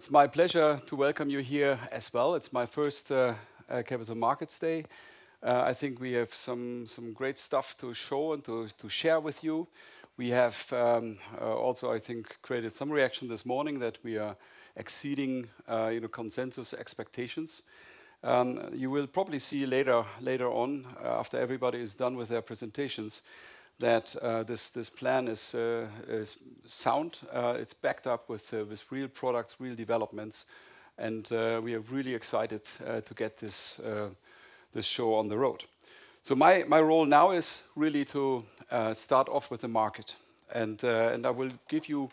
It's my pleasure to welcome you here as well. It's my first Capital Markets Day. I think we have some great stuff to show and to share with you. We have also, I think, created some reaction this morning that we are exceeding consensus expectations. You will probably see later on, after everybody is done with their presentations, that this plan is sound. It's backed up with real products, real developments, and we are really excited to get this show on the road. My role now is really to start off with the market, and I will give you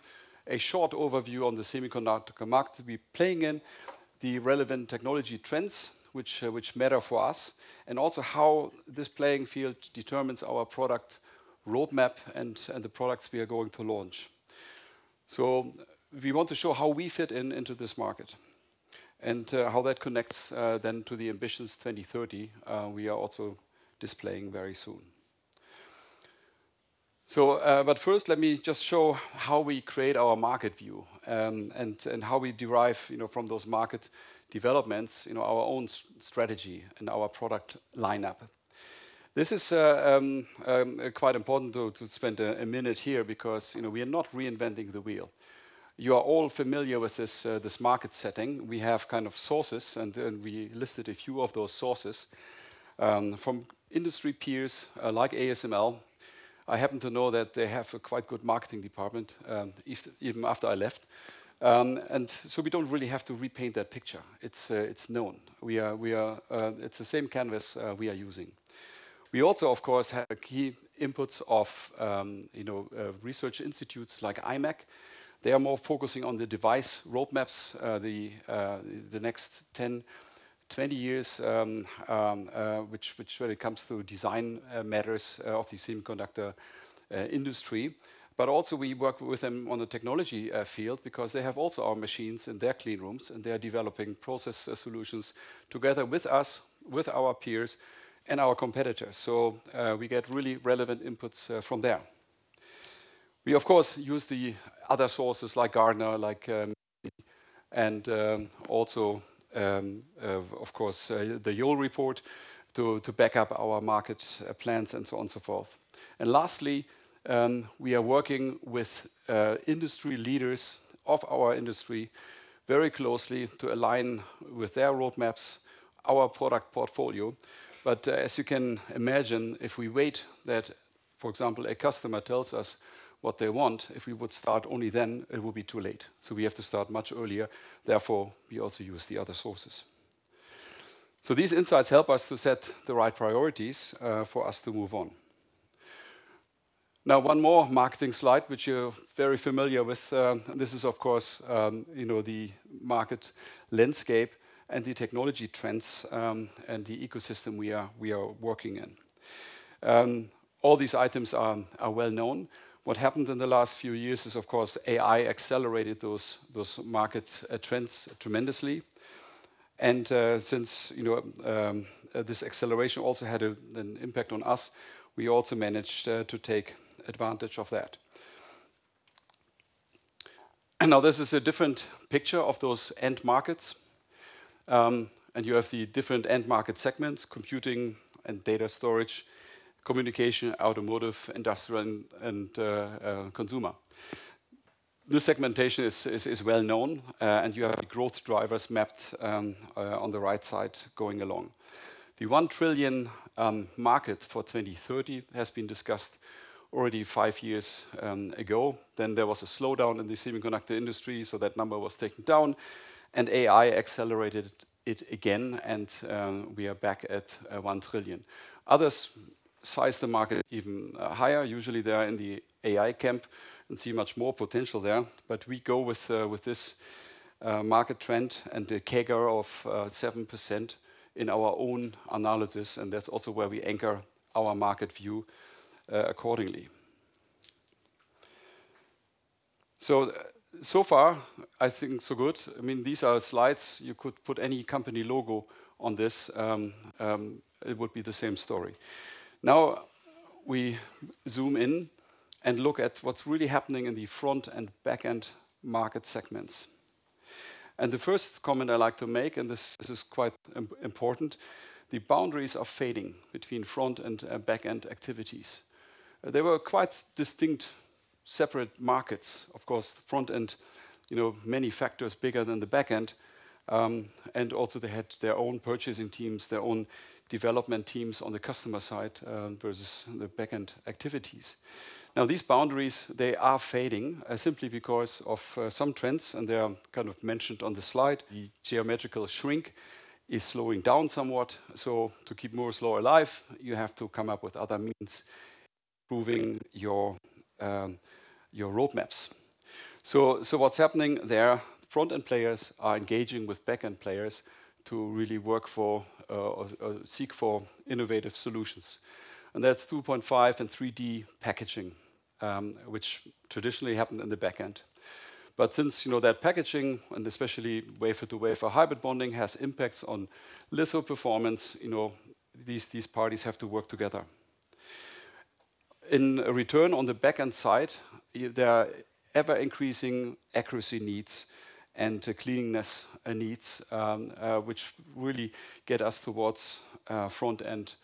a short overview on the semiconductor market we're playing in, the relevant technology trends which matter for us, and also how this playing field determines our product roadmap and the products we are going to launch. We want to show how we fit into this market and how that connects then to the Ambitious 2030 we are also displaying very soon. First, let me just show how we create our market view and how we derive from those market developments our own strategy and our product lineup. This is quite important to spend a minute here because we are not reinventing the wheel. You are all familiar with this market setting. We have kind of sources, and we listed a few of those sources from industry peers like ASML. I happen to know that they have a quite good marketing department, even after I left. We do not really have to repaint that picture. It is known. It is the same canvas we are using. We also, of course, have key inputs of research institutes like IMEC. They are more focusing on the device roadmaps the next 10, 20 years, which really comes through design matters of the semiconductor industry. Also, we work with them on the technology field because they have also our machines in their cleanrooms, and they are developing process solutions together with us, with our peers, and our competitors. We get really relevant inputs from there. We, of course, use the other sources like Gartner, like Magna, and also, of course, the Yole Report to back up our market plans and so on and so forth. Lastly, we are working with industry leaders of our industry very closely to align with their roadmaps, our product portfolio. As you can imagine, if we wait that, for example, a customer tells us what they want, if we would start only then, it would be too late. We have to start much earlier. Therefore, we also use the other sources. These insights help us to set the right priorities for us to move on. Now, one more marketing slide, which you're very familiar with. This is, of course, the market landscape and the technology trends and the ecosystem we are working in. All these items are well known. What happened in the last few years is, of course, AI accelerated those market trends tremendously. Since this acceleration also had an impact on us, we also managed to take advantage of that. This is a different picture of those end markets. You have the different end market segments: computing and data storage, communication, automotive, industrial, and consumer. This segmentation is well known, and you have the growth drivers mapped on the right side going along. The 1 trillion market for 2030 has been discussed already five years ago. Then there was a slowdown in the semiconductor industry, so that number was taken down, and AI accelerated it again, and we are back at 1 trillion. Others size the market even higher. Usually, they are in the AI camp and see much more potential there. We go with this market trend and the CAGR of 7% in our own analysis, and that's also where we anchor our market view accordingly. I think so good. I mean, these are slides. You could put any company logo on this. It would be the same story. Now, we zoom in and look at what's really happening in the front and backend market segments. The first comment I'd like to make, and this is quite important, the boundaries are fading between front and backend activities. They were quite distinct, separate markets. Of course, front end, many factors bigger than the backend. Also, they had their own purchasing teams, their own development teams on the customer side versus the backend activities. Now, these boundaries, they are fading simply because of some trends, and they are kind of mentioned on the slide. The geometrical shrink is slowing down somewhat. To keep Moore's Law alive, you have to come up with other means proving your roadmaps. What's happening there? Front end players are engaging with backend players to really work for or seek for innovative solutions. That's 2.5 and 3D packaging, which traditionally happened in the backend. Since that packaging, and especially wafer-to-wafer hybrid bonding, has impacts on little performance, these parties have to work together. In return on the backend side, there are ever-increasing accuracy needs and cleanliness needs, which really get us towards front end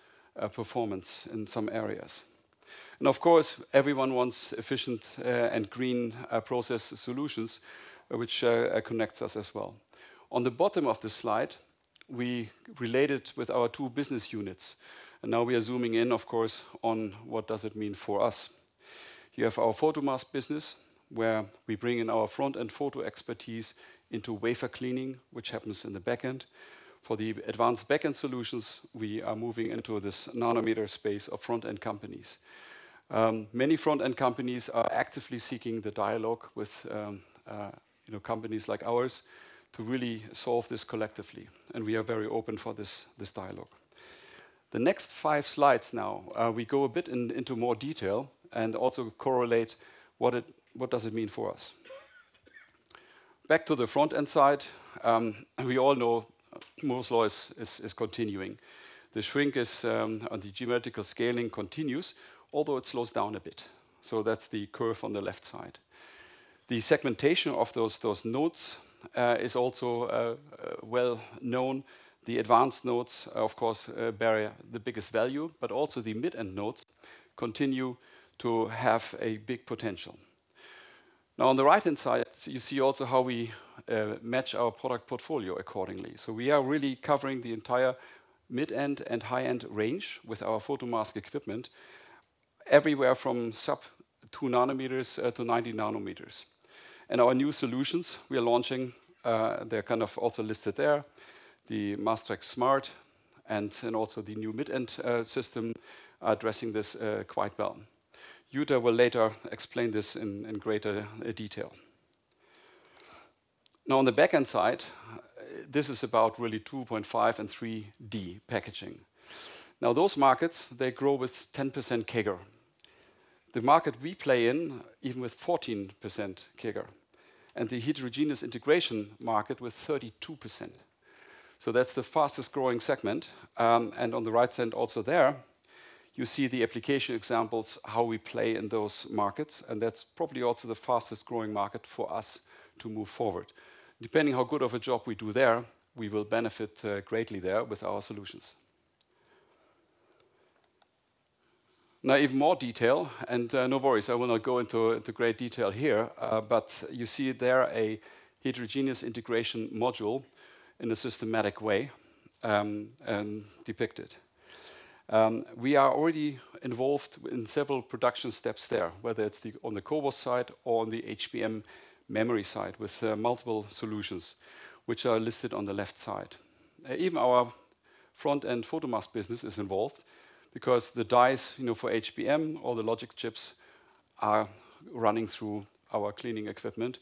performance in some areas. Of course, everyone wants efficient and green process solutions, which connects us as well. On the bottom of the slide, we related with our two business units. Now we are zooming in, of course, on what does it mean for us. You have our photo mask business, where we bring in our front end photo expertise into wafer cleaning, which happens in the backend. For the advanced backend solutions, we are moving into this nanometer space of front end companies. Many front end companies are actively seeking the dialogue with companies like ours to really solve this collectively. We are very open for this dialogue. The next five slides now, we go a bit into more detail and also correlate what does it mean for us. Back to the front end side, we all know Moore's Law is continuing. The shrink is on, the geometrical scaling continues, although it slows down a bit. That is the curve on the left side. The segmentation of those nodes is also well known. The advanced nodes, of course, carry the biggest value, but also the mid-end nodes continue to have a big potential. Now, on the right-hand side, you see also how we match our product portfolio accordingly. We are really covering the entire mid-end and high-end range with our photo mask equipment everywhere from sub 2 nanometers to 90 nanometers. Our new solutions we are launching, they are kind of also listed there, the Master Smart and also the new mid-end system addressing this quite well. Yuta will later explain this in greater detail. Now, on the backend side, this is about really 2.5D and 3D packaging. Now, those markets, they grow with 10% CAGR. The market we play in even with 14% CAGR and the heterogeneous integration market with 32%. That is the fastest growing segment. On the right side also there, you see the application examples, how we play in those markets. That is probably also the fastest growing market for us to move forward. Depending on how good of a job we do there, we will benefit greatly there with our solutions. Now, even more detail, and no worries, I will not go into great detail here, but you see there a heterogeneous integration module in a systematic way depicted. We are already involved in several production steps there, whether it's on the CoWoS side or on the HBM memory side with multiple solutions, which are listed on the left side. Even our front end photo mask business is involved because the dies for HBM, all the logic chips are running through our cleaning equipment,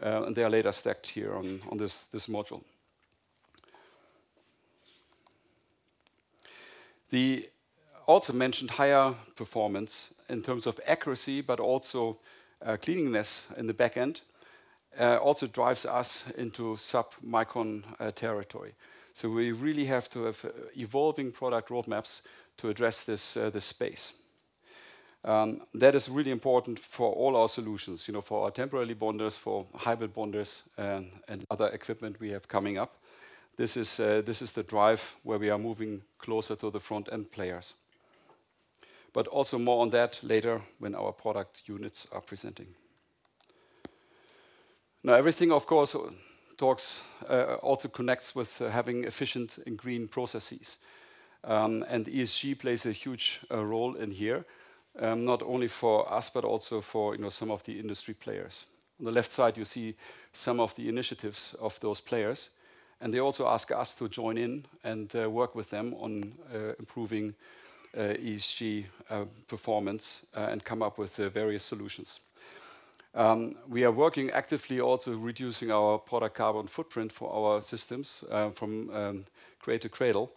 and they are later stacked here on this module. They also mentioned higher performance in terms of accuracy, but also cleanliness in the backend also drives us into sub-micron territory. We really have to have evolving product roadmaps to address this space. That is really important for all our solutions, for our temporary bonders, for hybrid bonders, and other equipment we have coming up. This is the drive where we are moving closer to the front end players. More on that later when our product units are presenting. Now, everything, of course, talks also connects with having efficient and green processes. ESG plays a huge role in here, not only for us, but also for some of the industry players. On the left side, you see some of the initiatives of those players. They also ask us to join in and work with them on improving ESG performance and come up with various solutions. We are working actively also reducing our product carbon footprint for our systems from crate to cradle.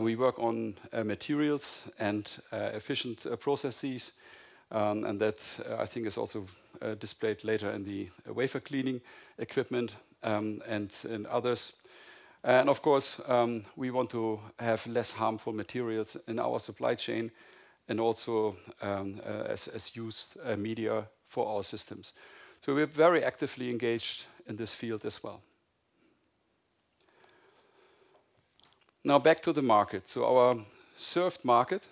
We work on materials and efficient processes. That, I think, is also displayed later in the wafer cleaning equipment and in others. Of course, we want to have less harmful materials in our supply chain and also as used media for our systems. We are very actively engaged in this field as well. Now, back to the market. Our served market,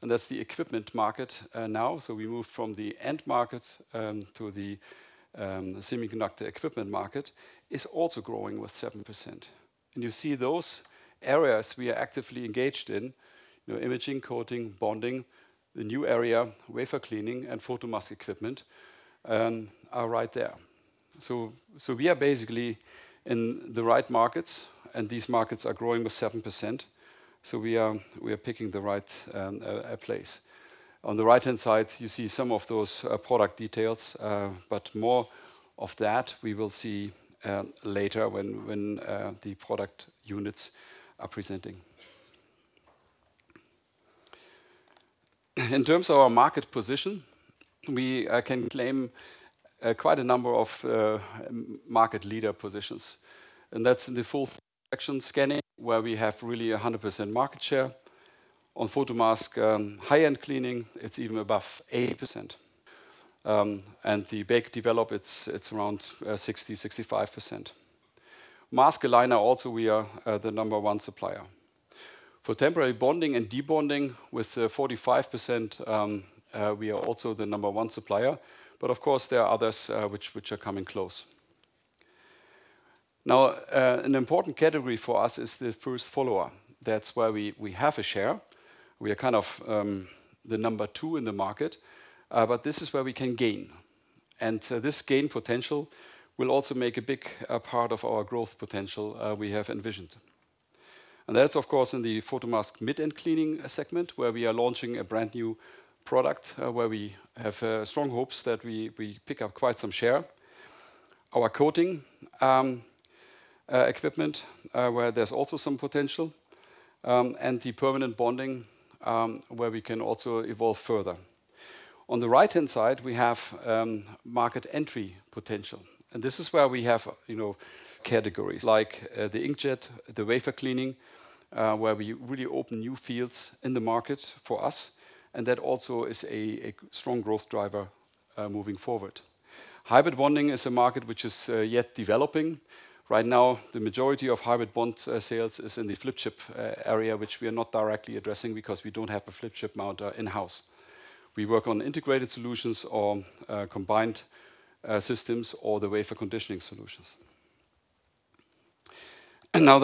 and that's the equipment market now. We moved from the end market to the semiconductor equipment market, is also growing with 7%. You see those areas we are actively engaged in, imaging, coating, bonding, the new area, wafer cleaning, and photo mask equipment are right there. We are basically in the right markets, and these markets are growing with 7%. We are picking the right place. On the right-hand side, you see some of those product details, but more of that we will see later when the product units are presenting. In terms of our market position, we can claim quite a number of market leader positions. That's in the full action scanning, where we have really 100% market share. On photo mask, high-end cleaning, it's even above 80%. The big develop, it's around 60%-65%. Mask aligner also, we are the number one supplier. For temporary bonding and debonding with 45%, we are also the number one supplier. Of course, there are others which are coming close. Now, an important category for us is the first follower. That's where we have a share. We are kind of the number two in the market, but this is where we can gain. This gain potential will also make a big part of our growth potential we have envisioned. That's, of course, in the photo mask mid-end cleaning segment, where we are launching a brand new product where we have strong hopes that we pick up quite some share. Our coating equipment, where there's also some potential, and the permanent bonding, where we can also evolve further. On the right-hand side, we have market entry potential. This is where we have categories like the inkjet, the wafer cleaning, where we really open new fields in the market for us. That also is a strong growth driver moving forward. Hybrid bonding is a market which is yet developing. Right now, the majority of hybrid bond sales is in the flip chip area, which we are not directly addressing because we do not have a flip chip mount in-house. We work on integrated solutions or combined systems or the wafer conditioning solutions. Now,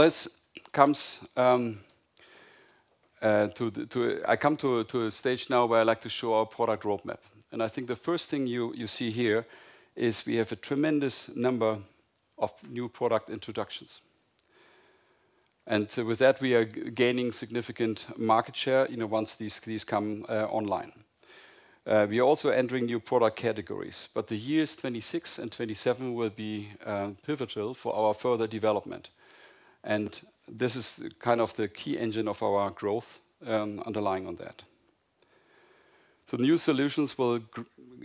I come to a stage now where I would like to show our product roadmap. I think the first thing you see here is we have a tremendous number of new product introductions. With that, we are gaining significant market share once these come online. We are also entering new product categories. The years 2026 and 2027 will be pivotal for our further development. This is kind of the key engine of our growth underlying on that. New solutions will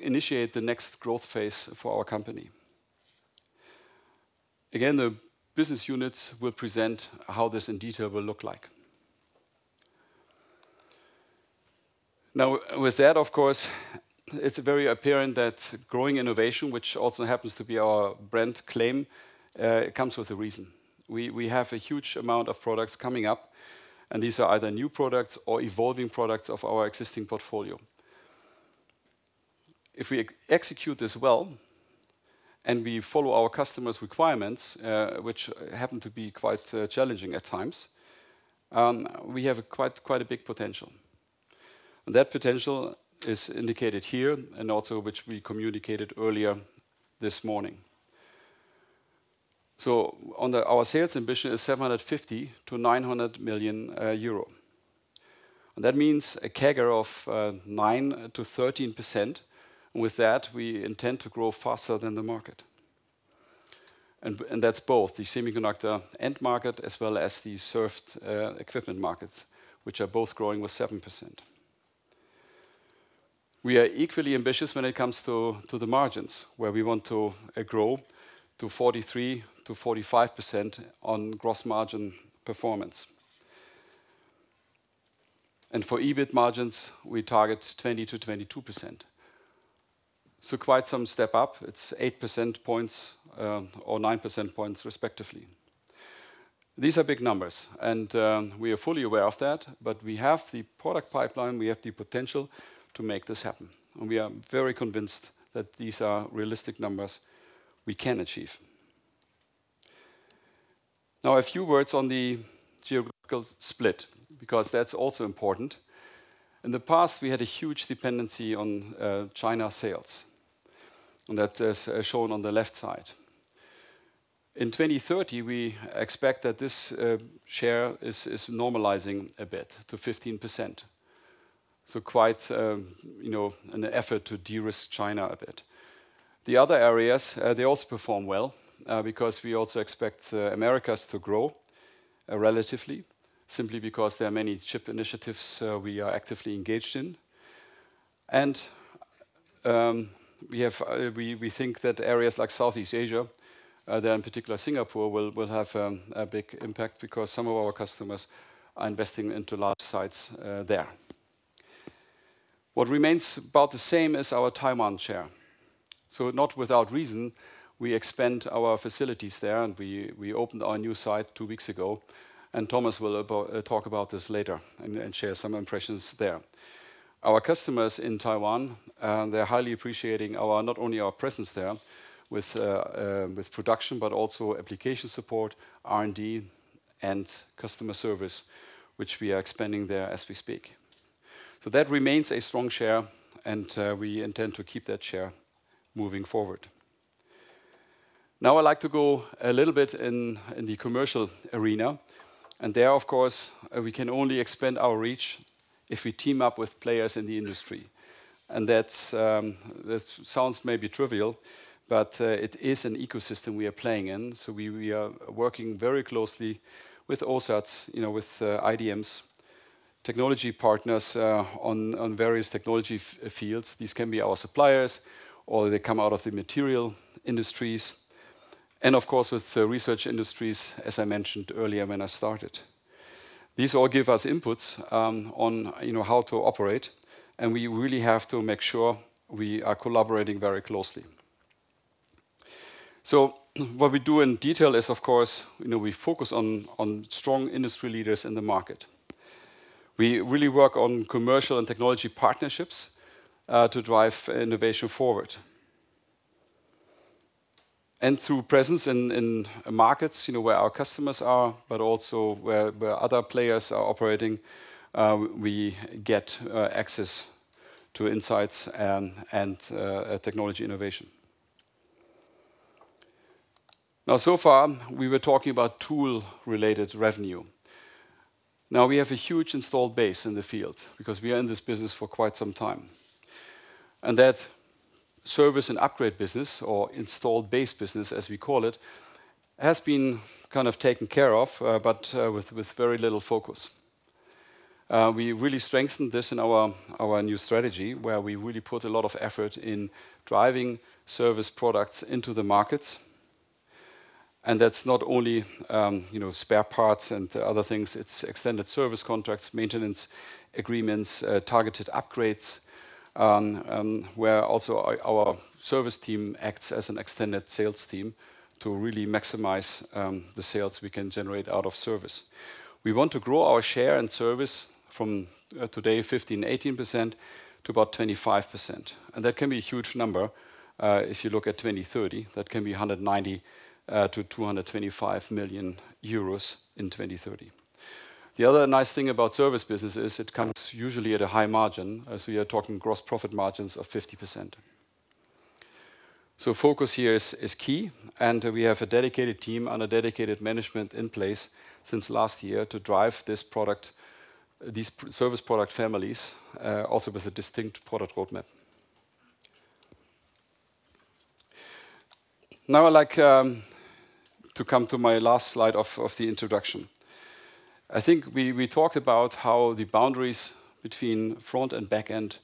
initiate the next growth phase for our company. Again, the business units will present how this in detail will look like. Now, with that, of course, it is very apparent that growing innovation, which also happens to be our brand claim, comes with a reason. We have a huge amount of products coming up, and these are either new products or evolving products of our existing portfolio. If we execute this well and we follow our customers' requirements, which happen to be quite challenging at times, we have quite a big potential. That potential is indicated here and also which we communicated earlier this morning. Our sales ambition is 750 million-900 million euro. That means a CAGR of 9%-13%. With that, we intend to grow faster than the market. That is both the semiconductor end market as well as the served equipment markets, which are both growing with 7%. We are equally ambitious when it comes to the margins, where we want to grow to 43%-45% on gross margin performance. For EBIT margins, we target 20%-22%. Quite some step up. It is 8 percentage points or 9 percentage points respectively. These are big numbers, and we are fully aware of that. We have the product pipeline. We have the potential to make this happen. We are very convinced that these are realistic numbers we can achieve. Now, a few words on the geographical split, because that is also important. In the past, we had a huge dependency on China sales. That is shown on the left side. In 2030, we expect that this share is normalizing a bit to 15%. Quite an effort to de-risk China a bit. The other areas, they also perform well because we also expect Americas to grow relatively, simply because there are many chip initiatives we are actively engaged in. We think that areas like Southeast Asia, there in particular Singapore, will have a big impact because some of our customers are investing into large sites there. What remains about the same is our Taiwan share. Not without reason, we expand our facilities there, and we opened our new site two weeks ago. Thomas will talk about this later and share some impressions there. Our customers in Taiwan, they're highly appreciating not only our presence there with production, but also application support, R&D, and customer service, which we are expanding there as we speak. That remains a strong share, and we intend to keep that share moving forward. Now, I'd like to go a little bit in the commercial arena. There, of course, we can only expand our reach if we team up with players in the industry. That sounds maybe trivial, but it is an ecosystem we are playing in. We are working very closely with OSATs, with IDMs, technology partners on various technology fields. These can be our suppliers or they come out of the material industries. Of course, with research industries, as I mentioned earlier when I started. These all give us inputs on how to operate. We really have to make sure we are collaborating very closely. What we do in detail is, of course, we focus on strong industry leaders in the market. We really work on commercial and technology partnerships to drive innovation forward. Through presence in markets where our customers are, but also where other players are operating, we get access to insights and technology innovation. So far, we were talking about tool-related revenue. We have a huge installed base in the field because we are in this business for quite some time. That service and upgrade business, or installed base business, as we call it, has been kind of taken care of, but with very little focus. We really strengthened this in our new strategy, where we really put a lot of effort in driving service products into the markets. That is not only spare parts and other things. It is extended service contracts, maintenance agreements, targeted upgrades, where also our service team acts as an extended sales team to really maximize the sales we can generate out of service. We want to grow our share in service from today, 15-18% to about 25%. That can be a huge number. If you look at 2030, that can be 190 million-225 million euros in 2030. The other nice thing about service business is it comes usually at a high margin, as we are talking gross profit margins of 50%. Focus here is key. We have a dedicated team and a dedicated management in place since last year to drive these service product families, also with a distinct product roadmap. Now, I would like to come to my last slide of the introduction. I think we talked about how the boundaries between front and back end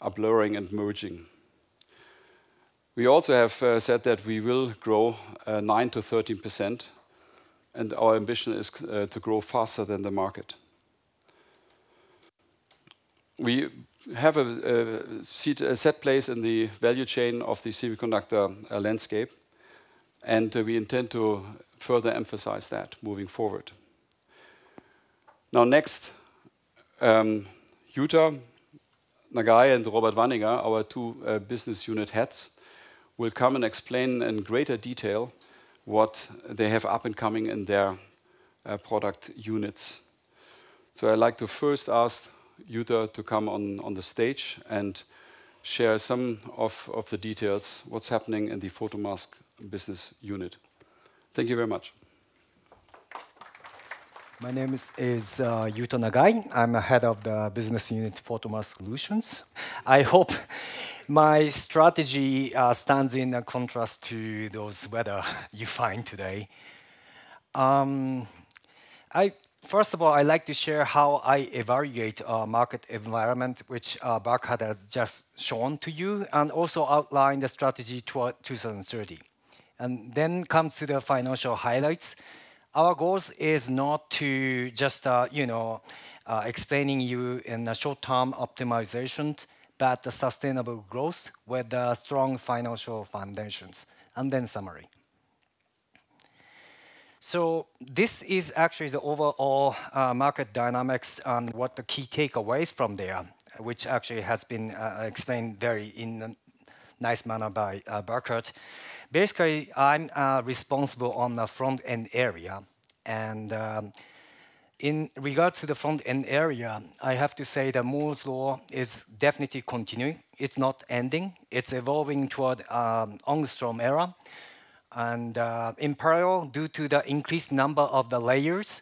are blurring and merging. We also have said that we will grow 9-13%. Our ambition is to grow faster than the market. We have a set place in the value chain of the semiconductor landscape. We intend to further emphasize that moving forward. Next, Yuta Nagaya and Robert Wanninger, our two business unit heads, will come and explain in greater detail what they have up and coming in their product units. I would like to first ask Yuta to come on the stage and share some of the details of what is happening in the photo mask business unit. Thank you very much. My name is Yuta Nagai. I am head of the business unit Photo Mask Solutions. I hope my strategy stands in contrast to those whether you find today. First of all, I'd like to share how I evaluate our market environment, which Burkhardt has just shown to you, and also outline the strategy toward 2030. Next comes the financial highlights. Our goal is not to just explain to you in a short-term optimization, but sustainable growth with strong financial foundations. Then summary. This is actually the overall market dynamics and what the key takeaways from there, which actually has been explained very in a nice manner by Burkhardt. Basically, I'm responsible on the front-end area. In regards to the front-end area, I have to say the Moore's Law is definitely continuing. It's not ending. It's evolving toward an ongoing era. In parallel, due to the increased number of the layers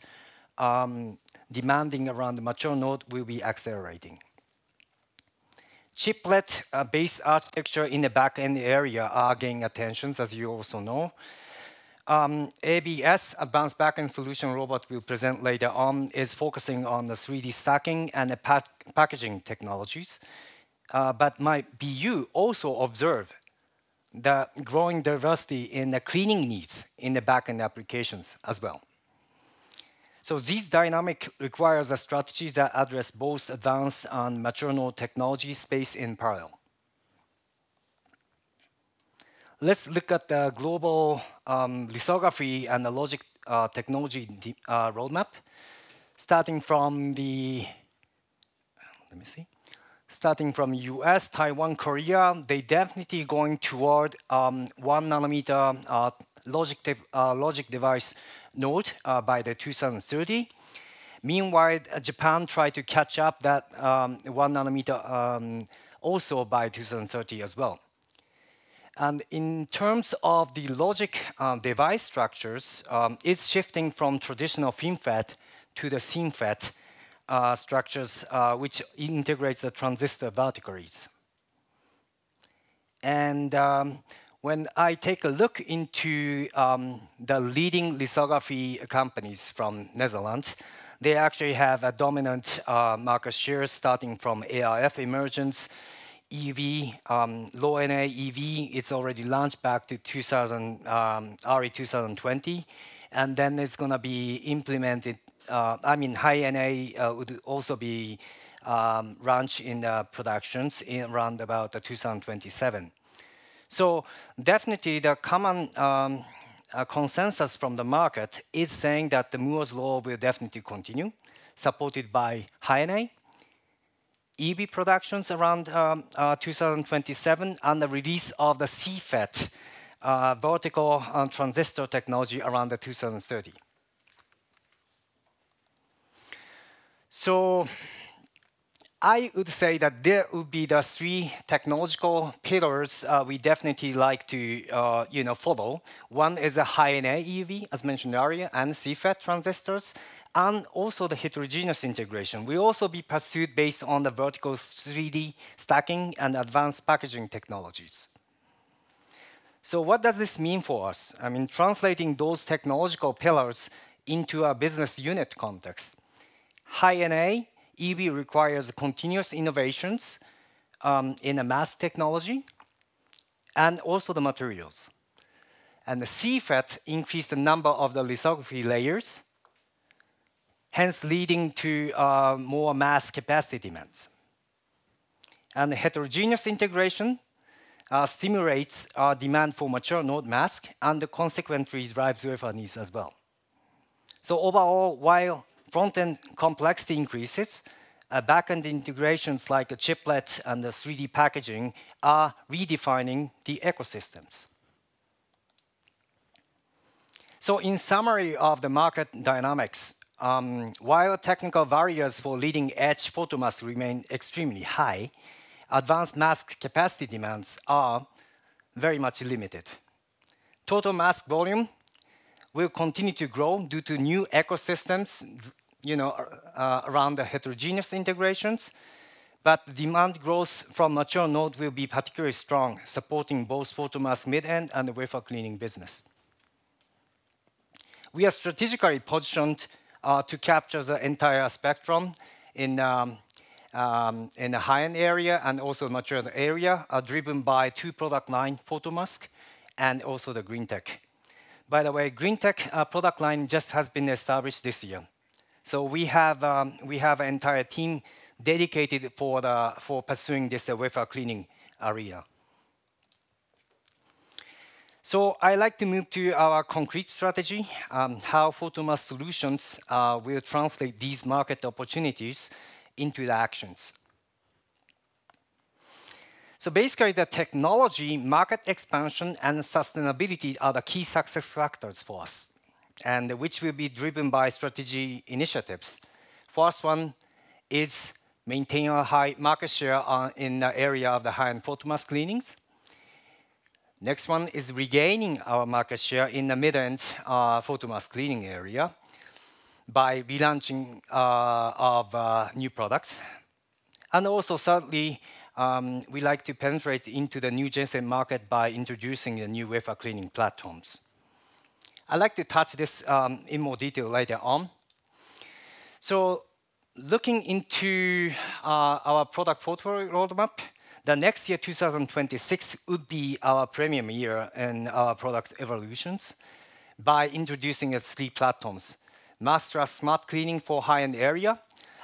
demanding around the mature node, we'll be accelerating. Chiplet-based architecture in the back-end area are gaining attention, as you also know. ABS, Advanced Backend Solution Robert, we'll present later on, is focusing on the 3D stacking and the packaging technologies. My BU also observed the growing diversity in the cleaning needs in the back-end applications as well. This dynamic requires strategies that address both advanced and mature node technology space in parallel. Let's look at the global lithography and the logic technology roadmap. Starting from the, let me see. Starting from U.S., Taiwan, Korea, they're definitely going toward one-nanometer logic device node by 2030. Meanwhile, Japan tried to catch up that one-nanometer also by 2030 as well. In terms of the logic device structures, it's shifting from traditional FinFET to the GAAFET structures, which integrates the transistor verticals. When I take a look into the leading lithography companies from Netherlands, they actually have a dominant market share starting from ArF emergence, EUV, low-NA EUV. It's already launched back to 2000, early 2020. Then it's going to be implemented. I mean, high-NA would also be launched in productions around about 2027. Definitely, the common consensus from the market is saying that the Moore's Law will definitely continue, supported by high-NA EUV productions around 2027 and the release of the CFET vertical transistor technology around 2030. I would say that there would be the three technological pillars we definitely like to follow. One is a high-NA EUV, as mentioned earlier, and CFET transistors, and also the heterogeneous integration. We'll also be pursued based on the vertical 3D stacking and advanced packaging technologies. What does this mean for us? I mean, translating those technological pillars into a business unit context. High-NA EUV requires continuous innovations in a mask technology and also the materials. The CFET increased the number of the lithography layers, hence leading to more mask capacity demands. The heterogeneous integration stimulates our demand for mature node masks and consequently drives refurbished needs as well. Overall, while front-end complexity increases, back-end integrations like a chiplet and 3D packaging are redefining the ecosystems. In summary of the market dynamics, while technical barriers for leading-edge photo masks remain extremely high, advanced mask capacity demands are very much limited. Total mask volume will continue to grow due to new ecosystems around the heterogeneous integrations. The demand growth from mature node will be particularly strong, supporting both photo mask mid-end and the wafer cleaning business. We are strategically positioned to capture the entire spectrum in the high-end area and also mature area driven by two product lines, photo mask and also the green tech. By the way, green tech product line just has been established this year. We have an entire team dedicated for pursuing this wafer cleaning area. I'd like to move to our concrete strategy, how photo mask solutions will translate these market opportunities into the actions. Basically, the technology, market expansion, and sustainability are the key success factors for us, which will be driven by strategy initiatives. First one is maintaining a high market share in the area of the high-end photo mask cleanings. Next one is regaining our market share in the mid-end photo mask cleaning area by relaunching new products. Also, sadly, we'd like to penetrate into the new gen Z market by introducing the new wafer cleaning platforms. I'd like to touch this in more detail later on. Looking into our product photo roadmap, the next year, 2026, would be our premium year in our product evolutions by introducing three platforms: Master Smart Cleaning for high-end area.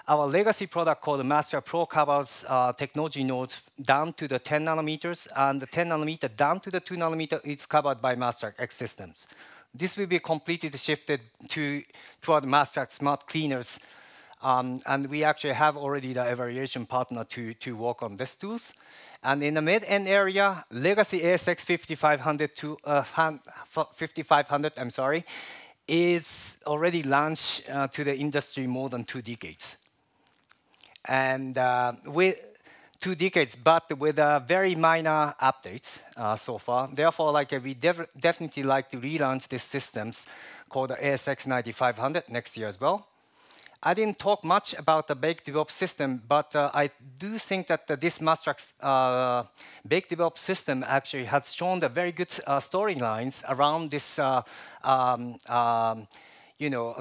Our legacy product called Master Pro covers technology nodes down to the 10 nanometers, and the 10 nanometer down to the 2 nanometer is covered by Master X systems. This will be completely shifted toward Master Smart Cleaners. We actually have already the evaluation partner to work on these tools. In the mid-end area, legacy ASX 5500, I'm sorry, is already launched to the industry more than two decades. Two decades, but with very minor updates so far. Therefore, I'd definitely like to relaunch these systems called ASX 9500 next year as well. I didn't talk much about the Baked Developed system, but I do think that this Master Baked Developed system actually has shown very good storylines around this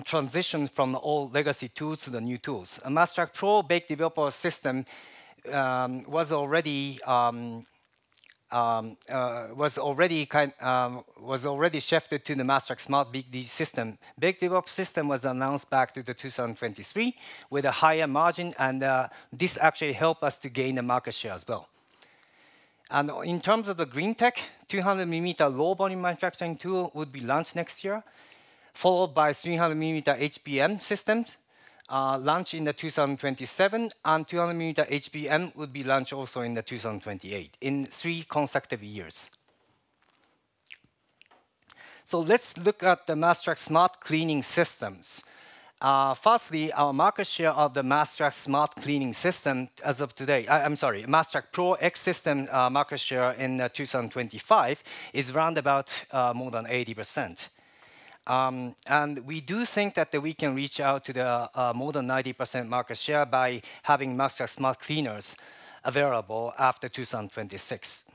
transition from old legacy tools to the new tools. Master Pro Baked Developer system was already shifted to the Master Smart system. Baked Developed system was announced back to 2023 with a higher margin. This actually helped us to gain a market share as well. In terms of the green tech, 200-millimeter low-volume manufacturing tool would be launched next year, followed by 300-millimeter HBM systems launched in 2027, and 200-millimeter HBM would be launched also in 2028 in three consecutive years. Let's look at the Master Smart Cleaning systems. Firstly, our market share of the Master Smart Cleaning system as of today, I'm sorry, Master Pro X system market share in 2025 is around about more than 80%. We do think that we can reach out to the more than 90% market share by having Master Smart Cleaners available after 2026.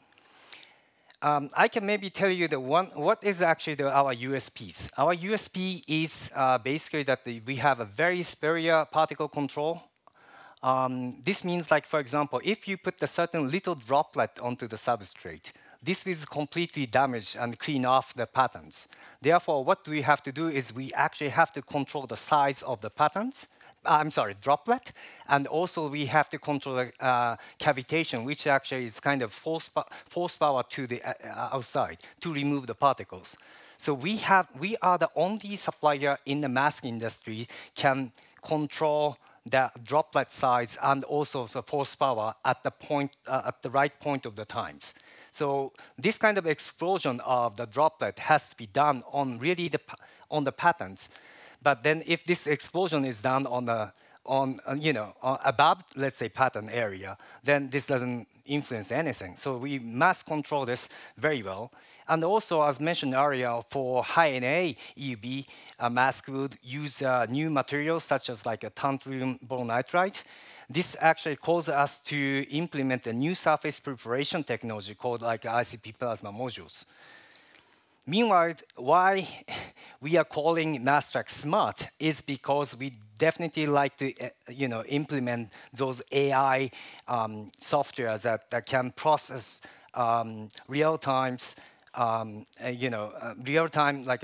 I can maybe tell you what is actually our USPs. Our USP is basically that we have a very superior particle control. This means, for example, if you put a certain little droplet onto the substrate, this will completely damage and clean off the patterns. Therefore, what we have to do is we actually have to control the size of the patterns, I'm sorry, droplet. Also, we have to control cavitation, which actually is kind of force power to the outside to remove the particles. We are the only supplier in the mask industry who can control that droplet size and also the force power at the right point of the times. This kind of explosion of the droplet has to be done on really the patterns. If this explosion is done above, let's say, pattern area, then this does not influence anything. We must control this very well. Also, as mentioned earlier, for high-NA EUV, a mask would use new materials such as tantalum boron nitride. This actually causes us to implement a new surface preparation technology called ICP Plasma Modules. Meanwhile, why we are calling Master Smart is because we definitely like to implement those AI software that can process real-time, like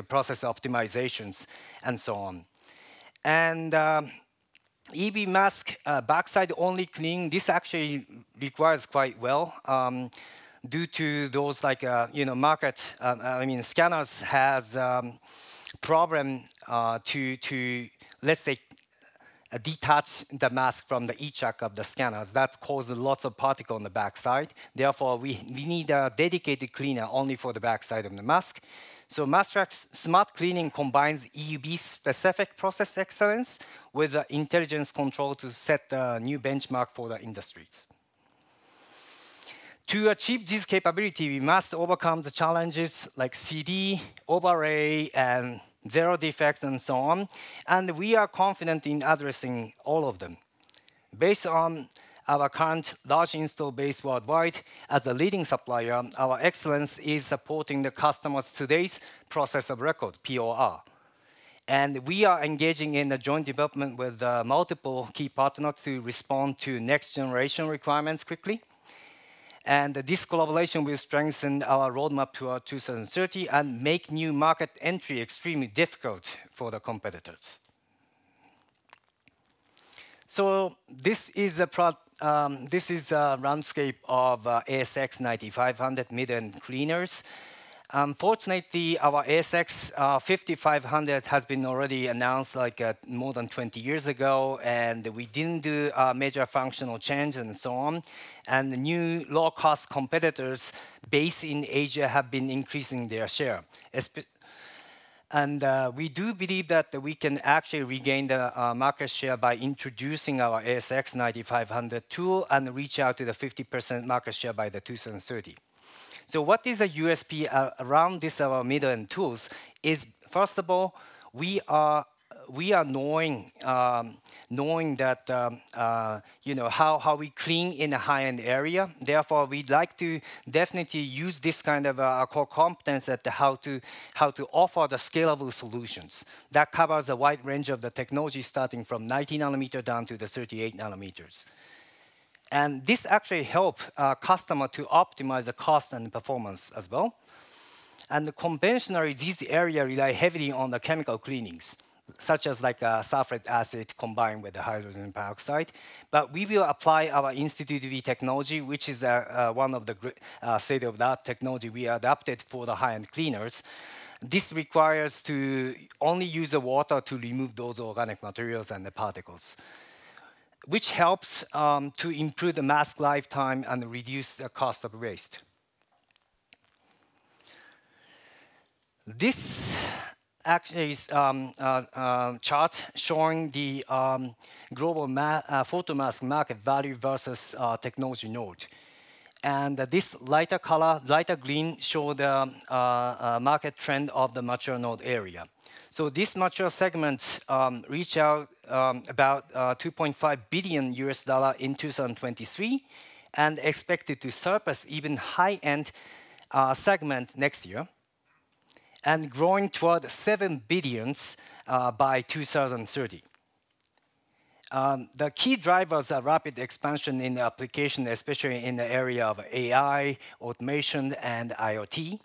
process optimizations and so on. EUV mask backside-only cleaning, this actually requires quite well due to those market, I mean, scanners have a problem to, let's say, detach the mask from the HVAC of the scanners. That causes lots of particles on the backside. Therefore, we need a dedicated cleaner only for the backside of the mask. Master Smart Cleaning combines EV-specific process excellence with intelligence control to set a new benchmark for the industries. To achieve this capability, we must overcome the challenges like CD, overlay, and zero defects, and so on. We are confident in addressing all of them. Based on our current large install base worldwide as a leading supplier, our excellence is supporting the customers' today's process of record, POR. We are engaging in a joint development with multiple key partners to respond to next-generation requirements quickly. This collaboration will strengthen our roadmap to 2030 and make new market entry extremely difficult for the competitors. This is a landscape of ASX 9500 mid-end cleaners. Unfortunately, our ASX 5500 has been already announced more than 20 years ago, and we did not do major functional change and so on. The new low-cost competitors based in Asia have been increasing their share. We do believe that we can actually regain the market share by introducing our ASX 9500 tool and reach out to the 50% market share by 2030. What is a USP around these mid-end tools is, first of all, we are knowing how we clean in a high-end area. Therefore, we would like to definitely use this kind of core competence at how to offer the scalable solutions that cover the wide range of the technology starting from 90 nanometer down to the 38 nanometers. This actually helps our customer to optimize the cost and performance as well. Conventionally, this area relies heavily on the chemical cleanings, such as sulfuric acid combined with the hydrogen peroxide. We will apply our Institute of Technology, which is one of the state-of-the-art technologies we adopted for the high-end cleaners. This requires us to only use water to remove those organic materials and the particles, which helps to improve the mask lifetime and reduce the cost of waste. This actually is a chart showing the global photo mask market value versus technology node. This lighter color, lighter green, shows the market trend of the mature node area. This mature segment reached about EUR 2.5 billion in 2023 and is expected to surpass even high-end segments next year and grow toward 7 billion by 2030. The key drivers are rapid expansion in the application, especially in the area of AI, automation, and IoT.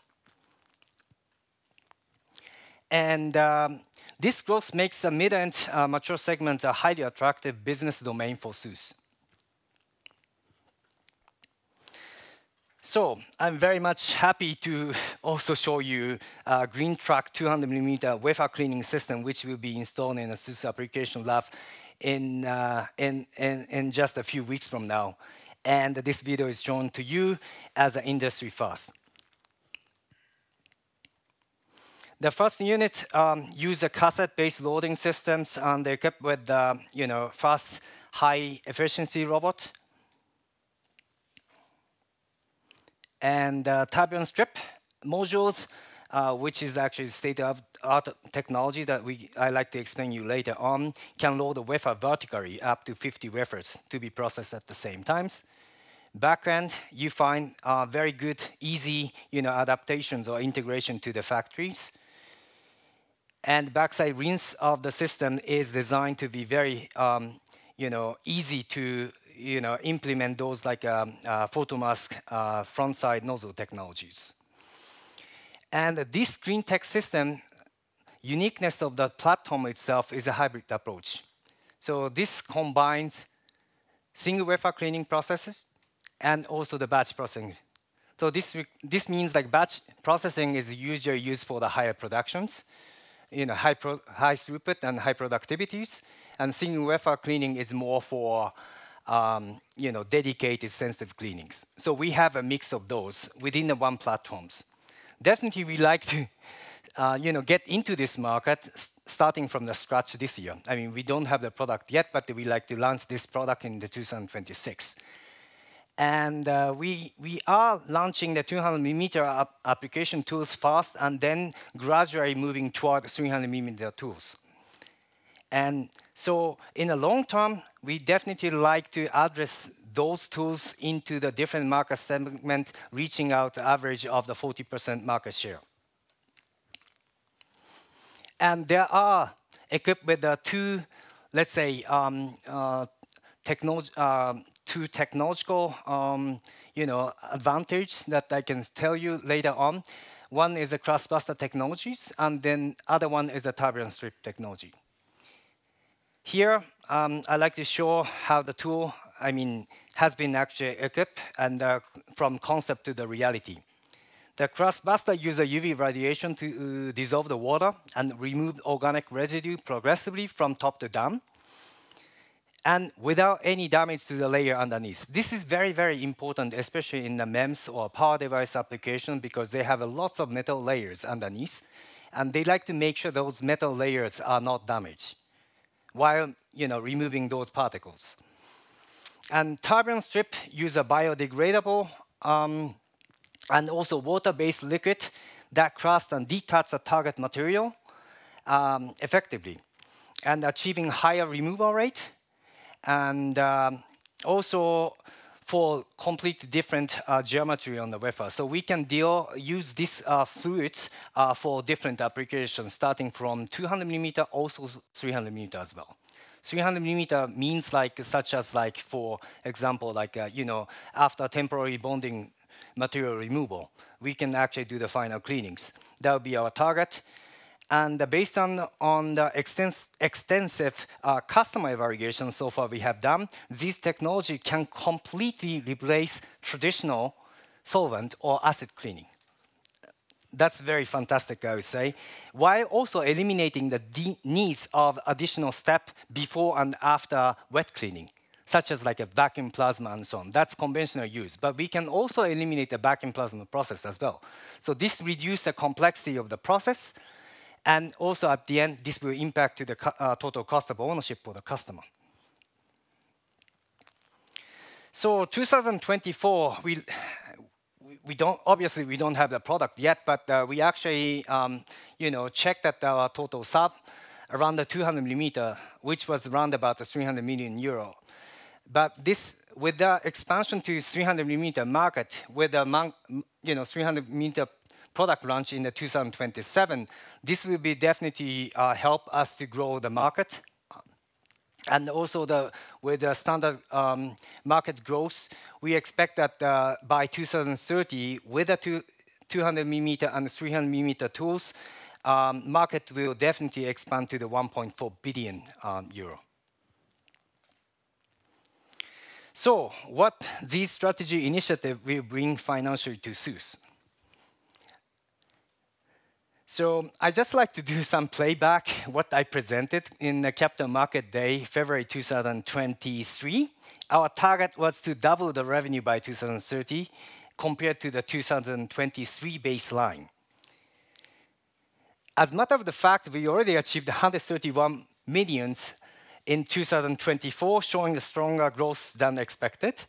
This growth makes the mid-end mature segment a highly attractive business domain for SUSS. I'm very much happy to also show you a green truck 200 mm wafer cleaning system, which will be installed in a SUSS application lab in just a few weeks from now. This video is shown to you as an industry first. The first unit uses a cassette-based loading system, and they're equipped with a fast, high-efficiency robot. The tab and strip modules, which is actually state-of-the-art technology that I'd like to explain to you later on, can load a wafer vertically, up to 50 wafers to be processed at the same time. Backend, you find very good, easy adaptations or integration to the factories. Backside rinse of the system is designed to be very easy to implement those photo mask front-side nozzle technologies. This green tech system, uniqueness of the platform itself, is a hybrid approach. This combines single wafer cleaning processes and also the batch processing. This means batch processing is usually used for the higher productions, high throughput and high productivities. Single wafer cleaning is more for dedicated sensitive cleanings. We have a mix of those within the one platforms. Definitely, we'd like to get into this market starting from the scratch this year. I mean, we don't have the product yet, but we'd like to launch this product in 2026. We are launching the 200-millimeter application tools first and then gradually moving toward 300-millimeter tools. In the long term, we definitely like to address those tools into the different market segment, reaching out the average of the 40% market share. They are equipped with two, let's say, two technological advantages that I can tell you later on. One is the cross-buster technologies, and then the other one is the tab and strip technology. Here, I'd like to show how the tool, I mean, has been actually equipped from concept to the reality. The cross-buster uses UV radiation to dissolve the water and remove organic residue progressively from top to down and without any damage to the layer underneath. This is very, very important, especially in the MEMS or power device application, because they have lots of metal layers underneath. They'd like to make sure those metal layers are not damaged while removing those particles. Tab and strip use a biodegradable and also water-based liquid that crusts and detaches a target material effectively and achieving a higher removal rate. Also for completely different geometry on the wafer. We can use these fluids for different applications, starting from 200-millimeter, also 300-millimeter as well. 300-millimeter means such as, for example, after temporary bonding material removal, we can actually do the final cleanings. That would be our target. Based on the extensive customer evaluations so far we have done, this technology can completely replace traditional solvent or acid cleaning. That is very fantastic, I would say, while also eliminating the needs of additional steps before and after wet cleaning, such as vacuum plasma and so on. That is conventional use. We can also eliminate the vacuum plasma process as well. This reduces the complexity of the process. Also, at the end, this will impact the total cost of ownership for the customer. In 2024, obviously, we do not have the product yet, but we actually checked that our total sub around the 200 mm, which was around 300 million euro. With the expansion to the 300 mm market, with the 300 mm product launch in 2027, this will definitely help us to grow the market. Also, with the standard market growth, we expect that by 2030, with the 200 mm and 300 mm tools, the market will definitely expand to 1.4 billion euro. What will this strategy initiative bring financially to SÜSS? I would just like to do some playback of what I presented in the Capital Market Day, February 2023. Our target was to double the revenue by 2030 compared to the 2023 baseline. As a matter of fact, we already achieved 131 million in 2024, showing a stronger growth than expected.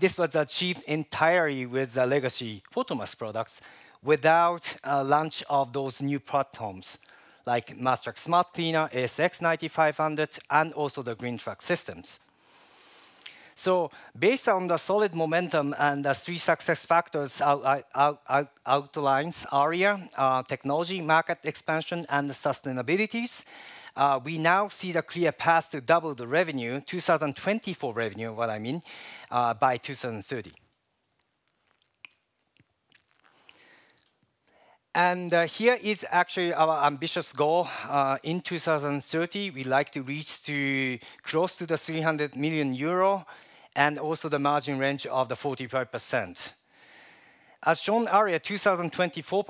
This was achieved entirely with the legacy photo mask products without the launch of those new platforms like Master Smart Cleaning, ASX 9500, and also the green truck systems. Based on the solid momentum and the three success factors outlined earlier, technology, market expansion, and the sustainabilities, we now see the clear path to double the 2024 revenue by 2030. Here is actually our ambitious goal. In 2030, we would like to reach close to 300 million euro and also the margin range of 45%. As shown earlier, 2024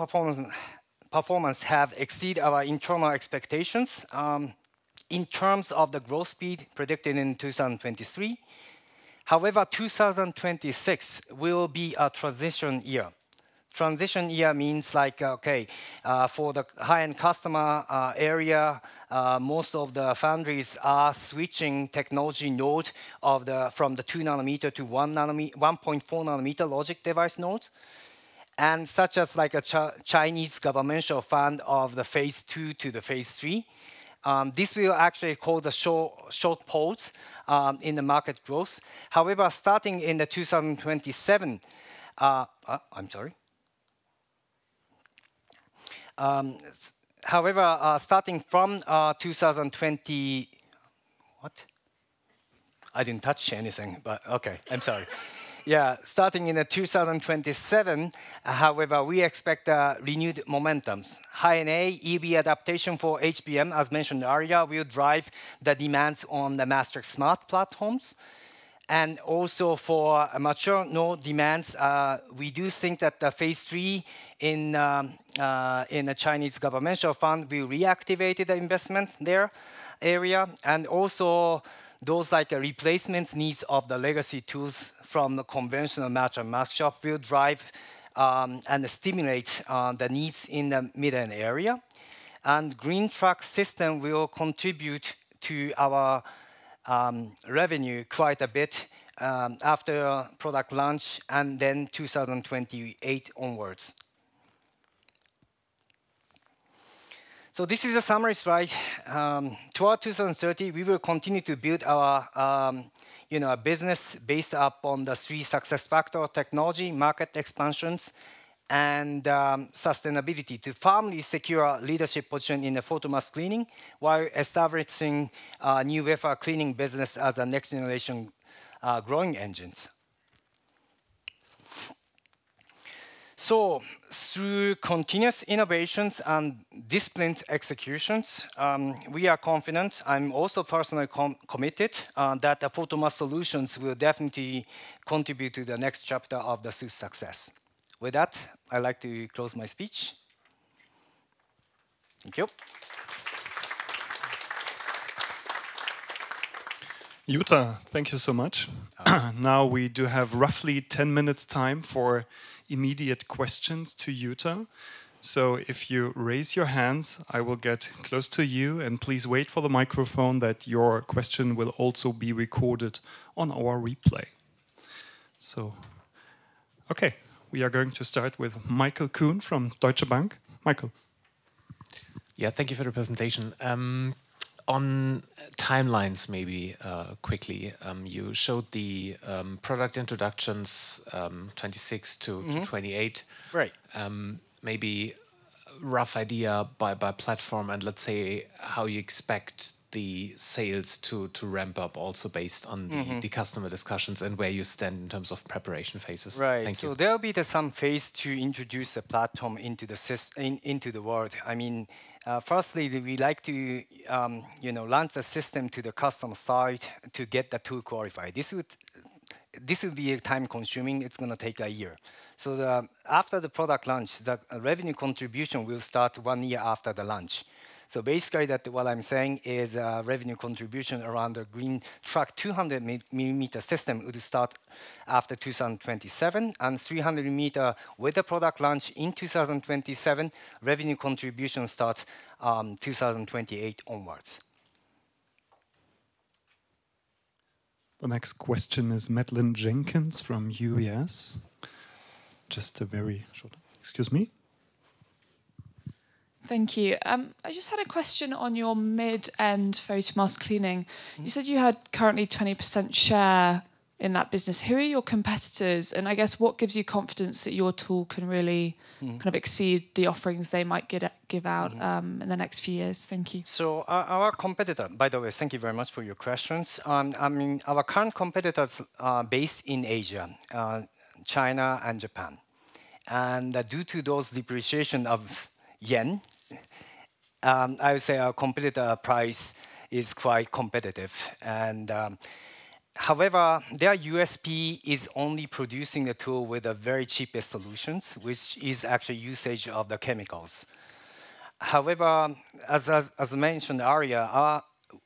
performance has exceeded our internal expectations in terms of the growth speed predicted in 2023. However, 2026 will be a transition year. Transition year means for the high-end customer area, most of the foundries are switching technology nodes from the 2 nanometer to 1.4 nanometer logic device nodes. Such as a Chinese government fund of the phase two to the phase three, this will actually cause a short pause in the market growth. However, starting from 2027, we expect renewed momentums. High-NA EUV adaptation for HBM, as mentioned earlier, will drive the demands on the Master Smart platforms. Also, for mature node demands, we do think that the phase three in the Chinese government fund will reactivate the investment in that area. Those replacement needs of the legacy tools from the conventional match and match shop will drive and stimulate the needs in the mid-end area. Green truck system will contribute to our revenue quite a bit after product launch and then 2028 onwards. This is a summary slide. Toward 2030, we will continue to build our business based upon the three success factors: technology, market expansions, and sustainability to firmly secure a leadership position in the photo mask cleaning while establishing a new wafer cleaning business as a next-generation growing engine. Through continuous innovations and disciplined executions, we are confident, I'm also personally committed, that the photo mask solutions will definitely contribute to the next chapter of the SUSS success. With that, I'd like to close my speech. Thank you. Yuta, thank you so much. Now we do have roughly 10 minutes' time for immediate questions to Yuta. If you raise your hands, I will get close to you. Please wait for the microphone that your question will also be recorded on our replay. Okay, we are going to start with Michael Kuhn from Deutsche Bank. Michael. Yeah, thank you for the presentation. On timelines, maybe quickly, you showed the product introductions 2026 to 2028. Maybe a rough idea by platform and let's say how you expect the sales to ramp up also based on the customer discussions and where you stand in terms of preparation phases. Thank you. There will be some phase to introduce the platform into the world. I mean, firstly, we'd like to launch the system to the customer side to get the tool qualified. This would be time-consuming. It's going to take a year. After the product launch, the revenue contribution will start one year after the launch. Basically, what I'm saying is revenue contribution around the green truck 200-millimeter system will start after 2027. And 300-millimeter with the product launch in 2027, revenue contribution starts 2028 onwards. The next question is Madeleine Jenkins from UBS. Just a very short one. Excuse me. Thank you. I just had a question on your mid-end photo mask cleaning. You said you had currently 20% share in that business. Who are your competitors? I guess, what gives you confidence that your tool can really kind of exceed the offerings they might give out in the next few years? Thank you. Our competitor, by the way, thank you very much for your questions. I mean, our current competitors are based in Asia, China and Japan. Due to those depreciations of yen, I would say our competitor price is quite competitive. However, their USP is only producing the tool with the very cheapest solutions, which is actually usage of the chemicals. However, as mentioned earlier,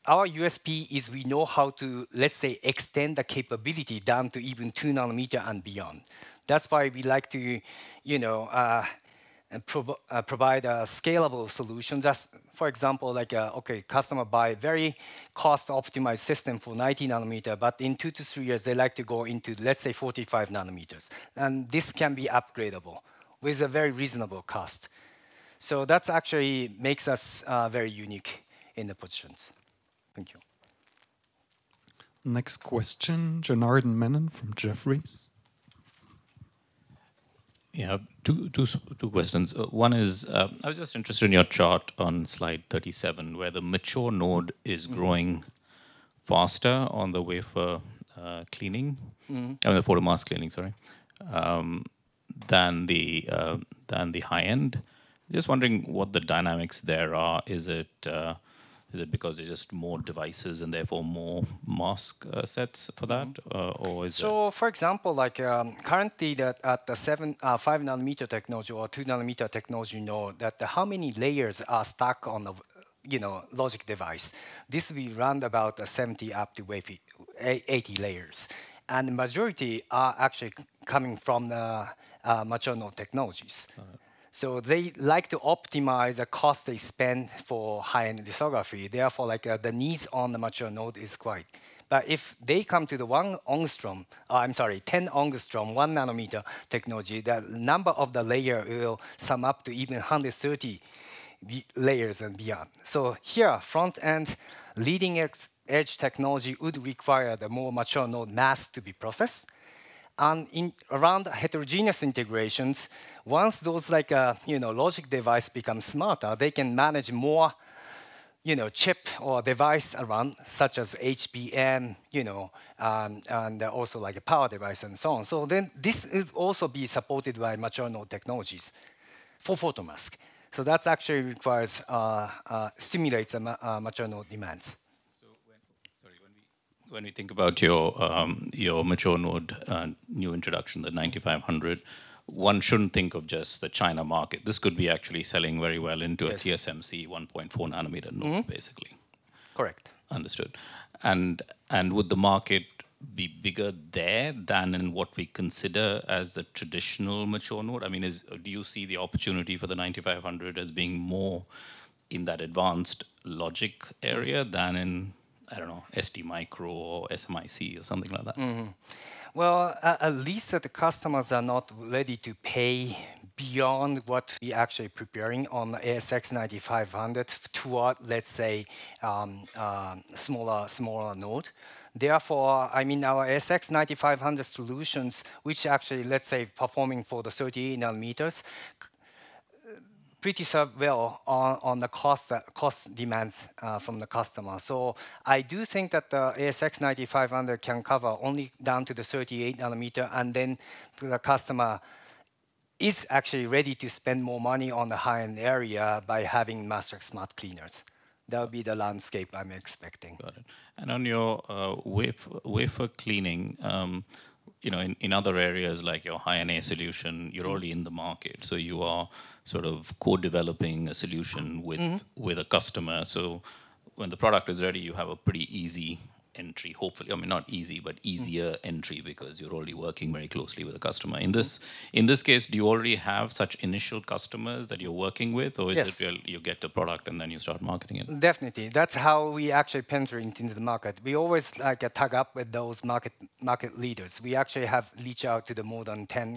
our USP is we know how to, let's say, extend the capability down to even 2 nanometer and beyond. That's why we'd like to provide a scalable solution. For example, okay, customer buys a very cost-optimized system for 90 nanometers, but in two to three years, they'd like to go into, let's say, 45 nanometers. This can be upgradable with a very reasonable cost. That actually makes us very unique in the positions. Thank you. Next question, Janardan Menon from Jefferies. Yeah, two questions. One is, I was just interested in your chart on slide 37, where the mature node is growing faster on the wafer cleaning, I mean, the photo mask cleaning, sorry, than the high-end. Just wondering what the dynamics there are. Is it because there are just more devices and therefore more mask sets for that? For example, currently at the 5-nanometer technology or 2-nanometer technology, you know that how many layers are stuck on the logic device? This will run about 70 up to 80 layers. The majority are actually coming from the mature node technologies. They like to optimize the cost they spend for high-end lithography. Therefore, the needs on the mature node are quite. If they come to the 1-angstrom, I'm sorry, 10-angstrom, 1-nanometer technology, the number of the layers will sum up to even 130 layers and beyond. Here, front-end leading-edge technology would require the more mature node mass to be processed. Around heterogeneous integrations, once those logic devices become smarter, they can manage more chip or device around, such as HBM and also power devices and so on. This will also be supported by mature node technologies for photo mask. That actually requires stimulating mature node demands. When we think about your mature node new introduction, the 9500, one shouldn't think of just the China market. This could be actually selling very well into a TSMC 1.4-nanometer node, basically. Correct. Understood. Would the market be bigger there than in what we consider as a traditional mature node? I mean, do you see the opportunity for the 9500 as being more in that advanced logic area than in, I don't know, STMicro or SMIC or something like that? At least that the customers are not ready to pay beyond what we're actually preparing on the ASX 9500 toward, let's say, a smaller node. Therefore, I mean, our ASX 9500 solutions, which actually, let's say, are performing for the 38 nanometers, pretty well on the cost demands from the customer. I do think that the ASX 9500 can cover only down to the 38 nanometer. The customer is actually ready to spend more money on the high-end area by having Master Smart Cleaners. That would be the landscape I'm expecting. Got it. On your wafer cleaning, in other areas like your high-end solution, you're already in the market. You are sort of co-developing a solution with a customer. When the product is ready, you have a pretty easy entry, hopefully. I mean, not easy, but easier entry because you're already working very closely with the customer. In this case, do you already have such initial customers that you're working with? Or is it you get the product and then you start marketing it? Definitely. That's how we actually penetrate into the market. We always like to tug up with those market leaders. We actually have reached out to more than 10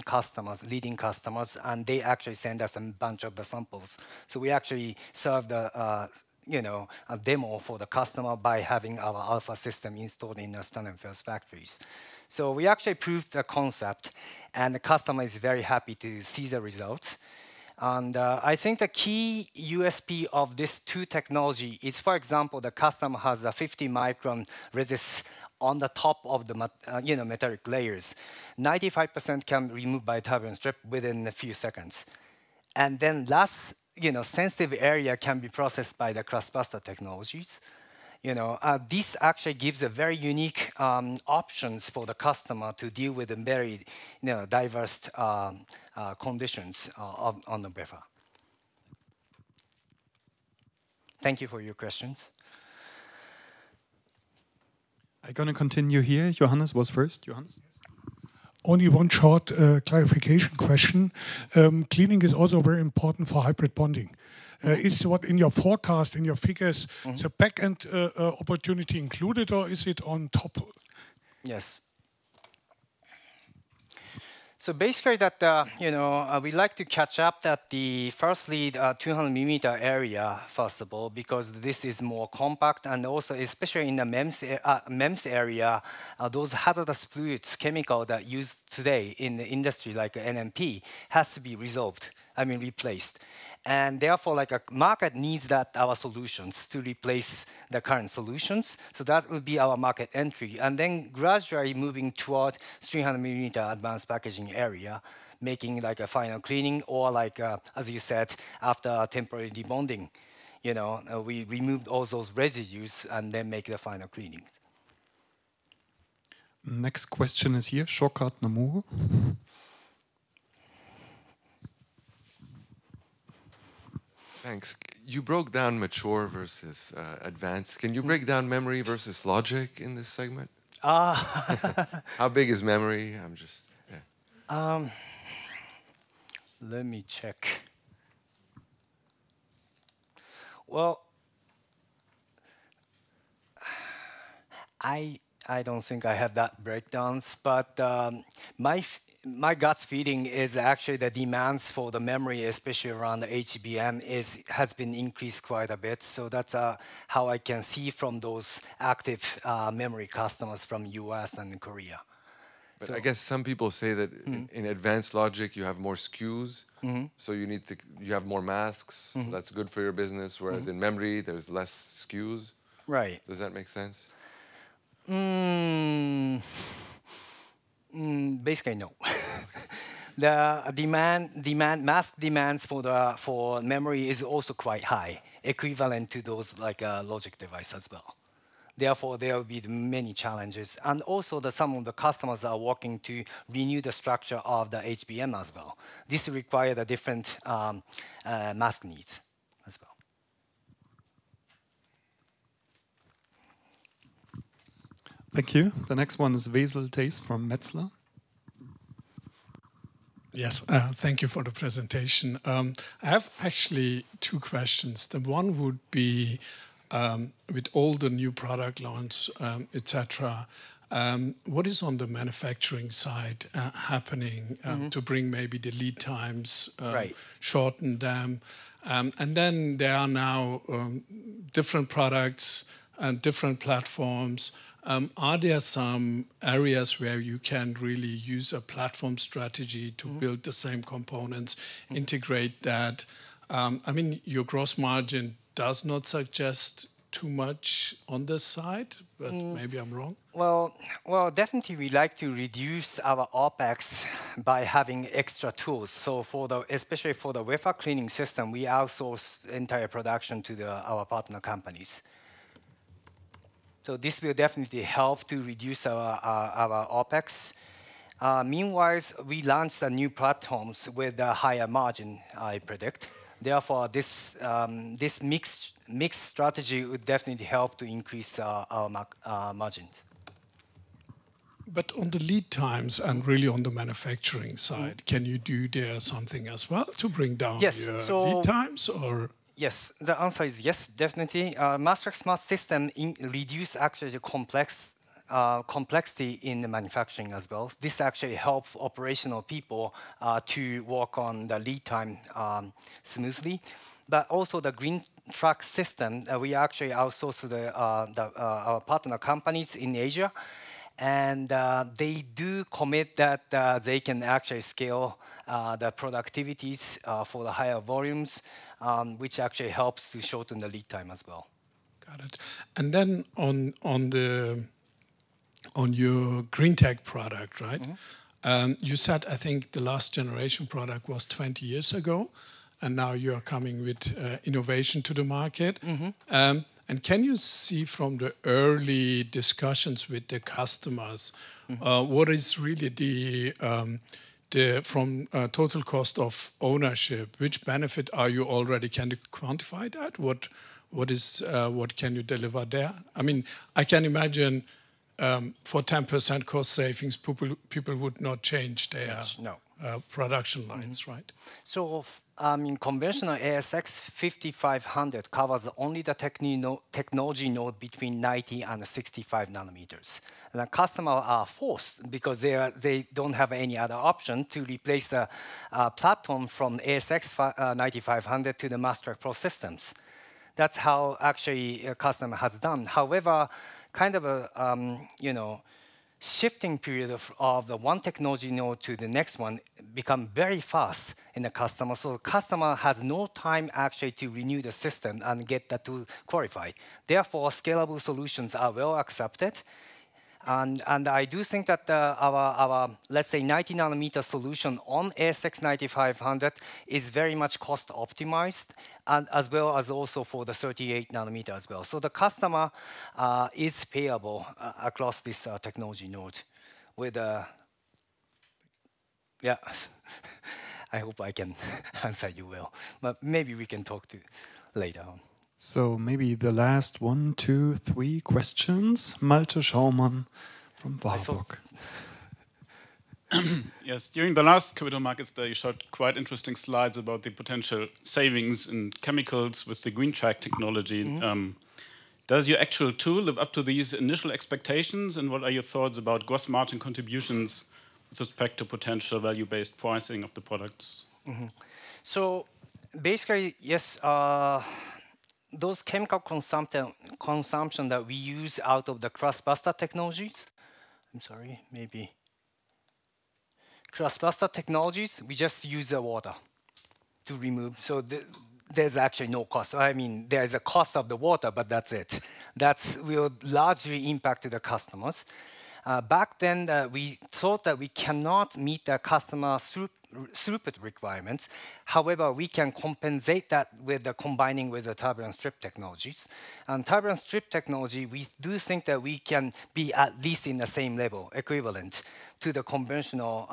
leading customers. They actually send us a bunch of the samples. We actually serve the demo for the customer by having our Alpha system installed in Starnberg factories. We actually proved the concept. The customer is very happy to see the results. I think the key USP of this two technology is, for example, the customer has a 50-micron resist on the top of the metallic layers. 95% can be removed by a towel and strip within a few seconds. Then less sensitive area can be processed by the Cross Buster technologies. This actually gives very unique options for the customer to deal with very diverse conditions on the wafer. Thank you for your questions. I'm going to continue here. Johannes was first. Only one short clarification question. Cleaning is also very important for hybrid bonding. Is what in your forecast, in your figures. Back-end opportunity included, or is it on top? Yes. Basically, we'd like to catch up that the first lead 200-millimeter area, first of all, because this is more compact. Also, especially in the MEMS area, those hazardous fluids, chemicals that are used today in the industry, like NMP, have to be resolved, I mean, replaced. Therefore, the market needs our solutions to replace the current solutions. That would be our market entry. Gradually moving towards 300-millimeter advanced packaging area, making a final cleaning or, as you said, after temporary debonding, we remove all those residues and then make the final cleaning. Next question is here. Shortcut, Namur. Thanks. You broke down mature versus advanced. Can you break down memory versus logic in this segment? How big is memory? Let me check. I don't think I have that breakdown. My gut feeling is actually the demands for the memory, especially around the HBM, has been increased quite a bit. That is how I can see from those active memory customers from the U.S. and Korea. I guess some people say that in advanced logic, you have more SKUs, so you have more masks. That is good for your business. Whereas in memory, there are less SKUs. Does that make sense? Basically, no. The mask demands for memory are also quite high, equivalent to those logic devices as well. Therefore, there will be many challenges. Also, some of the customers are working to renew the structure of the HBM as well. This requires different mask needs as well. Thank you. The next one is Veysel Taze from Metzler. Yes. Thank you for the presentation. I have actually two questions. The one would be, with all the new product launches, et cetera, what is on the manufacturing side happening to bring maybe the lead times shortened down? There are now different products and different platforms. Are there some areas where you can really use a platform strategy to build the same components, integrate that? I mean, your gross margin does not suggest too much on this side, but maybe I'm wrong. Definitely, we'd like to reduce our OpEx by having extra tools. Especially for the wafer cleaning system, we outsource entire production to our partner companies. This will definitely help to reduce our OpEx. Meanwhile, we launched new platforms with a higher margin, I predict. Therefore, this mixed strategy would definitely help to increase our margins. On the lead times and really on the manufacturing side, can you do there something as well to bring down the lead times? Yes. The answer is yes, definitely. Master Smart System reduces actually the complexity in the manufacturing as well. This actually helps operational people to work on the lead time smoothly. Also, the GreenTech system, we actually outsource to our partner companies in Asia. They do commit that they can actually scale the productivities for the higher volumes, which actually helps to shorten the lead time as well. Got it. On your GreenTech product, right? You said, I think, the last generation product was 20 years ago. Now you are coming with innovation to the market. Can you see from the early discussions with the customers, what is really the total cost of ownership? Which benefit are you already, can you quantify that? What can you deliver there? I mean, I can imagine for 10% cost savings, people would not change their production lines, right? In conventional ASX 5500, it covers only the technology node between 90 and 65 nanometers. The customers are forced because they do not have any other option to replace the platform from ASX 9500 to the Master Pro systems. That is how actually a customer has done. However, kind of a shifting period of the one technology node to the next one becomes very fast in the customer. The customer has no time actually to renew the system and get that to qualify. Therefore, scalable solutions are well accepted. I do think that our, let's say, 90-nanometer solution on ASX 9500 is very much cost-optimized, as well as also for the 38-nanometer as well. The customer is payable across this technology node. Yeah. I hope I can answer you well. Maybe we can talk later on. Maybe the last one, two, three questions. Malte Schaumann from Wahlbrock. Yes. During the last capital markets day, you showed quite interesting slides about the potential savings in chemicals with the GreenTech technology. Does your actual tool live up to these initial expectations? What are your thoughts about gross margin contributions with respect to potential value-based pricing of the products? Basically, yes. Those chemical consumption that we use out of the Cross Buster technologies, I'm sorry, maybe Cross Buster technologies, we just use the water to remove. There is actually no cost. I mean, there is a cost of the water, but that's it. That will largely impact the customers. Back then, we thought that we cannot meet the customer's throughput requirements. However, we can compensate that with combining with the turbine and strip technologies. And turbine and strip technology, we do think that we can be at least in the same level, equivalent to the conventional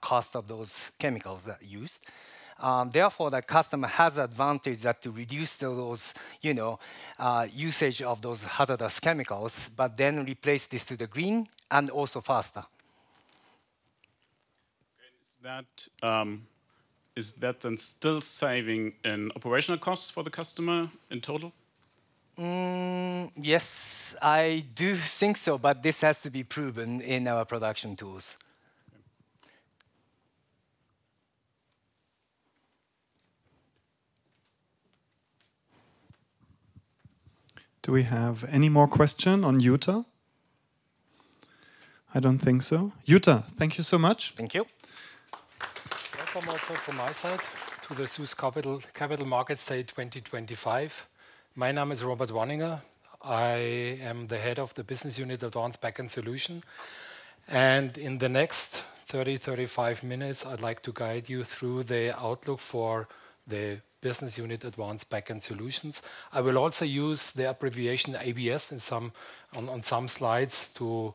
cost of those chemicals that are used. Therefore, the customer has the advantage to reduce those usages of those hazardous chemicals, but then replace this to the green and also faster. Is that then still saving in operational costs for the customer in total? Yes, I do think so. This has to be proven in our production tools. Do we have any more questions on Yuta? I don't think so. Yuta, thank you so much. Thank you. Welcome also from my side to the SUSS Capital Markets Day 2025. My name is Robert Wanninger. I am the Head of the Business Unit Advanced Backend Solution. In the next 30-35 minutes, I'd like to guide you through the outlook for the Business Unit Advanced Backend Solutions. I will also use the abbreviation ABS on some slides to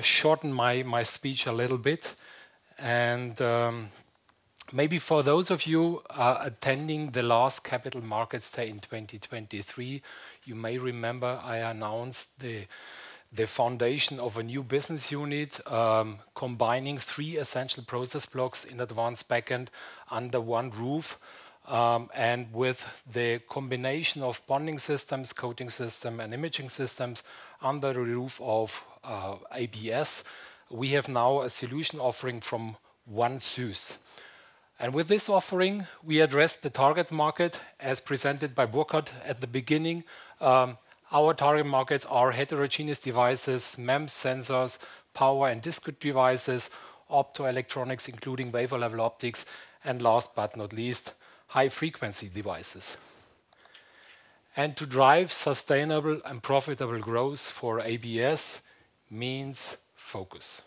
shorten my speech a little bit. Maybe for those of you attending the last Capital Markets Day in 2023, you may remember I announced the foundation of a new business unit combining three essential process blocks in advanced backend under one roof. With the combination of bonding systems, coating systems, and imaging systems under the roof of ABS, we have now a solution offering from one SUSS. With this offering, we address the target market as presented by Burkhardt at the beginning. Our target markets are heterogeneous devices, MEMS sensors, power and discrete devices, optoelectronics, including wafer-level optics. Last but not least, high-frequency devices. To drive sustainable and profitable growth for ABS means focus.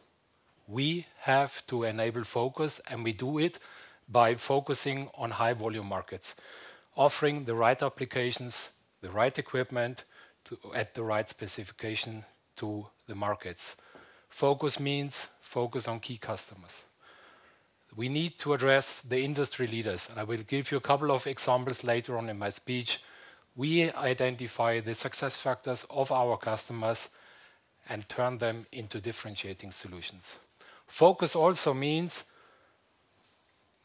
We have to enable focus. We do it by focusing on high-volume markets, offering the right applications, the right equipment at the right specification to the markets. Focus means focus on key customers. We need to address the industry leaders. I will give you a couple of examples later on in my speech. We identify the success factors of our customers and turn them into differentiating solutions. Focus also means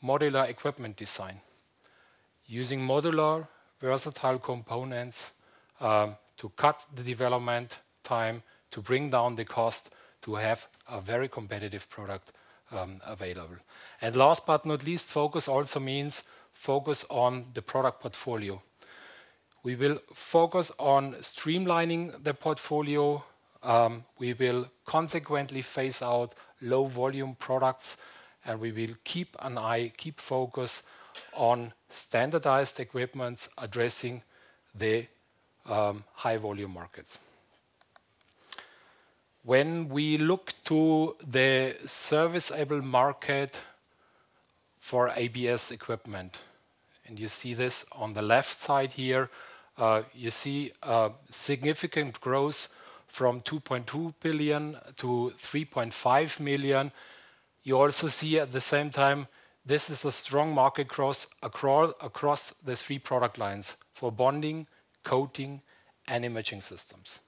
modular equipment design, using modular versatile components to cut the development time, to bring down the cost, to have a very competitive product available. Last but not least, focus also means focus on the product portfolio. We will focus on streamlining the portfolio. We will consequently phase out low-volume products. We will keep an eye, keep focus on standardized equipment, addressing the high-volume markets. When we look to the serviceable market for ABS equipment, and you see this on the left side here, you see significant growth from 2.2 billion to 3.5 billion. You also see at the same time, this is a strong market growth across the three product lines for bonding, coating, and imaging systems.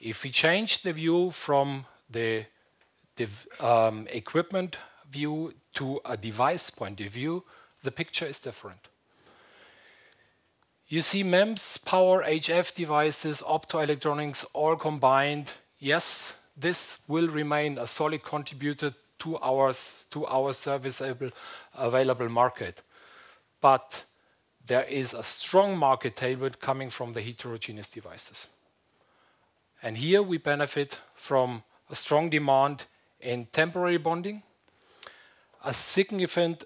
If we change the view from the equipment view to a device point of view, the picture is different. You see MEMS, power, HF devices, optoelectronics, all combined, yes, this will remain a solid contributor to our serviceable market. There is a strong market tailwind coming from the heterogeneous devices. Here, we benefit from a strong demand in temporary bonding, a significant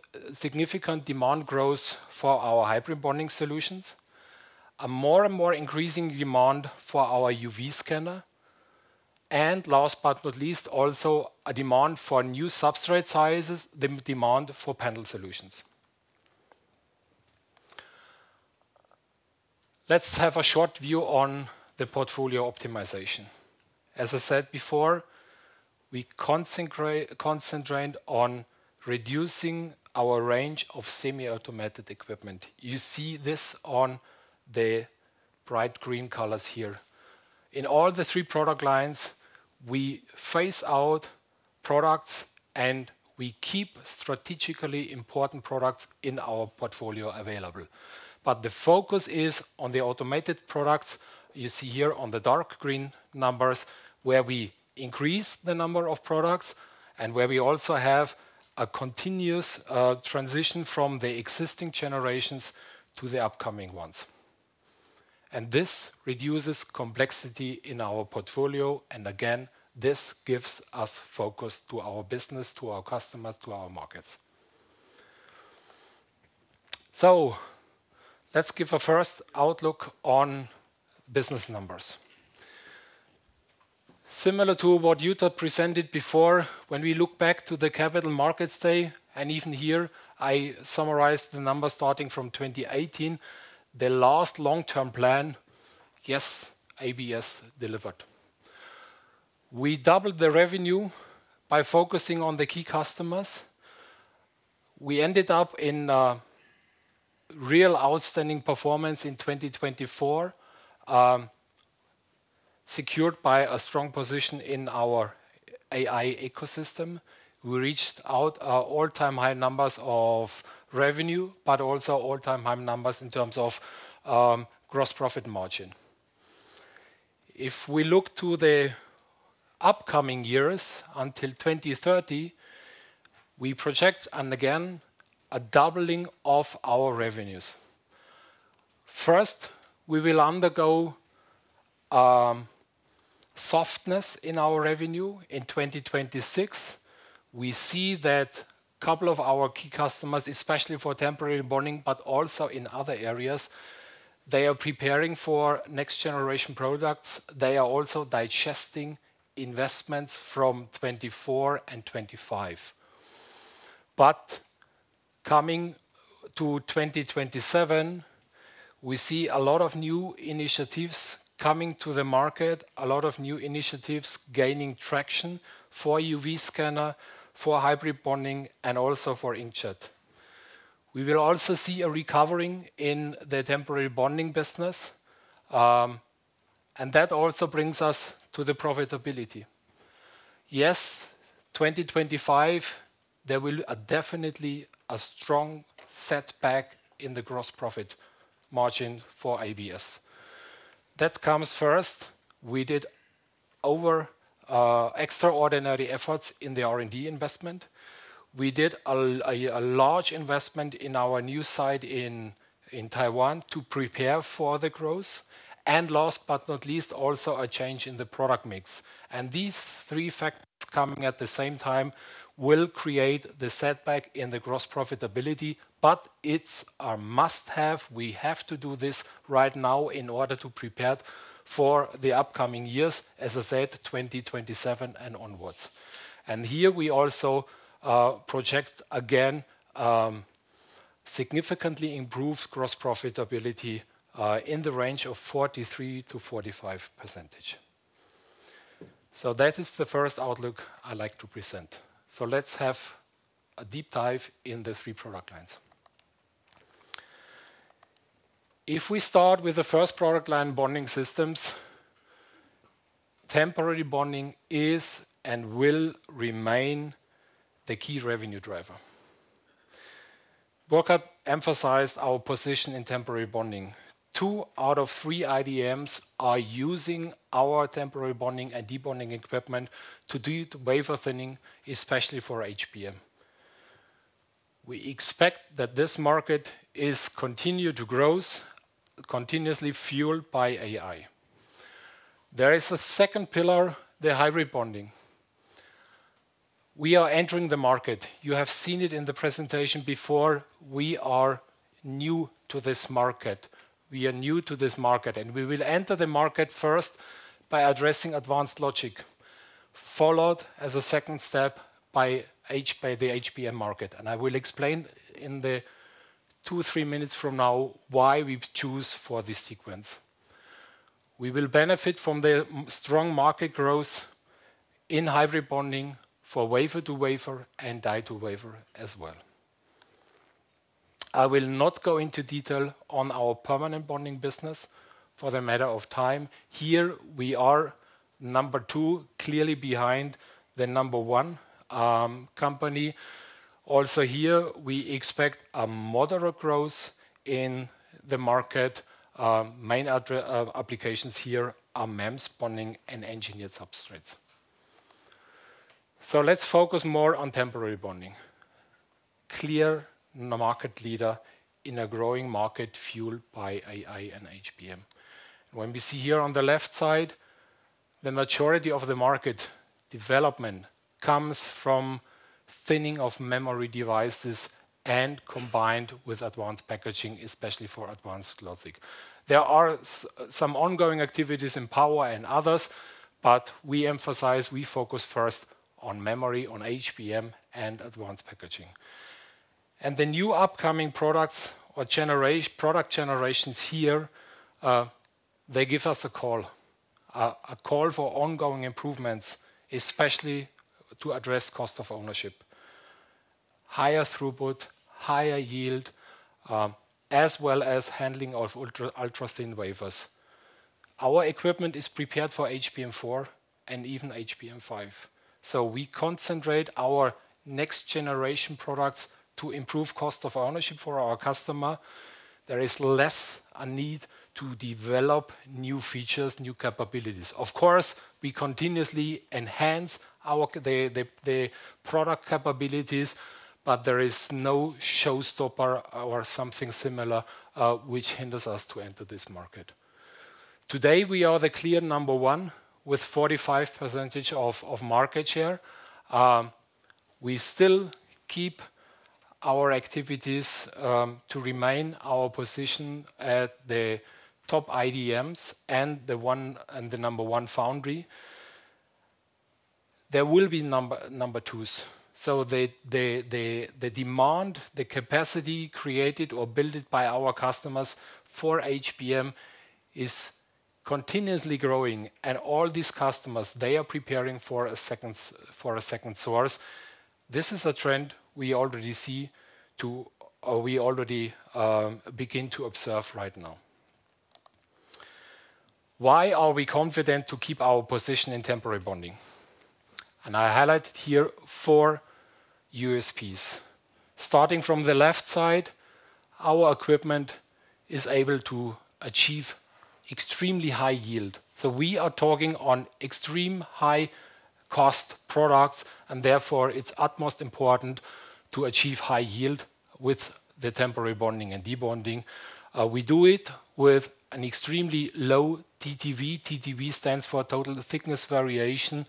demand growth for our hybrid bonding solutions, a more and more increasing demand for our UV scanner. Last but not least, also a demand for new substrate sizes, the demand for panel solutions. Let's have a short view on the portfolio optimization. As I said before, we concentrate on reducing our range of semi-automated equipment. You see this on the bright green colors here. In all the three product lines, we phase out products. We keep strategically important products in our portfolio available. The focus is on the automated products you see here on the dark green numbers, where we increase the number of products and where we also have a continuous transition from the existing generations to the upcoming ones. This reduces complexity in our portfolio. This gives us focus to our business, to our customers, to our markets. Let's give a first outlook on business numbers. Similar to what Yuta presented before, when we look back to the Capital Markets Day, and even here, I summarized the numbers starting from 2018, the last long-term plan, yes, ABS delivered. We doubled the revenue by focusing on the key customers. We ended up in real outstanding performance in 2024, secured by a strong position in our AI ecosystem. We reached our all-time high numbers of revenue, but also all-time high numbers in terms of gross profit margin. If we look to the upcoming years until 2030, we project, and again, a doubling of our revenues. First, we will undergo softness in our revenue in 2026. We see that a couple of our key customers, especially for temporary bonding, but also in other areas, they are preparing for next-generation products. They are also digesting investments from 2024 and 2025. Coming to 2027, we see a lot of new initiatives coming to the market, a lot of new initiatives gaining traction for UV scanner, for hybrid bonding, and also for inkjet. We will also see a recovery in the temporary bonding business. That also brings us to the profitability. Yes, 2025, there will definitely be a strong setback in the gross profit margin for ABS. That comes first. We did extraordinary efforts in the R&D investment. We did a large investment in our new site in Taiwan to prepare for the growth. Last but not least, also a change in the product mix. These three factors coming at the same time will create the setback in the gross profitability. It is a must-have. We have to do this right now in order to prepare for the upcoming years, as I said, 2027 and onwards. Here, we also project again significantly improved gross profitability in the range of 43%-45%. That is the first outlook I'd like to present. Let's have a deep dive in the three product lines. If we start with the first product line, bonding systems, temporary bonding is and will remain the key revenue driver. Burkhardt emphasized our position in temporary bonding. Two out of three IDMs are using our temporary bonding and debonding equipment to do wafer thinning, especially for HBM. We expect that this market is continued to grow, continuously fueled by AI. There is a second pillar, the hybrid bonding. We are entering the market. You have seen it in the presentation before. We are new to this market. We are new to this market. We will enter the market first by addressing advanced logic, followed as a second step by the HBM market. I will explain in the two, three minutes from now why we choose for this sequence. We will benefit from the strong market growth in hybrid bonding for wafer to wafer and die to wafer as well. I will not go into detail on our permanent bonding business for the matter of time. Here, we are number two, clearly behind the number one company. Also here, we expect a moderate growth in the market. Main applications here are MEMS bonding and engineered substrates. Let's focus more on temporary bonding. Clear market leader in a growing market fueled by AI and HBM. When we see here on the left side, the majority of the market development comes from thinning of memory devices and combined with advanced packaging, especially for advanced logic. There are some ongoing activities in power and others. We emphasize, we focus first on memory, on HBM, and advanced packaging. The new upcoming products or product generations here, they give us a call, a call for ongoing improvements, especially to address cost of ownership, higher throughput, higher yield, as well as handling of ultra-thin wafers. Our equipment is prepared for HBM4 and even HBM5. We concentrate our next-generation products to improve cost of ownership for our customer. There is less a need to develop new features, new capabilities. Of course, we continuously enhance the product capabilities. There is no showstopper or something similar which hinders us to enter this market. Today, we are the clear number one with 45% of market share. We still keep our activities to remain our position at the top IDMs and the number one foundry. There will be number twos. The demand, the capacity created or built by our customers for HBM is continuously growing. All these customers, they are preparing for a second source. This is a trend we already see or we already begin to observe right now. Why are we confident to keep our position in temporary bonding? I highlighted here four USPs. Starting from the left side, our equipment is able to achieve extremely high yield. We are talking on extreme high-cost products. Therefore, it is utmost important to achieve high yield with the temporary bonding and debonding. We do it with an extremely low TTV. TTV stands for total thickness variation.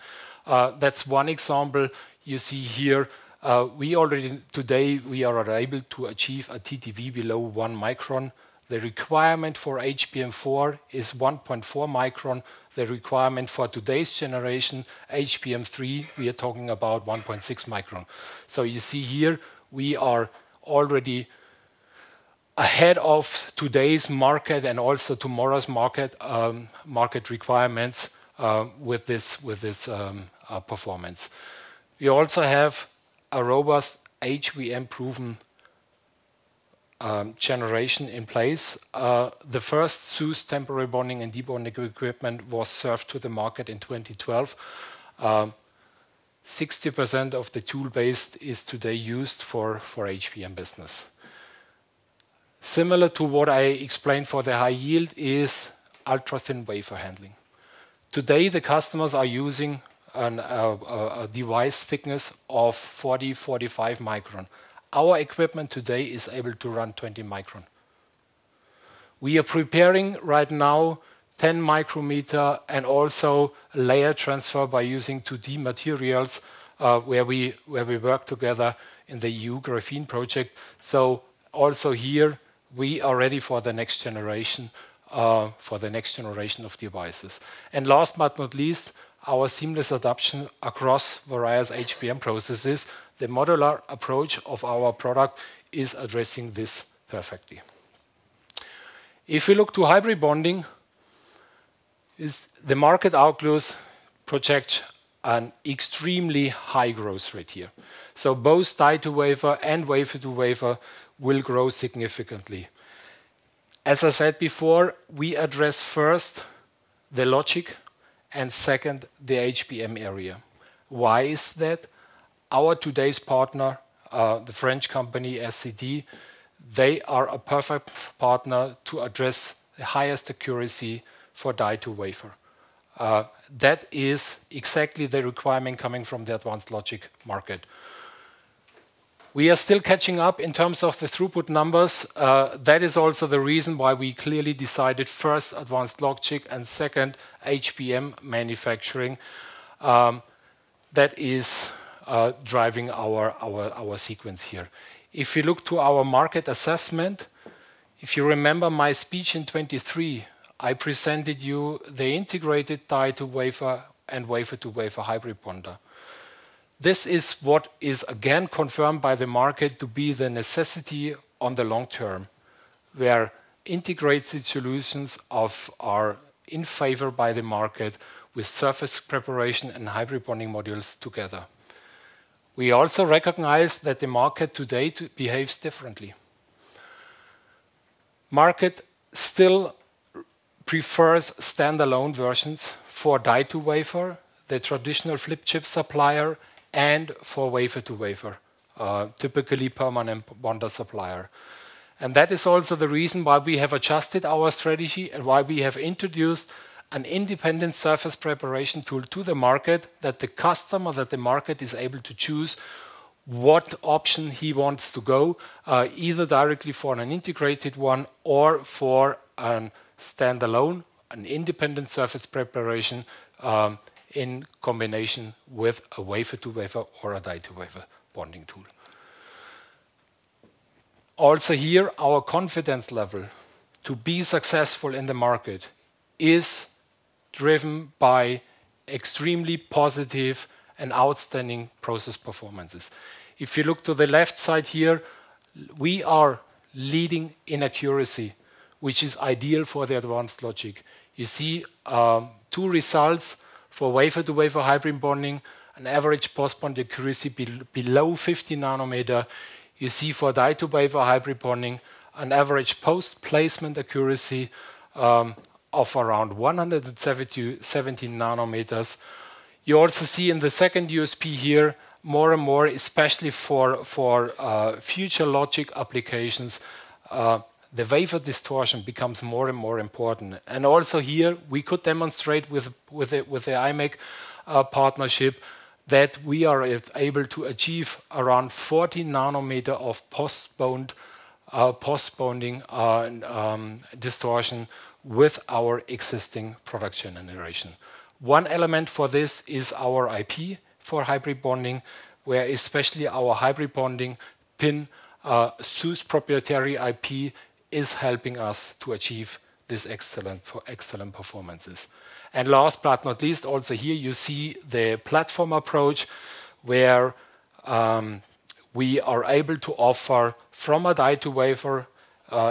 That's one example you see here. Today, we are able to achieve a TTV below 1 micron. The requirement for HBM4 is 1.4 micron. The requirement for today's generation, HBM3, we are talking about 1.6 micron. You see here, we are already ahead of today's market and also tomorrow's market requirements with this performance. We also have a robust HBM-proven generation in place. The first SUS temporary bonding and debonding equipment was served to the market in 2012. 60% of the tool base is today used for HBM business. Similar to what I explained for the high yield is ultra-thin wafer handling. Today, the customers are using a device thickness of 40, 45 micron. Our equipment today is able to run 20 micron. We are preparing right now 10 micrometer and also layer transfer by using 2D materials where we work together in the EU Graphene project. Here, we are ready for the next generation of devices. Last but not least, our seamless adoption across various HBM processes, the modular approach of our product is addressing this perfectly. If we look to hybrid bonding, the market outlooks project an extremely high growth rate here. Both die to wafer and wafer to wafer will grow significantly. As I said before, we address first the logic and second, the HBM area. Why is that? Our today's partner, the French company SCD, they are a perfect partner to address the highest accuracy for die to wafer. That is exactly the requirement coming from the advanced logic market. We are still catching up in terms of the throughput numbers. That is also the reason why we clearly decided first advanced logic and second HBM manufacturing. That is driving our sequence here. If you look to our market assessment, if you remember my speech in 2023, I presented you the integrated die to wafer and wafer to wafer hybrid bonder. This is what is again confirmed by the market to be the necessity on the long term, where integrated solutions are in favor by the market with surface preparation and hybrid bonding modules together. We also recognize that the market today behaves differently. Market still prefers standalone versions for die to wafer, the traditional flip chip supplier, and for wafer to wafer, typically permanent bonder supplier. That is also the reason why we have adjusted our strategy and why we have introduced an independent surface preparation tool to the market that the customer, that the market is able to choose what option he wants to go, either directly for an integrated one or for a standalone, an independent surface preparation in combination with a wafer to wafer or a die to wafer bonding tool. Also here, our confidence level to be successful in the market is driven by extremely positive and outstanding process performances. If you look to the left side here, we are leading in accuracy, which is ideal for the advanced logic. You see two results for wafer to wafer hybrid bonding, an average post-bond accuracy below 50 nanometers. You see for die to wafer hybrid bonding, an average post-placement accuracy of around 170 nanometers. You also see in the second USP here, more and more, especially for future logic applications, the wafer distortion becomes more and more important. Also here, we could demonstrate with the IMEC partnership that we are able to achieve around 40 nanometers of post-bonding distortion with our existing production generation. One element for this is our IP for hybrid bonding, where especially our hybrid bonding pin SUSS proprietary IP is helping us to achieve these excellent performances. Last but not least, also here, you see the platform approach where we are able to offer from a die to wafer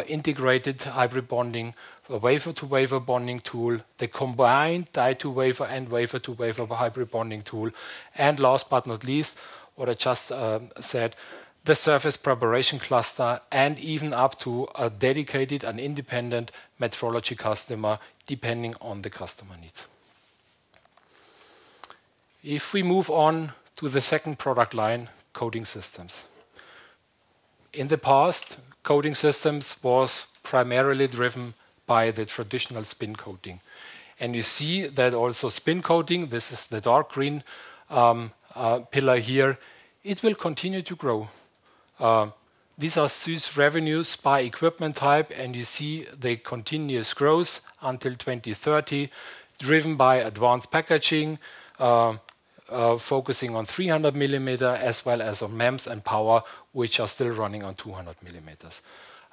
integrated hybrid bonding, a wafer to wafer bonding tool, the combined die to wafer and wafer to wafer hybrid bonding tool. Last but not least, what I just said, the surface preparation cluster and even up to a dedicated and independent metrology customer depending on the customer needs. If we move on to the second product line, coating systems. In the past, coating systems were primarily driven by the traditional spin coating. You see that also spin coating, this is the dark green pillar here, it will continue to grow. These are SUS revenues by equipment type. You see the continuous growth until 2030, driven by advanced packaging, focusing on 300 millimeters as well as on MEMS and power, which are still running on 200 millimeters.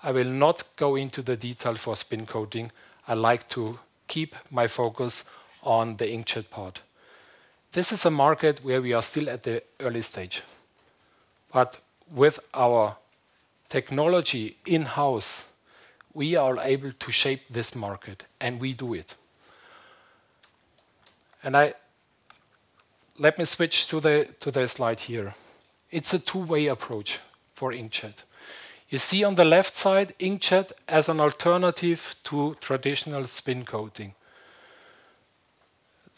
I will not go into the detail for spin coating. I like to keep my focus on the inkjet part. This is a market where we are still at the early stage. With our technology in-house, we are able to shape this market. We do it. Let me switch to the slide here. It is a two-way approach for inkjet. You see on the left side, inkjet as an alternative to traditional spin coating.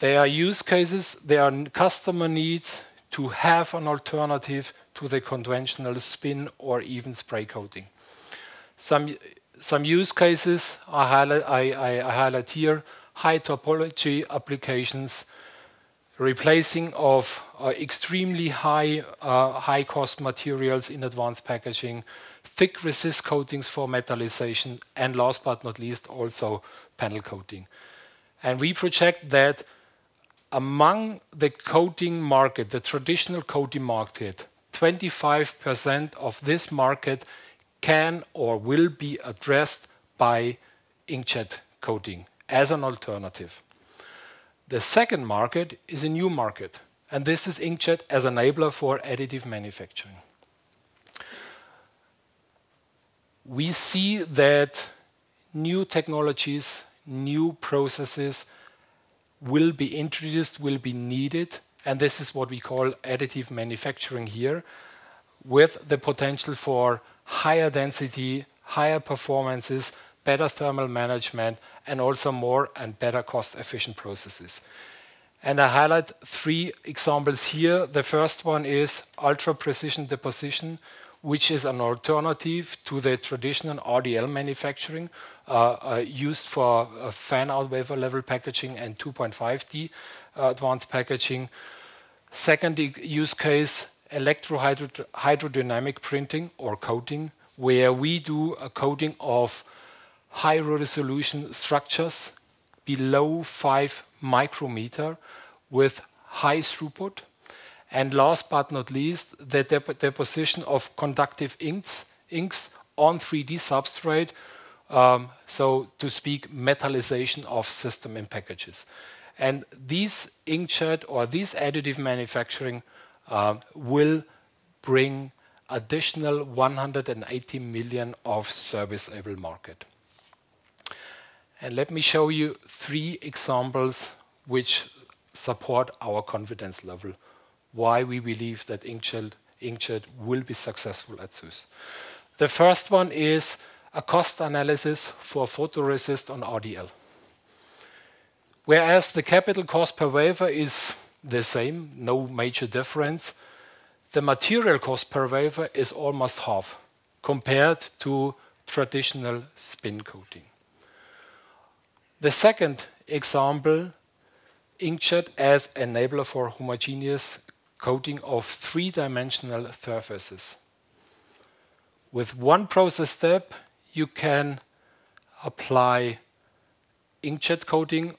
There are use cases. There are customer needs to have an alternative to the conventional spin or even spray coating. Some use cases I highlight here, high topology applications, replacing of extremely high-cost materials in advanced packaging, thick resist coatings for metalization, and last but not least, also panel coating. We project that among the coating market, the traditional coating market, 25% of this market can or will be addressed by inkjet coating as an alternative. The second market is a new market. This is inkjet as an enabler for additive manufacturing. We see that new technologies, new processes will be introduced, will be needed. This is what we call additive manufacturing here with the potential for higher density, higher performances, better thermal management, and also more and better cost-efficient processes. I highlight three examples here. The first one is ultra-precision deposition, which is an alternative to the traditional RDL manufacturing used for fan-out wafer level packaging and 2.5D advanced packaging. Second use case, electrohydrodynamic printing or coating, where we do a coating of high-resolution structures below 5 micrometer with high throughput. Last but not least, the deposition of conductive inks on 3D substrate, so to speak, metalization of system and packages. These inkjet or these additive manufacturing will bring additional 180 million of service-able market. Let me show you three examples which support our confidence level, why we believe that inkjet will be successful at SUSS. The first one is a cost analysis for photoresist on RDL. Whereas the capital cost per wafer is the same, no major difference, the material cost per wafer is almost half compared to traditional spin coating. The second example, inkjet as enabler for homogeneous coating of three-dimensional surfaces. With one process step, you can apply inkjet coating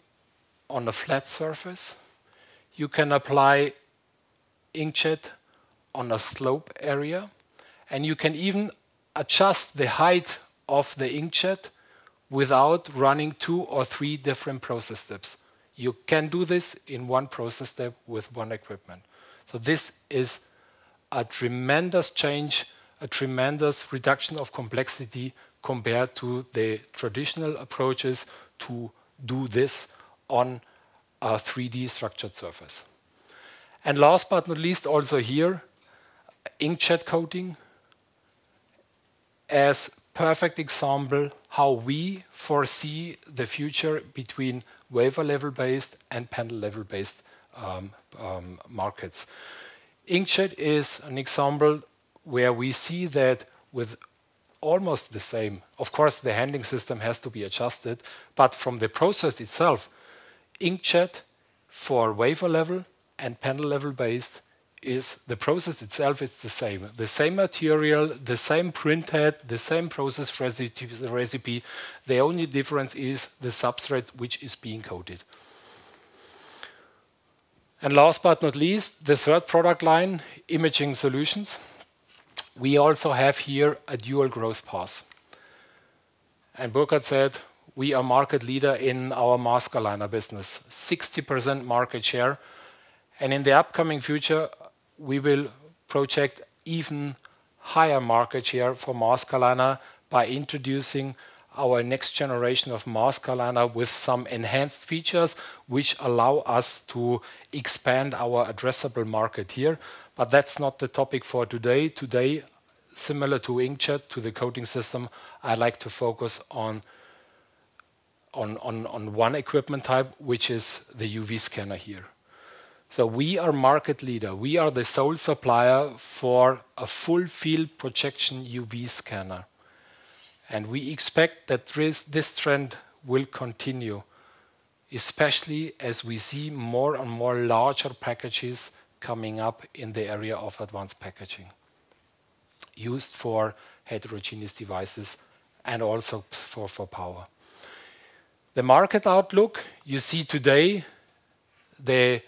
on a flat surface. You can apply inkjet on a slope area. You can even adjust the height of the inkjet without running two or three different process steps. You can do this in one process step with one equipment. This is a tremendous change, a tremendous reduction of complexity compared to the traditional approaches to do this on a 3D structured surface. Last but not least, also here, inkjet coating as a perfect example of how we foresee the future between wafer-level based and panel-level based markets. Inkjet is an example where we see that with almost the same, of course, the handling system has to be adjusted. From the process itself, inkjet for wafer-level and panel-level based is the process itself, it's the same. The same material, the same print head, the same process recipe. The only difference is the substrate, which is being coated. Last but not least, the third product line, imaging solutions. We also have here a dual growth path. Burkhardt said, we are market leader in our mask aligner business, 60% market share. In the upcoming future, we will project even higher market share for mask aligner by introducing our next generation of mask aligner with some enhanced features, which allow us to expand our addressable market here. That's not the topic for today. Today, similar to inkjet, to the coating system, I'd like to focus on one equipment type, which is the UV scanner here. We are market leader. We are the sole supplier for a full field projection UV scanner. We expect that this trend will continue, especially as we see more and more larger packages coming up in the area of advanced packaging used for heterogeneous devices and also for power. The market outlook, you see today, the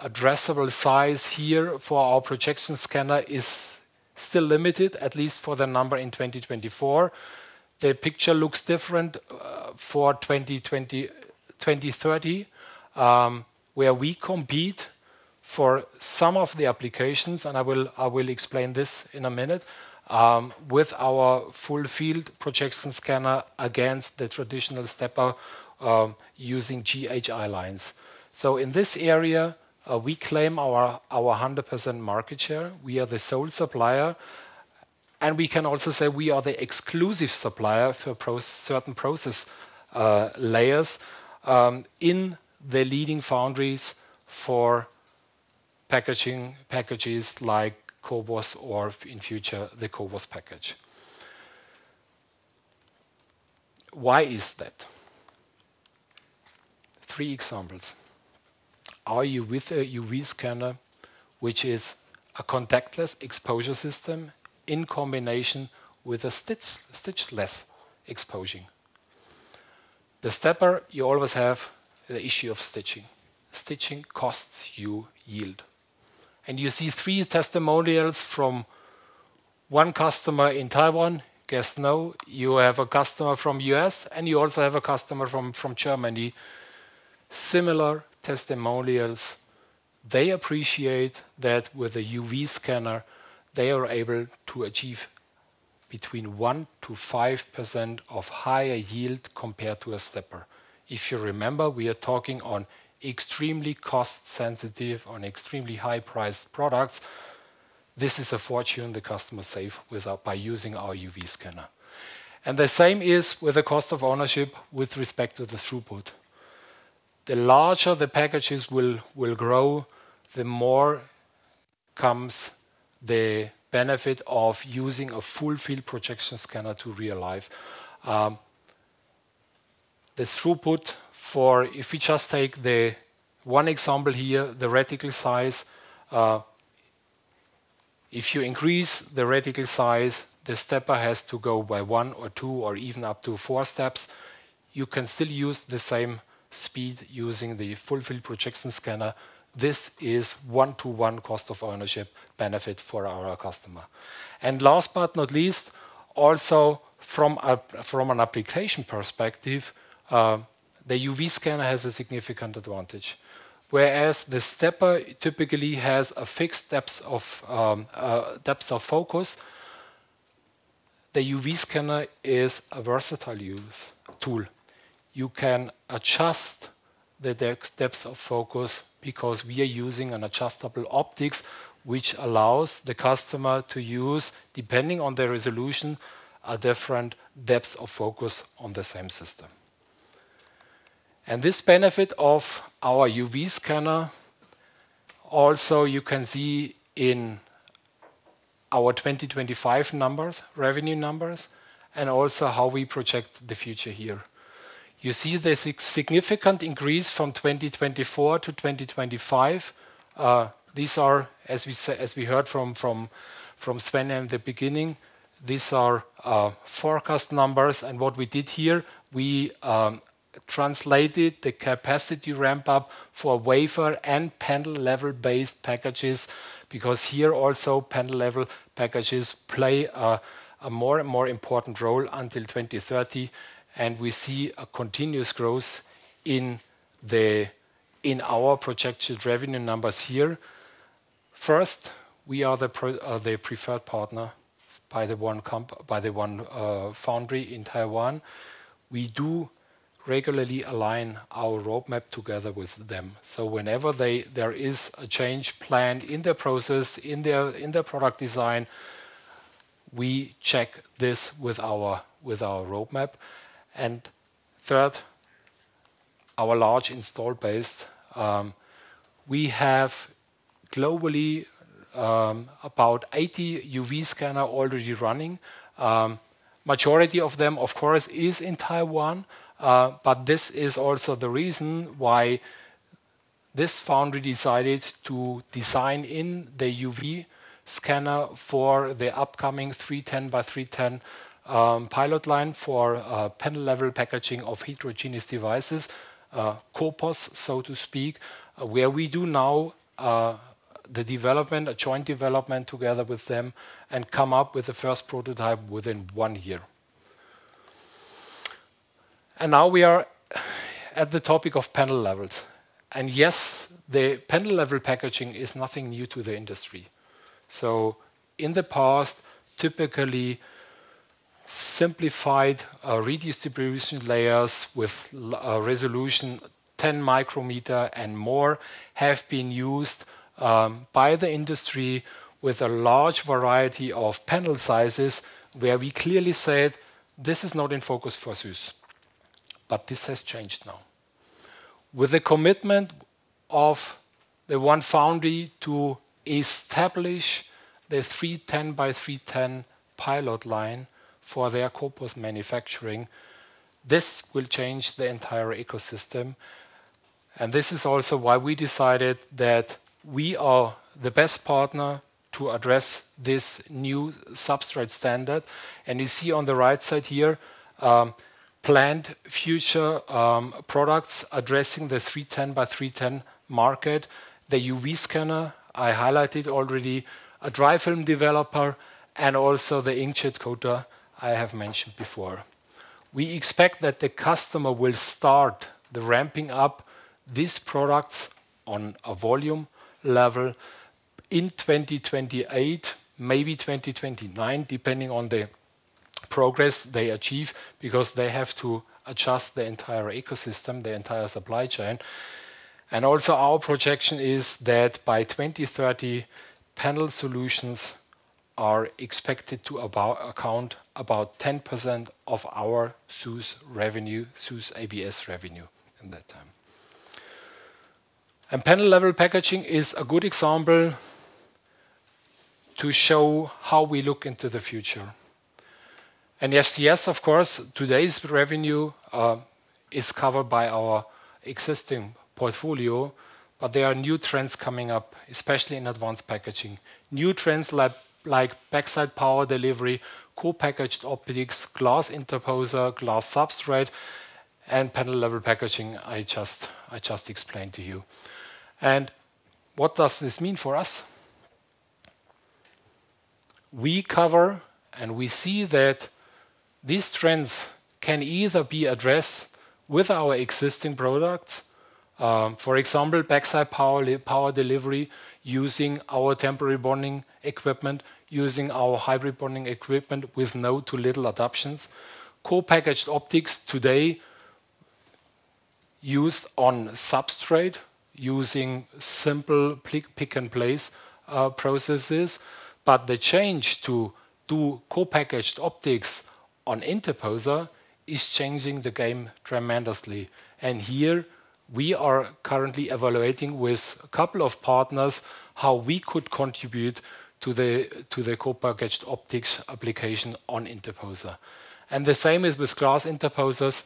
addressable size here for our projection scanner is still limited, at least for the number in 2024. The picture looks different for 2030, where we compete for some of the applications, and I will explain this in a minute, with our full field projection scanner against the traditional stepper using GHI lines. In this area, we claim our 100% market share. We are the sole supplier. We can also say we are the exclusive supplier for certain process layers in the leading foundries for packaging packages like CoWoS or in future the CoWoS package. Why is that? Three examples. Are you with a UV scanner, which is a contactless exposure system in combination with a stitchless exposing? The stepper, you always have the issue of stitching. Stitching costs you yield. You see three testimonials from one customer in Taiwan. Guess no. You have a customer from the U.S., and you also have a customer from Germany. Similar testimonials. They appreciate that with a UV scanner, they are able to achieve between 1%-5% of higher yield compared to a stepper. If you remember, we are talking on extremely cost-sensitive, on extremely high-priced products. This is a fortune the customer saves by using our UV scanner. The same is with the cost of ownership with respect to the throughput. The larger the packages will grow, the more comes the benefit of using a full field projection scanner to real life. The throughput for, if we just take the one example here, the reticle size, if you increase the reticle size, the stepper has to go by one or two or even up to four steps. You can still use the same speed using the full field projection scanner. This is one-to-one cost of ownership benefit for our customer. Last but not least, also from an application perspective, the UV scanner has a significant advantage. Whereas the stepper typically has a fixed depth of focus, the UV scanner is a versatile tool. You can adjust the depth of focus because we are using an adjustable optics, which allows the customer to use, depending on the resolution, a different depth of focus on the same system. This benefit of our UV scanner, also you can see in our 2025 revenue numbers and also how we project the future here. You see the significant increase from 2024 to 2025. These are, as we heard from Sven in the beginning, forecast numbers. What we did here, we translated the capacity ramp-up for wafer and panel-level based packages because here also panel-level packages play a more and more important role until 2030. We see a continuous growth in our projected revenue numbers here. First, we are the preferred partner by the one foundry in Taiwan. We do regularly align our roadmap together with them. Whenever there is a change planned in the process, in the product design, we check this with our roadmap. Third, our large install base. We have globally about 80 UV scanners already running. Majority of them, of course, is in Taiwan. This is also the reason why this foundry decided to design in the UV Scanner for the upcoming 310 by 310 pilot line for panel-level packaging of heterogeneous devices, CoWoS, so to speak, where we do now the joint development together with them and come up with the first prototype within one year. Now we are at the topic of panel levels. Yes, the panel-level packaging is nothing new to the industry. In the past, typically simplified redistribution layers with resolution 10 micrometer and more have been used by the industry with a large variety of panel sizes where we clearly said, this is not in focus for SUSS. This has changed now. With the commitment of the one foundry to establish the 310 by 310 pilot line for their CoWoS manufacturing, this will change the entire ecosystem. This is also why we decided that we are the best partner to address this new substrate standard. You see on the right side here, planned future products addressing the 310 by 310 market, the UV scanner I highlighted already, a dry film developer, and also the inkjet coater I have mentioned before. We expect that the customer will start ramping up these products on a volume level in 2028, maybe 2029, depending on the progress they achieve because they have to adjust the entire ecosystem, the entire supply chain. Our projection is that by 2030, panel solutions are expected to account for about 10% of our SUSS revenue, SUSS ABS revenue in that time. Panel-level packaging is a good example to show how we look into the future. Yes, yes, of course, today's revenue is covered by our existing portfolio, but there are new trends coming up, especially in advanced packaging. New trends like backside power delivery, cool packaged optics, glass interposer, glass substrate, and panel-level packaging I just explained to you. What does this mean for us? We cover and we see that these trends can either be addressed with our existing products, for example, backside power delivery using our temporary bonding equipment, using our hybrid bonding equipment with no to little adoptions. Cool packaged optics today used on substrate using simple pick and place processes. The change to do cool packaged optics on interposer is changing the game tremendously. We are currently evaluating with a couple of partners how we could contribute to the cool packaged optics application on interposer. The same is with glass interposers.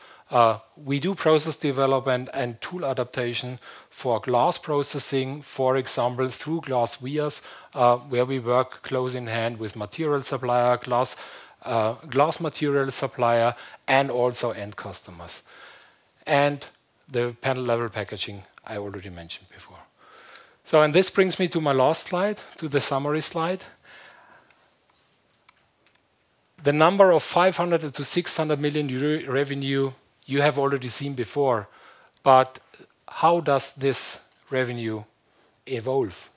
We do process development and tool adaptation for glass processing, for example, through glass vias, where we work close in hand with material supplier, glass material supplier, and also end customers. The panel-level packaging I already mentioned before. This brings me to my last slide, to the summary slide. The number of 500 million-600 million euro revenue you have already seen before. How does this revenue evolve?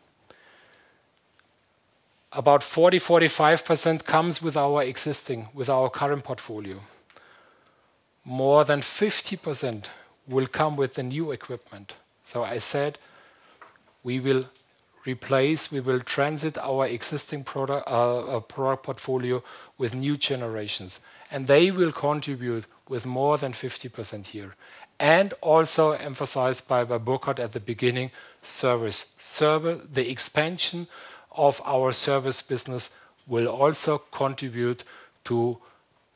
About 40%-45% comes with our existing, with our current portfolio. More than 50% will come with the new equipment. I said we will replace, we will transit our existing product portfolio with new generations. They will contribute with more than 50% here. Also emphasized by Burkhardt at the beginning, service. The expansion of our service business will also contribute to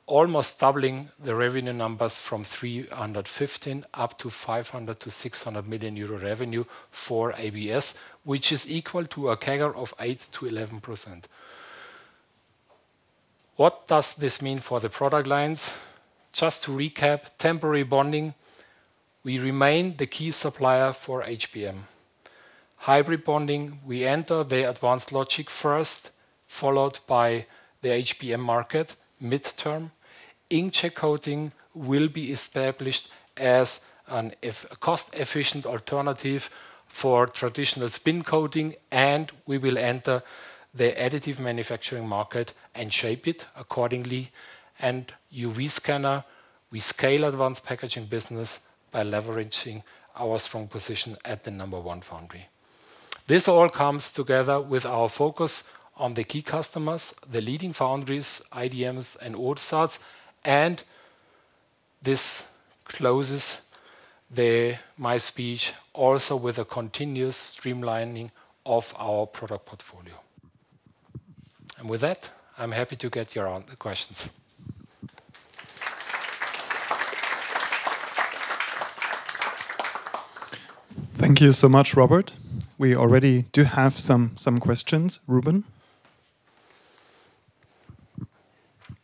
almost doubling the revenue numbers from 315 million up to 500-600 million euro revenue for ABS, which is equal to a CAGR of 8%-11%. What does this mean for the product lines? Just to recap, temporary bonding, we remain the key supplier for HBM. Hybrid bonding, we enter the advanced logic first, followed by the HBM market midterm. Inkjet coating will be established as a cost-efficient alternative for traditional spin coating, and we will enter the additive manufacturing market and shape it accordingly. UV scanner, we scale advanced packaging business by leveraging our strong position at the number one foundry. This all comes together with our focus on the key customers, the leading foundries, IDMs and autosets. This closes my speech also with a continuous streamlining of our product portfolio. With that, I'm happy to get your questions. Thank you so much, Robert. We already do have some questions. Ruben?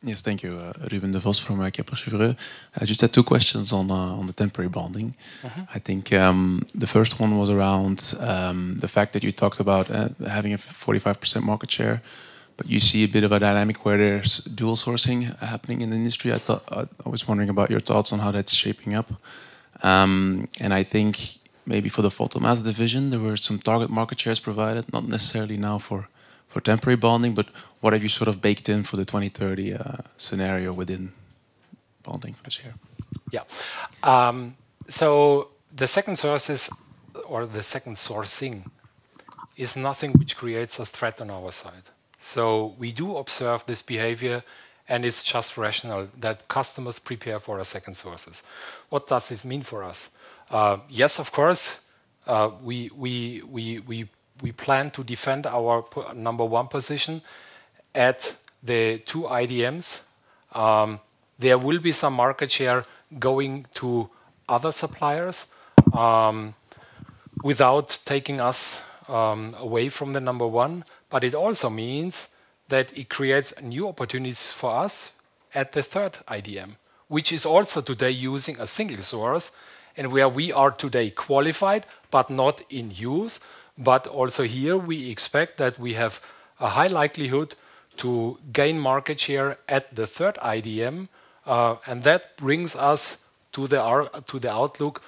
Yes, thank you. Ruben Devos from Kepler Cheuvreux. I just had two questions on the temporary bonding. I think the first one was around the fact that you talked about having a 45% market share, but you see a bit of a dynamic where there's dual sourcing happening in the industry. I was wondering about your thoughts on how that's shaping up. I think maybe for the photomask division, there were some target market shares provided, not necessarily now for temporary bonding, but what have you sort of baked in for the 2030 scenario within bonding for this year? The second sources, or the second sourcing, is nothing which creates a threat on our side. We do observe this behavior, and it's just rational that customers prepare for a second sources. What does this mean for us? Yes, of course. We plan to defend our number one position at the two IDMs. There will be some market share going to other suppliers without taking us away from the number one. It also means that it creates new opportunities for us at the third IDM, which is also today using a single source, and where we are today qualified, but not in use. Also here, we expect that we have a high likelihood to gain market share at the third IDM. That brings us to the outlook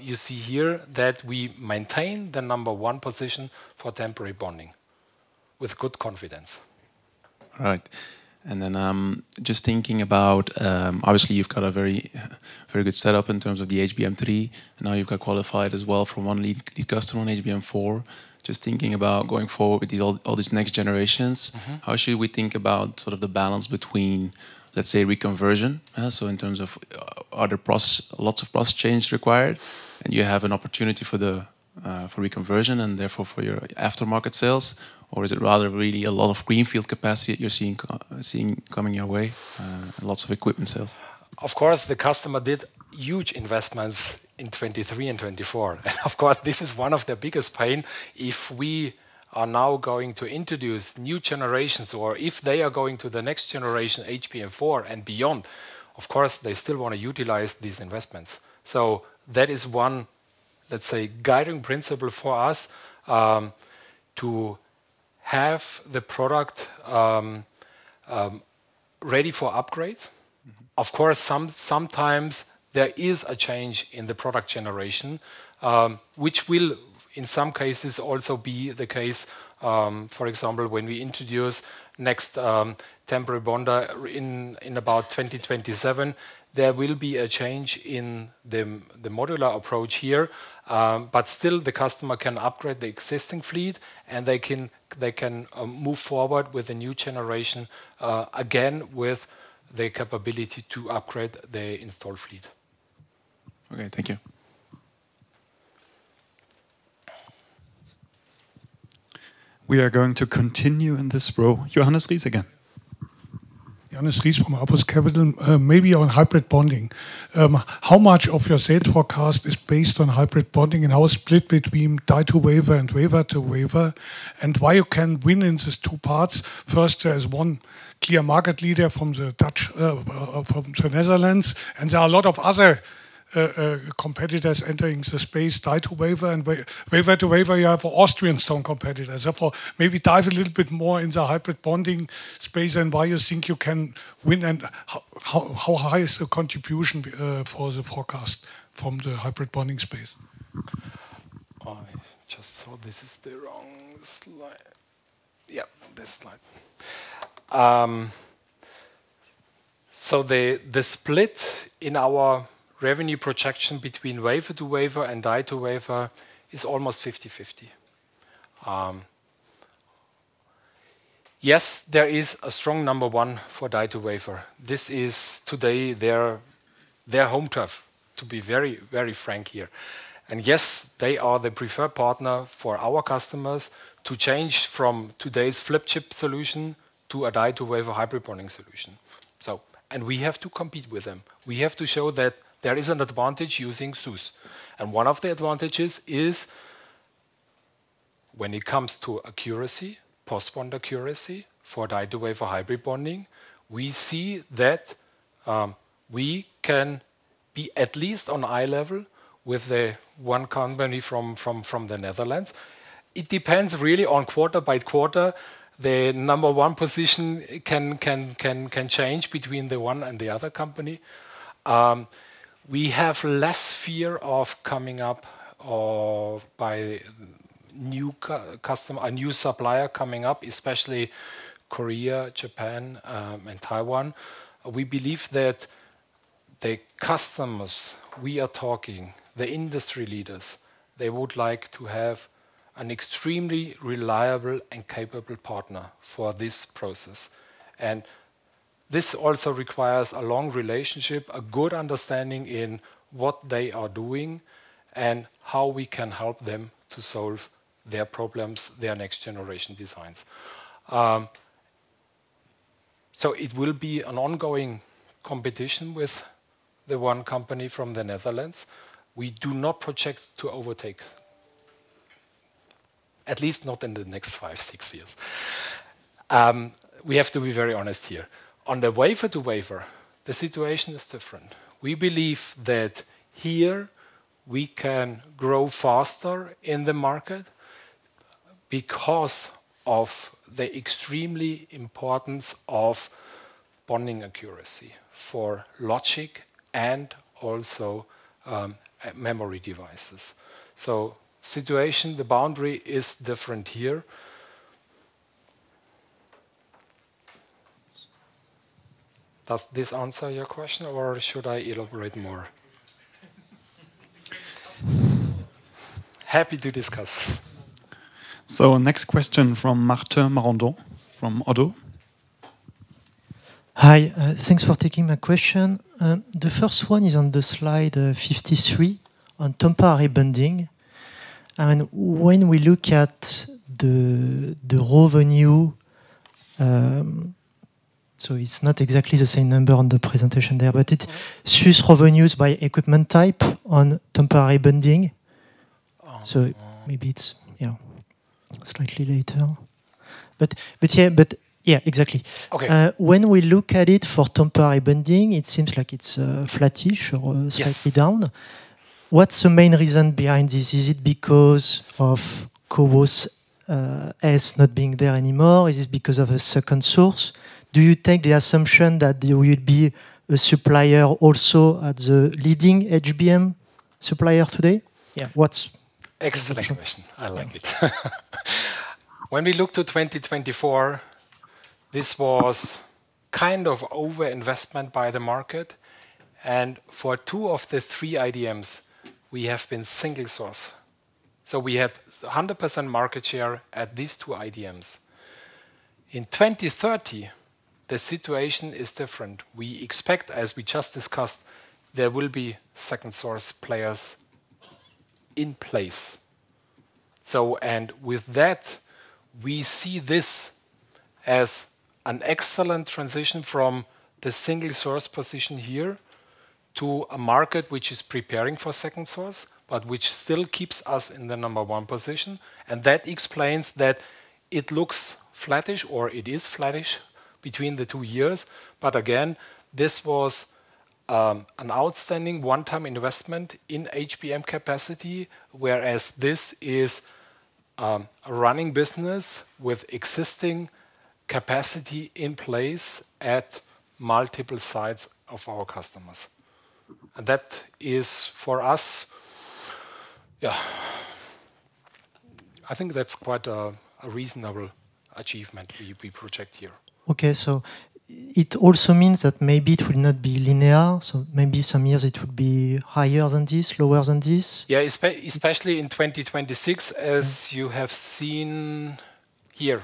you see here that we maintain the number one position for temporary bonding with good confidence. All right. Just thinking about, obviously, you've got a very good setup in terms of the HBM3. Now you've got qualified as well from one lead customer on HBM4. Just thinking about going forward with all these next generations, how should we think about sort of the balance between, let's say, reconversion? In terms of other process, lots of process change required, and you have an opportunity for reconversion and therefore for your aftermarket sales, or is it rather really a lot of greenfield capacity that you're seeing coming your way, lots of equipment sales? Of course, the customer did huge investments in 2023 and 2024. This is one of their biggest pains. If we are now going to introduce new generations or if they are going to the next generation HBM4 and beyond, they still want to utilize these investments. That is one, let's say, guiding principle for us to have the product ready for upgrades. Of course, sometimes there is a change in the product generation, which will in some cases also be the case, for example, when we introduce next temporary bonder in about 2027, there will be a change in the modular approach here. Still, the customer can upgrade the existing fleet, and they can move forward with a new generation again with the capability to upgrade the install fleet. Okay, thank you. We are going to continue in this row. Johannes Ries again. Johannes Ries from Apus Capital GmbH. Maybe on hybrid bonding. How much of your sales forecast is based on hybrid bonding and how split between die-to-wafer and wafer-to-wafer and why you can win in these two parts? First, there is one clear market leader from the Netherlands, and there are a lot of other competitors entering the space, die-to-wafer. Wafer-to-wafer, you have Austrian stone competitors. Therefore, maybe dive a little bit more into the hybrid bonding space and why you think you can win and how high is the contribution for the forecast from the hybrid bonding space? I just saw this is the wrong slide. Yeah, this slide. The split in our revenue projection between wafer-to-wafer and die-to-wafer is almost 50-50. Yes, there is a strong number one for die-to-wafer. This is today their home turf, to be very, very frank here. Yes, they are the preferred partner for our customers to change from today's flip chip solution to a die-to-wafer hybrid bonding solution. We have to compete with them. We have to show that there is an advantage using SUS. One of the advantages is when it comes to accuracy, post-bond accuracy for die-to-wafer hybrid bonding, we see that we can be at least on eye level with the one company from the Netherlands. It depends really on quarter by quarter. The number one position can change between the one and the other company. We have less fear of a new supplier coming up, especially Korea, Japan, and Taiwan. We believe that the customers we are talking, the industry leaders, they would like to have an extremely reliable and capable partner for this process. This also requires a long relationship, a good understanding in what they are doing and how we can help them to solve their problems, their next generation designs. It will be an ongoing competition with the one company from the Netherlands. We do not project to overtake, at least not in the next five, six years. We have to be very honest here. On the wafer-to-wafer, the situation is different. We believe that here we can grow faster in the market because of the extremely importance of bonding accuracy for logic and also memory devices. The situation, the boundary is different here. Does this answer your question, or should I elaborate more? Happy to discuss. Next question from Martin Marandon from Oddo. Hi, thanks for taking my question. The first one is on the slide 53 on temporary bonding. When we look at the revenue, it is not exactly the same number on the presentation there, but it is SUS revenues by equipment type on temporary bonding. Maybe it is slightly later. Exactly. When we look at it for temporary bonding, it seems like it's flattish or slightly down. What's the main reason behind this? Is it because of CoWoS S not being there anymore? Is it because of a second source? Do you take the assumption that there will be a supplier also at the leading HBM supplier today? Yeah. Excellent question. I like it. When we look to 2024, this was kind of over-investment by the market. And for two of the three IDMs, we have been single source. So we had 100% market share at these two IDMs. In 2030, the situation is different. We expect, as we just discussed, there will be second source players in place. With that, we see this as an excellent transition from the single source position here to a market which is preparing for second source, but which still keeps us in the number one position. That explains that it looks flattish, or it is flattish between the two years. Again, this was an outstanding one-time investment in HBM capacity, whereas this is a running business with existing capacity in place at multiple sites of our customers. That is for us, yeah, I think that's quite a reasonable achievement we project here. It also means that maybe it will not be linear. Maybe some years it will be higher than this, lower than this. Yeah, especially in 2026, as you have seen here.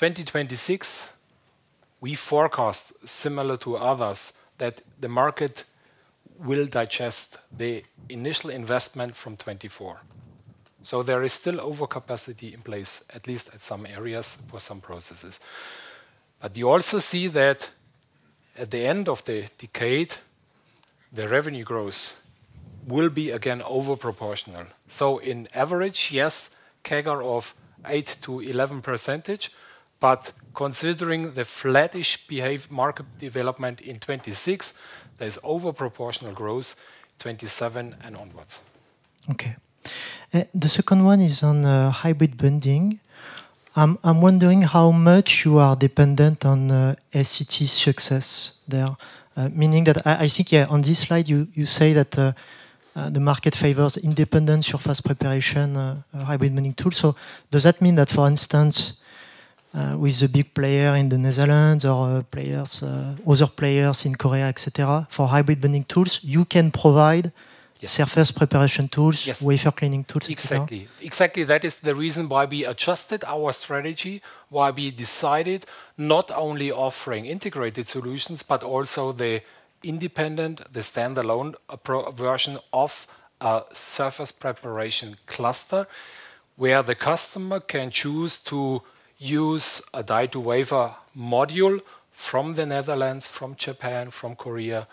In 2026, we forecast similar to others that the market will digest the initial investment from 2024. There is still overcapacity in place, at least at some areas for some processes. You also see that at the end of the decade, the revenue growth will be again overproportional. In average, yes, CAGR of 8%-11%. Considering the flattish market development in 2026, there is overproportional growth in 2027 and onwards. The second one is on hybrid bonding. I'm wondering how much you are dependent on SET's success there, meaning that I think on this slide, you say that the market favors independent surface preparation hybrid bonding tools. Does that mean that, for instance, with a big player in the Netherlands or other players in Korea, etc., for hybrid bonding tools, you can provide surface preparation tools, wafer cleaning tools? Exactly. Exactly. That is the reason why we adjusted our strategy, why we decided not only offering integrated solutions, but also the independent, the standalone version of a surface preparation cluster where the customer can choose to use a die-to-wafer module from the Netherlands, from Japan, from Korea.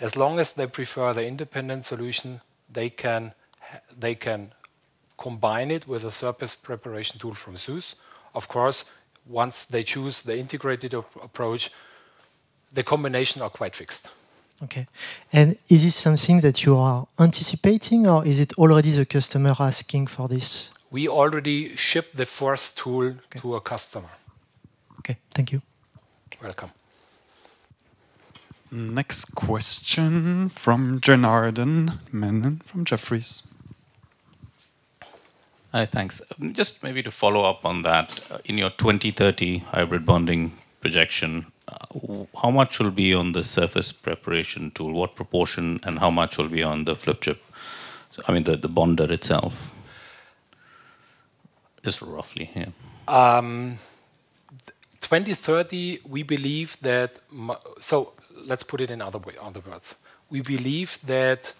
As long as they prefer the independent solution, they can combine it with a surface preparation tool from SUS. Of course, once they choose the integrated approach, the combinations are quite fixed. Okay. Is this something that you are anticipating, or is it already the customer asking for this? We already shipped the first tool to a customer. Okay. Thank you. Welcome. Next question from Gernarden Menon from Jefferies. Hi, thanks. Just maybe to follow up on that, in your 2030 hybrid bonding projection, how much will be on the surface preparation tool? What proportion and how much will be on the flip chip? I mean, the bonder itself, just roughly here. 2030, we believe that, so let's put it in other words. We believe that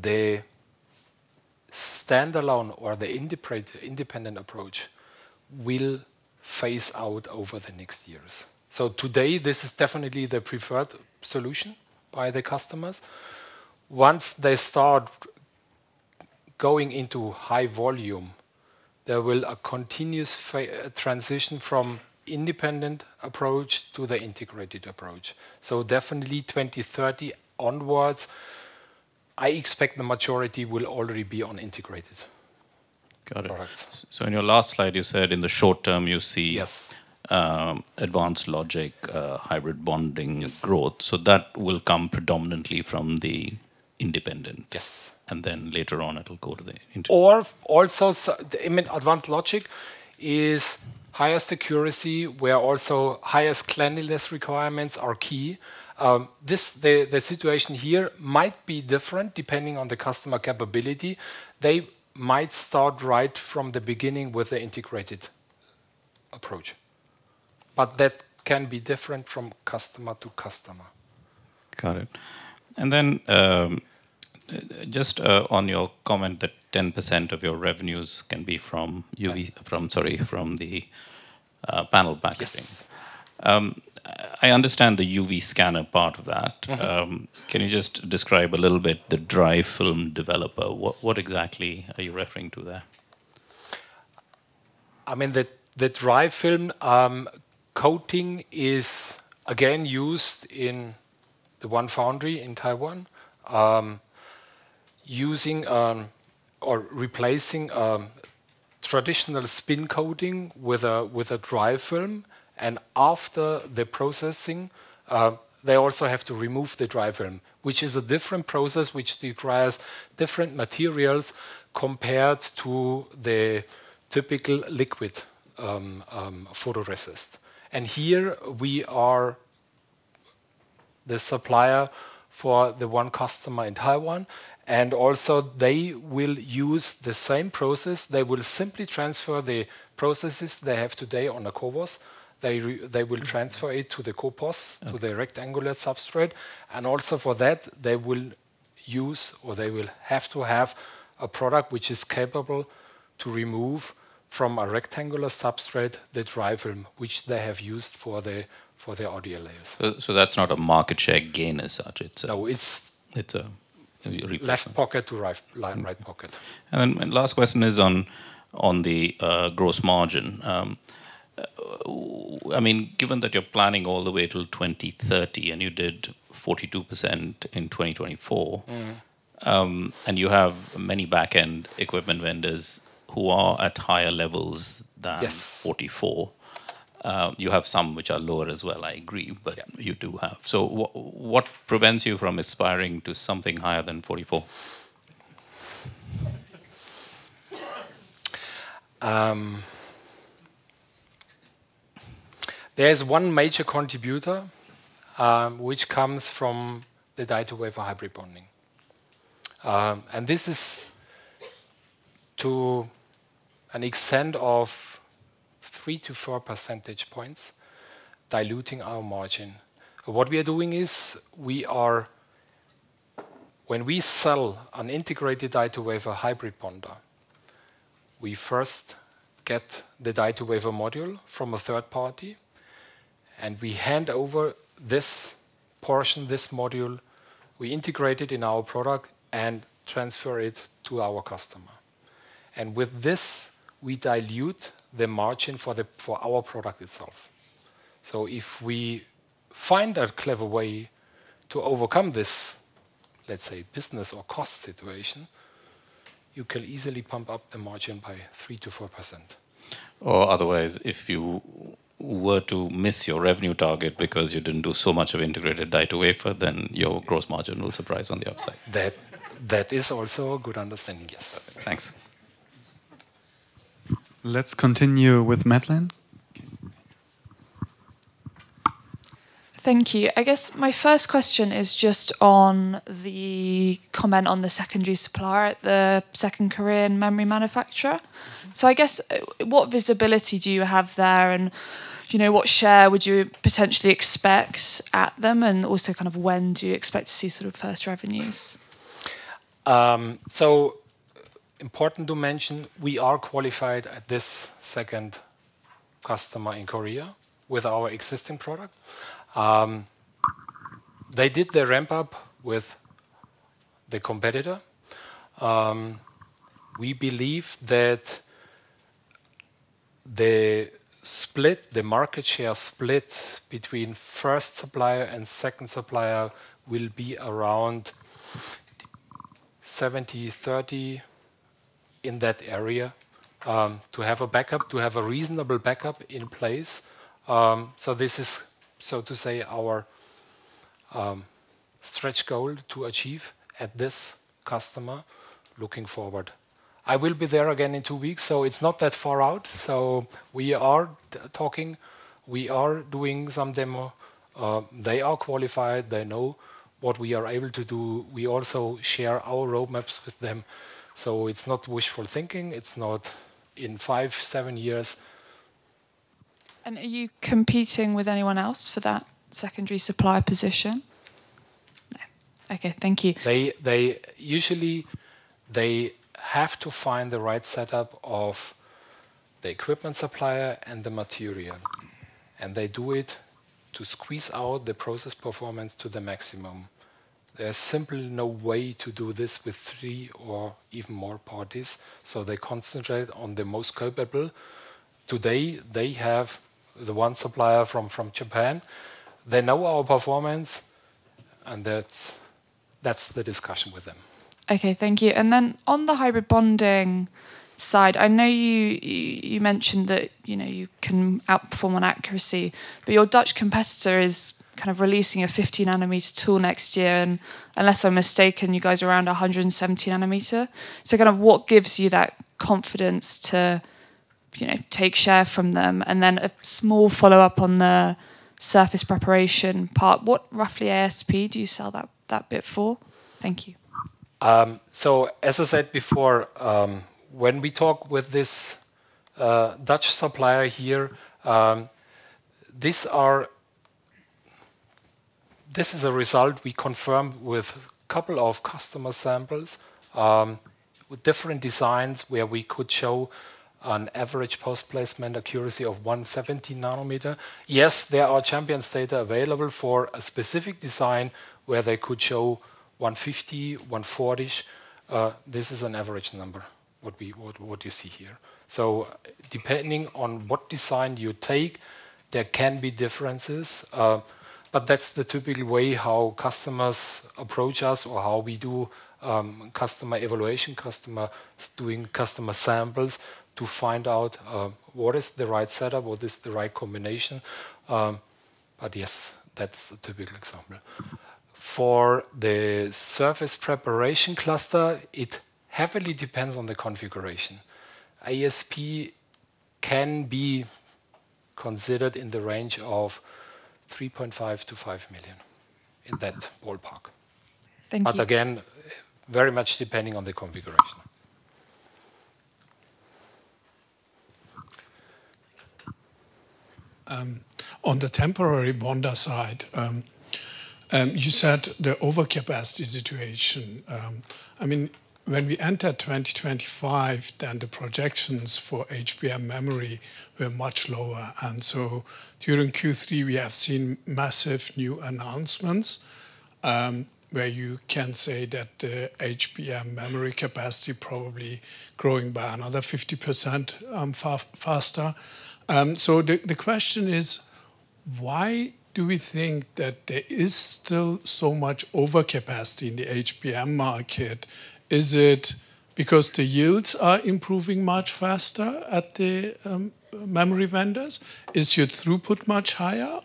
the standalone or the independent approach will phase out over the next years. Today, this is definitely the preferred solution by the customers. Once they start going into high volume, there will be a continuous transition from independent approach to the integrated approach. Definitely 2030 onwards, I expect the majority will already be on integrated products. Got it. In your last slide, you said in the short term, you see advanced logic, hybrid bonding growth. That will come predominantly from the independent. Later on, it'll go to the. I mean, advanced logic is highest accuracy where also highest cleanliness requirements are key. The situation here might be different depending on the customer capability. They might start right from the beginning with the integrated approach. That can be different from customer to customer. Got it. Just on your comment, that 10% of your revenues can be from, sorry, from the panel packaging. I understand the UV scanner part of that. Can you just describe a little bit the dry film developer? What exactly are you referring to there? I mean, the dry film coating is again used in the one foundry in Taiwan, using or replacing traditional spin coating with a dry film. After the processing, they also have to remove the dry film, which is a different process, which requires different materials compared to the typical liquid photoresist. Here we are the supplier for the one customer in Taiwan. Also they will use the same process. They will simply transfer the processes they have today on a CoWoS. They will transfer it to the CoPOS, to the rectangular substrate. Also for that, they will use or they will have to have a product which is capable to remove from a rectangular substrate the dry film, which they have used for the audio layers. That is not a market share gain as such. It is a left pocket to right pocket. Last question is on the gross margin. I mean, given that you are planning all the way till 2030 and you did 42% in 2024, and you have many back-end equipment vendors who are at higher levels than 44%. You have some which are lower as well, I agree, but you do have. What prevents you from aspiring to something higher than 44%? There is one major contributor which comes from the die-to-wafer hybrid bonding. This is to an extent of three to four percentage points diluting our margin. What we are doing is when we sell an integrated die-to-wafer hybrid bonder, we first get the die-to-wafer module from a third party, and we hand over this portion, this module, we integrate it in our product and transfer it to our customer. With this, we dilute the margin for our product itself. If we find a clever way to overcome this, let's say, business or cost situation, you can easily pump up the margin by 3-4%. Otherwise, if you were to miss your revenue target because you did not do so much of integrated die-to-wafer, then your gross margin will surprise on the upside. That is also a good understanding, yes. Thanks. Let's continue with Madeleine. Thank you. I guess my first question is just on the comment on the secondary supplier, the second Korean memory manufacturer. I guess what visibility do you have there and what share would you potentially expect at them? Also, kind of when do you expect to see sort of first revenues? Important to mention, we are qualified at this second customer in Korea with our existing product. They did the ramp-up with the competitor. We believe that the market share split between first supplier and second supplier will be around 70-30 in that area to have a reasonable backup in place. This is, so to say, our stretch goal to achieve at this customer looking forward. I will be there again in two weeks, so it is not that far out. We are talking, we are doing some demo. They are qualified, they know what we are able to do. We also share our roadmaps with them. It is not wishful thinking, it is not in five, seven years. Are you competing with anyone else for that secondary supply position? No. Okay, thank you. Usually, they have to find the right setup of the equipment supplier and the material. They do it to squeeze out the process performance to the maximum. There is simply no way to do this with three or even more parties. They concentrate on the most capable. Today, they have the one supplier from Japan. They know our performance, and that is the discussion with them. Okay, thank you. On the hybrid bonding side, I know you mentioned that you can outperform on accuracy, but your Dutch competitor is kind of releasing a 50 nanometer tool next year. Unless I'm mistaken, you guys are around 170 nanometer. Kind of what gives you that confidence to take share from them? A small follow-up on the surface preparation part. What roughly ASP do you sell that bit for? Thank you. As I said before, when we talk with this Dutch supplier here, this is a result we confirmed with a couple of customer samples with different designs where we could show an average post-placement accuracy of 170 nanometer. Yes, there are champions data available for a specific design where they could show 150, 140. This is an average number, what you see here. Depending on what design you take, there can be differences. That's the typical way how customers approach us or how we do customer evaluation, customers doing customer samples to find out what is the right setup, what is the right combination. Yes, that's a typical example. For the surface preparation cluster, it heavily depends on the configuration. ASP can be considered in the range of 3.5 million-5 million in that ballpark. Again, very much depending on the configuration. On the temporary bonder side, you said the overcapacity situation. I mean, when we entered 2025, the projections for HBM memory were much lower. During Q3, we have seen massive new announcements where you can say that the HBM memory capacity is probably growing by another 50% faster. The question is, why do we think that there is still so much overcapacity in the HBM market? Is it because the yields are improving much faster at the memory vendors? Is your throughput much higher?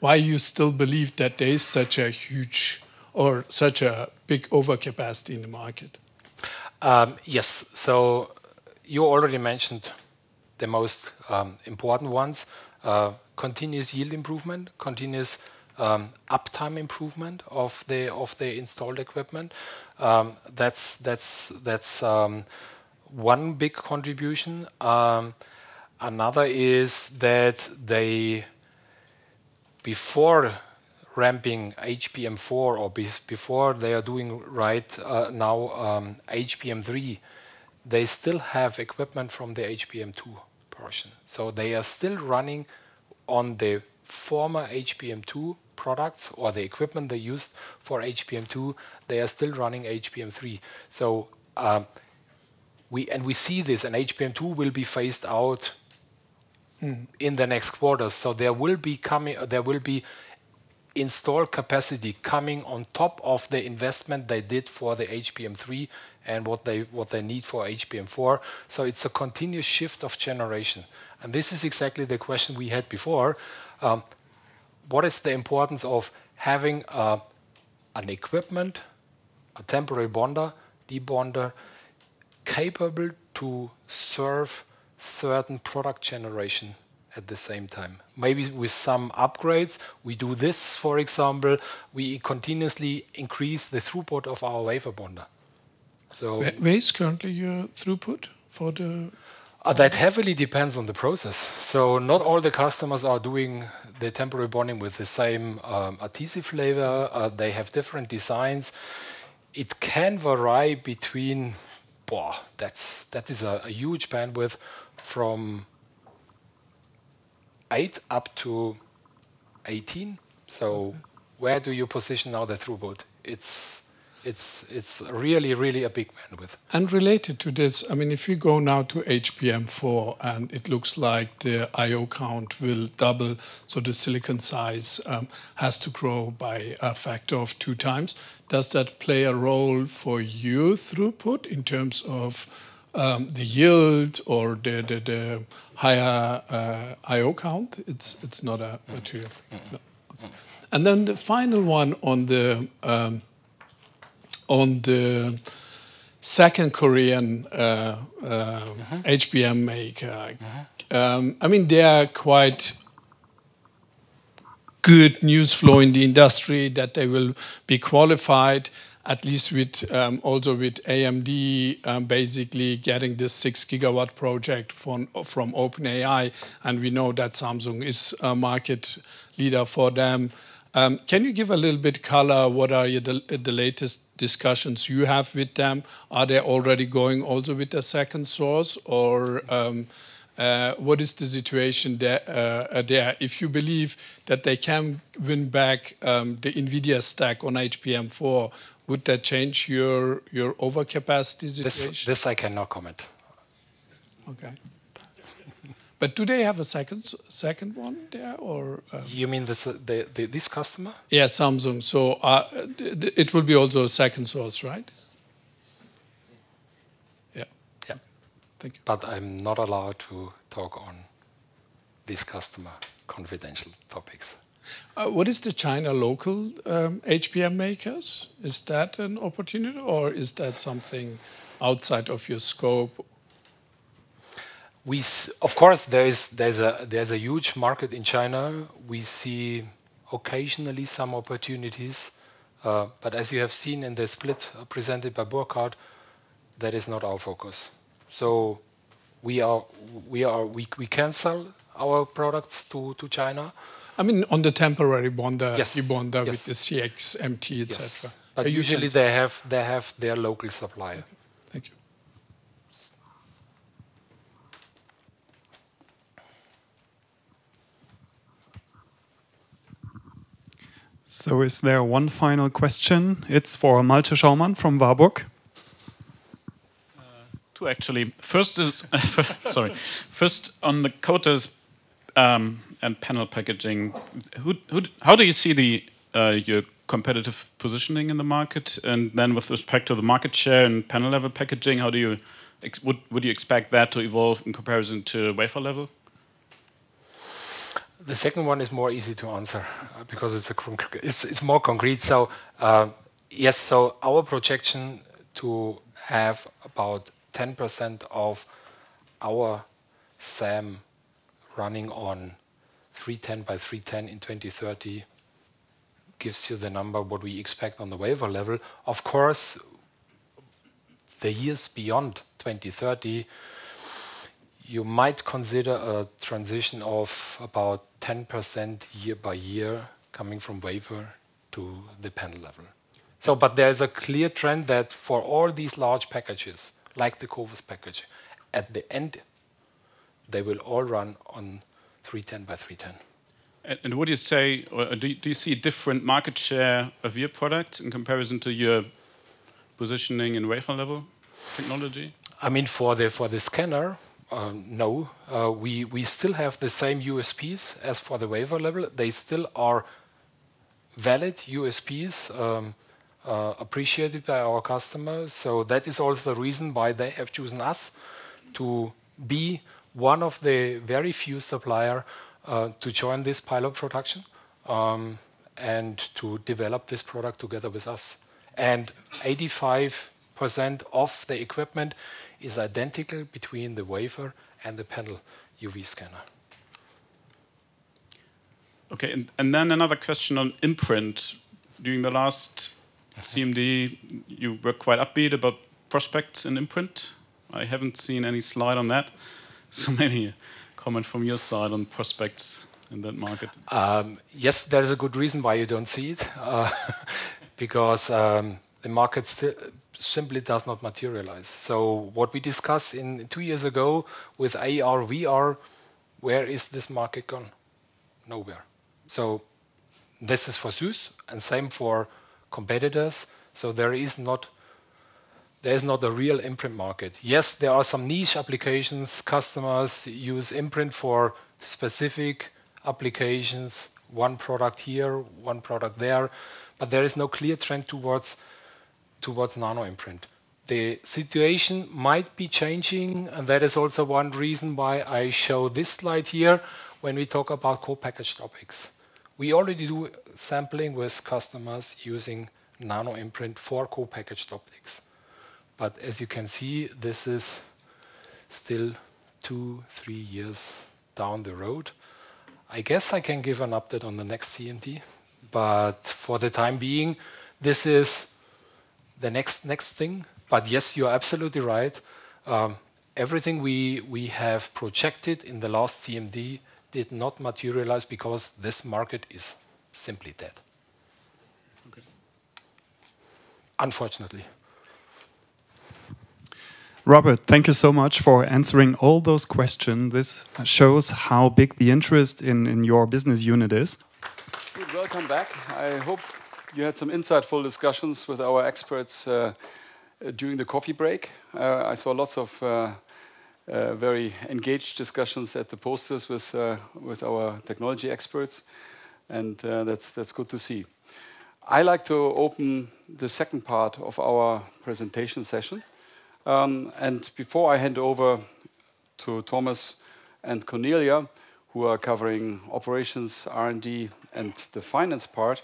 Why do you still believe that there is such a huge or such a big overcapacity in the market? Yes. You already mentioned the most important ones: continuous yield improvement, continuous uptime improvement of the installed equipment. That is one big contribution. Another is that before ramping HBM4 or before they are doing right now HBM3, they still have equipment from the HBM2 portion. They are still running on the former HBM2 products or the equipment they used for HBM2. They are still running HBM3. We see this, and HBM2 will be phased out in the next quarter. There will be installed capacity coming on top of the investment they did for the HBM3 and what they need for HBM4. It is a continuous shift of generation. This is exactly the question we had before. What is the importance of having an equipment, a temporary bonder, debonder capable to serve certain product generation at the same time? Maybe with some upgrades. We do this, for example, we continuously increase the throughput of our wafer bonder. Where is currently your throughput for the? That heavily depends on the process. Not all the customers are doing the temporary bonding with the same adhesive layer. They have different designs. It can vary between, boy, that is a huge bandwidth, from 8 up to 18. Where do you position now the throughput? It is re ally, really a big bandwidth. Related to this, I mean, if you go now to HBM4 and it looks like the IO count will double, so the silicon size has to grow by a factor of two times. Does that play a role for your throughput in terms of the yield or the higher IO count? It's not a material. And then the final one on the second Korean HBM maker. I mean, there are quite good news flow in the industry that they will be qualified, at least also with AMD, basically getting this 6 gigawatt project from OpenAI. And we know that Samsung is a market leader for them. Can you give a little bit color? What are the latest discussions you have with them? Are they already going also with the second source? Or what is the situation there? If you believe that they can win back the NVIDIA stack on HBM4, would that change your overcapacity situation? This I cannot comment. Okay. But do they have a second one there or? You mean this customer? Yeah, Samsung. It will be also a second source, right? Yeah. Yeah. Thank you. I am not allowed to talk on this customer confidential topics. What is the China local HBM makers? Is that an opportunity or is that something outside of your scope? Of course, there is a huge market in China. We see occasionally some opportunities. As you have seen in the split presented by Burkhardt, that is not our focus. We cancel our products to China. I mean, on the temporary bonder, the bonder with the CX, MT, etc. Usually they have their local supplier. Thank you. Is there one final question? It is for Malte Schaumann from Warburg. Actually, sorry, first on the coaters and panel packaging, how do you see your competitive positioning in the market? Then with respect to the market share and panel level packaging, would you expect that to evolve in comparison to wafer level? The second one is more easy to answer because it's more concrete. Yes, our projection to have about 10% of our SAM running on 310 by 310 in 2030 gives you the number what we expect on the wafer level. Of course, the years beyond 2030, you might consider a transition of about 10% year by year coming from wafer to the panel level. There is a clear trend that for all these large packages, like the CoWoS package, at the end, they will all run on 310 by 310. Would you say, do you see different market share of your product in comparison to your positioning in wafer level technology? I mean, for the scanner, no. We still have the same USPs as for the wafer level. They still are valid USPs appreciated by our customers. That is also the reason why they have chosen us to be one of the very few suppliers to join this pilot production and to develop this product together with us. 85% of the equipment is identical between the wafer and the panel UV scanner. Okay. Another question on imprint. During the last CMD, you were quite upbeat about prospects and imprint. I have not seen any slide on that. Any comments from your side on prospects in that market. Yes, there is a good reason why you do not see it because the market simply does not materialize. What we discussed two years ago with AR, VR, where is this market gone? Nowhere. This is for SUSS and same for competitors. There is not a real imprint market. Yes, there are some niche applications. Customers use imprint for specific applications, one product here, one product there. There is no clear trend towards nano imprint. The situation might be changing. That is also one reason why I show this slide here when we talk about co-packaged optics. We already do sampling with customers using nano imprint for co-packaged optics. As you can see, this is still two, three years down the road. I guess I can give an update on the next CMD. For the time being, this is the next thing. Yes, you're absolutely right. Everything we have projected in the last CMD did not materialize because this market is simply dead. Unfortunately. Robert, thank you so much for answering all those questions. This shows how big the interest in your business unit is. Welcome back. I hope you had some insightful discussions with our experts during the coffee break. I saw lots of very engaged discussions at the posters with our technology experts. That is good to see. I like to open the second part of our presentation session. Before I hand over to Thomas and Cornelia, who are covering operations, R&D, and the finance part,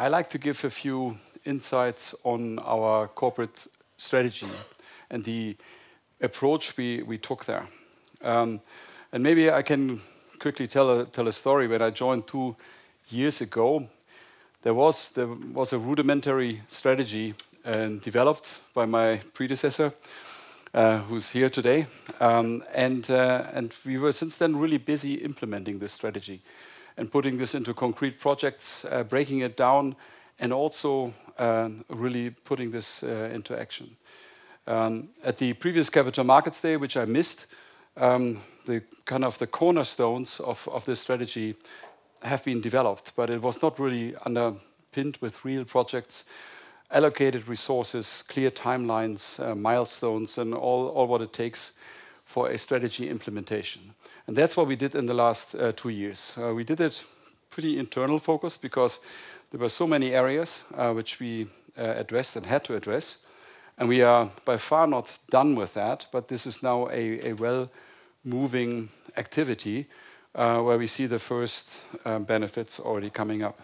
I like to give a few insights on our corporate strategy and the approach we took there. Maybe I can quickly tell a story. When I joined two years ago, there was a rudimentary strategy developed by my predecessor, who is here today. We were since then really busy implementing this strategy and putting this into concrete projects, breaking it down, and also really putting this into action. At the previous Capital Markets Day, which I missed, the kind of the cornerstones of this strategy have been developed, but it was not really underpinned with real projects, allocated resources, clear timelines, milestones, and all what it takes for a strategy implementation. That is what we did in the last two years. We did it pretty internal focused because there were so many areas which we addressed and had to address. We are by far not done with that, but this is now a well-moving activity where we see the first benefits already coming up.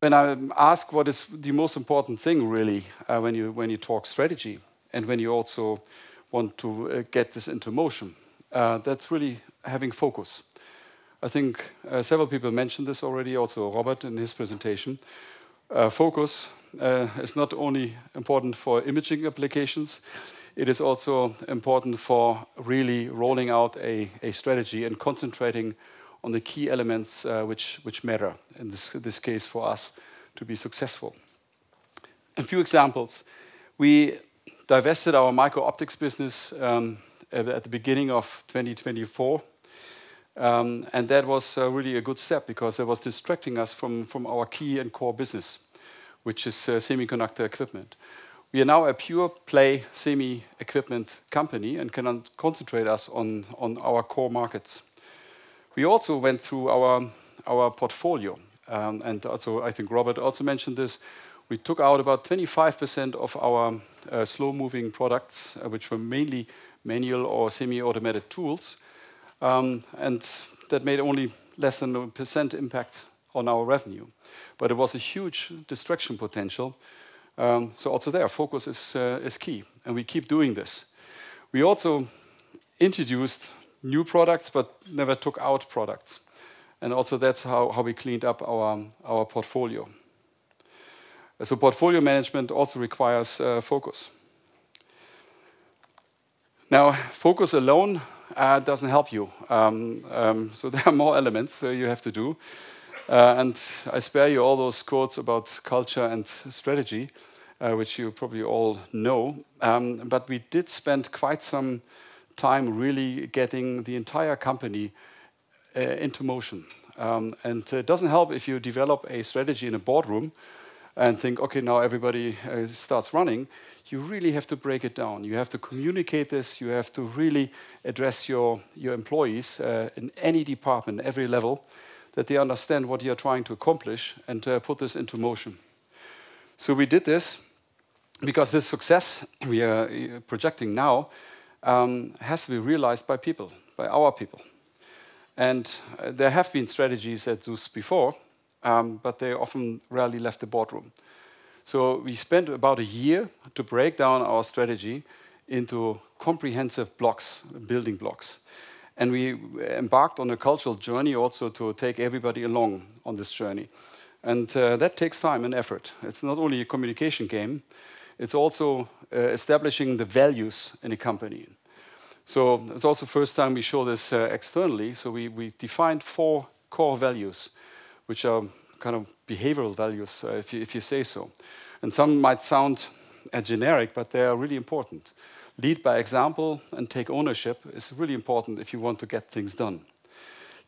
When I ask what is the most important thing really when you talk strategy and when you also want to get this into motion, that is really having focus. I think several people mentioned this already, also Robert in his presentation. Focus is not only important for imaging applications. It is also important for really rolling out a strategy and concentrating on the key elements which matter in this case for us to be successful. A few examples. We divested our microoptics business at the beginning of 2024. And that was really a good step because that was distracting us from our key and core business, which is semiconductor equipment. We are now a pure-play semi-equipment company and can concentrate us on our core markets. We also went through our portfolio. Also, I think Robert also mentioned this. We took out about 25% of our slow-moving products, which were mainly manual or semi-automated tools. That made only less than 1% impact on our revenue. It was a huge destruction potential. Also there, focus is key. We keep doing this. We also introduced new products, but never took out products. That is how we cleaned up our portfolio. Portfolio management also requires focus. Focus alone does not help you. There are more elements you have to do. I spare you all those quotes about culture and strategy, which you probably all know. We did spend quite some time really getting the entire company into motion. It does not help if you develop a strategy in a boardroom and think, "Okay, now everybody starts running." You really have to break it down. You have to communicate this. You have to really address your employees in any department, every level, that they understand what you are trying to accomplish and put this into motion. We did this because this success we are projecting now has to be realized by people, by our people. There have been strategies at SUSS before, but they often rarely left the boardroom. We spent about a year to break down our strategy into comprehensive blocks, building blocks. We embarked on a cultural journey also to take everybody along on this journey. That takes time and effort. It's not only a communication game. It's also establishing the values in a company. It's also the first time we show this externally. We defined four core values, which are kind of behavioral values, if you say so. Some might sound generic, but they are really important. Lead by example and take ownership is really important if you want to get things done.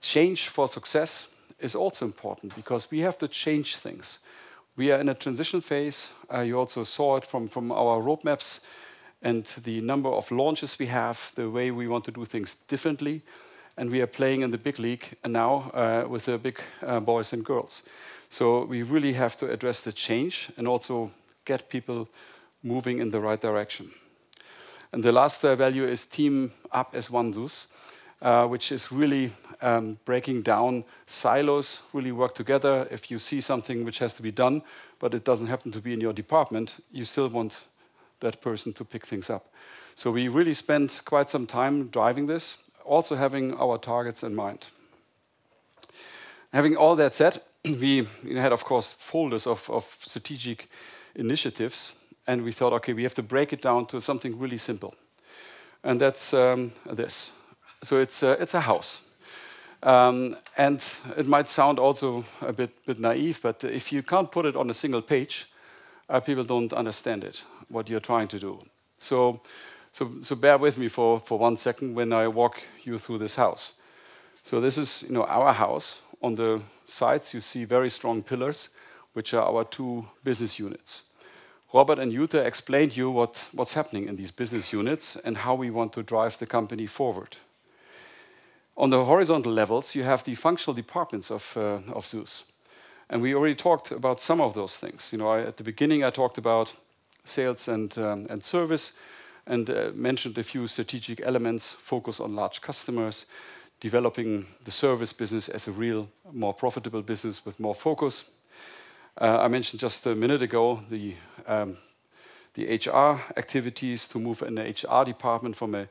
Change for success is also important because we have to change things. We are in a transition phase. You also saw it from our roadmaps and the number of launches we have, the way we want to do things differently. We are playing in the big league now with the big boys and girls. We really have to address the change and also get people moving in the right direction. The last value is team up as one SUSE, which is really breaking down silos, really work together. If you see something which has to be done, but it does not happen to be in your department, you still want that person to pick things up. We really spent quite some time driving this, also having our targets in mind. Having all that said, we had, of course, folders of strategic initiatives. We thought, "Okay, we have to break it down to something really simple." That is this. It is a house. It might sound also a bit naive, but if you can't put it on a single page, people don't understand it, what you're trying to do. Bear with me for one second when I walk you through this house. This is our house. On the sides, you see very strong pillars, which are our two business units. Robert and Yuta explained to you what's happening in these business units and how we want to drive the company forward. On the horizontal levels, you have the functional departments of SUSE. We already talked about some of those things. At the beginning, I talked about sales and service and mentioned a few strategic elements, focus on large customers, developing the service business as a real, more profitable business with more focus. I mentioned just a minute ago the HR activities to move in the HR department from a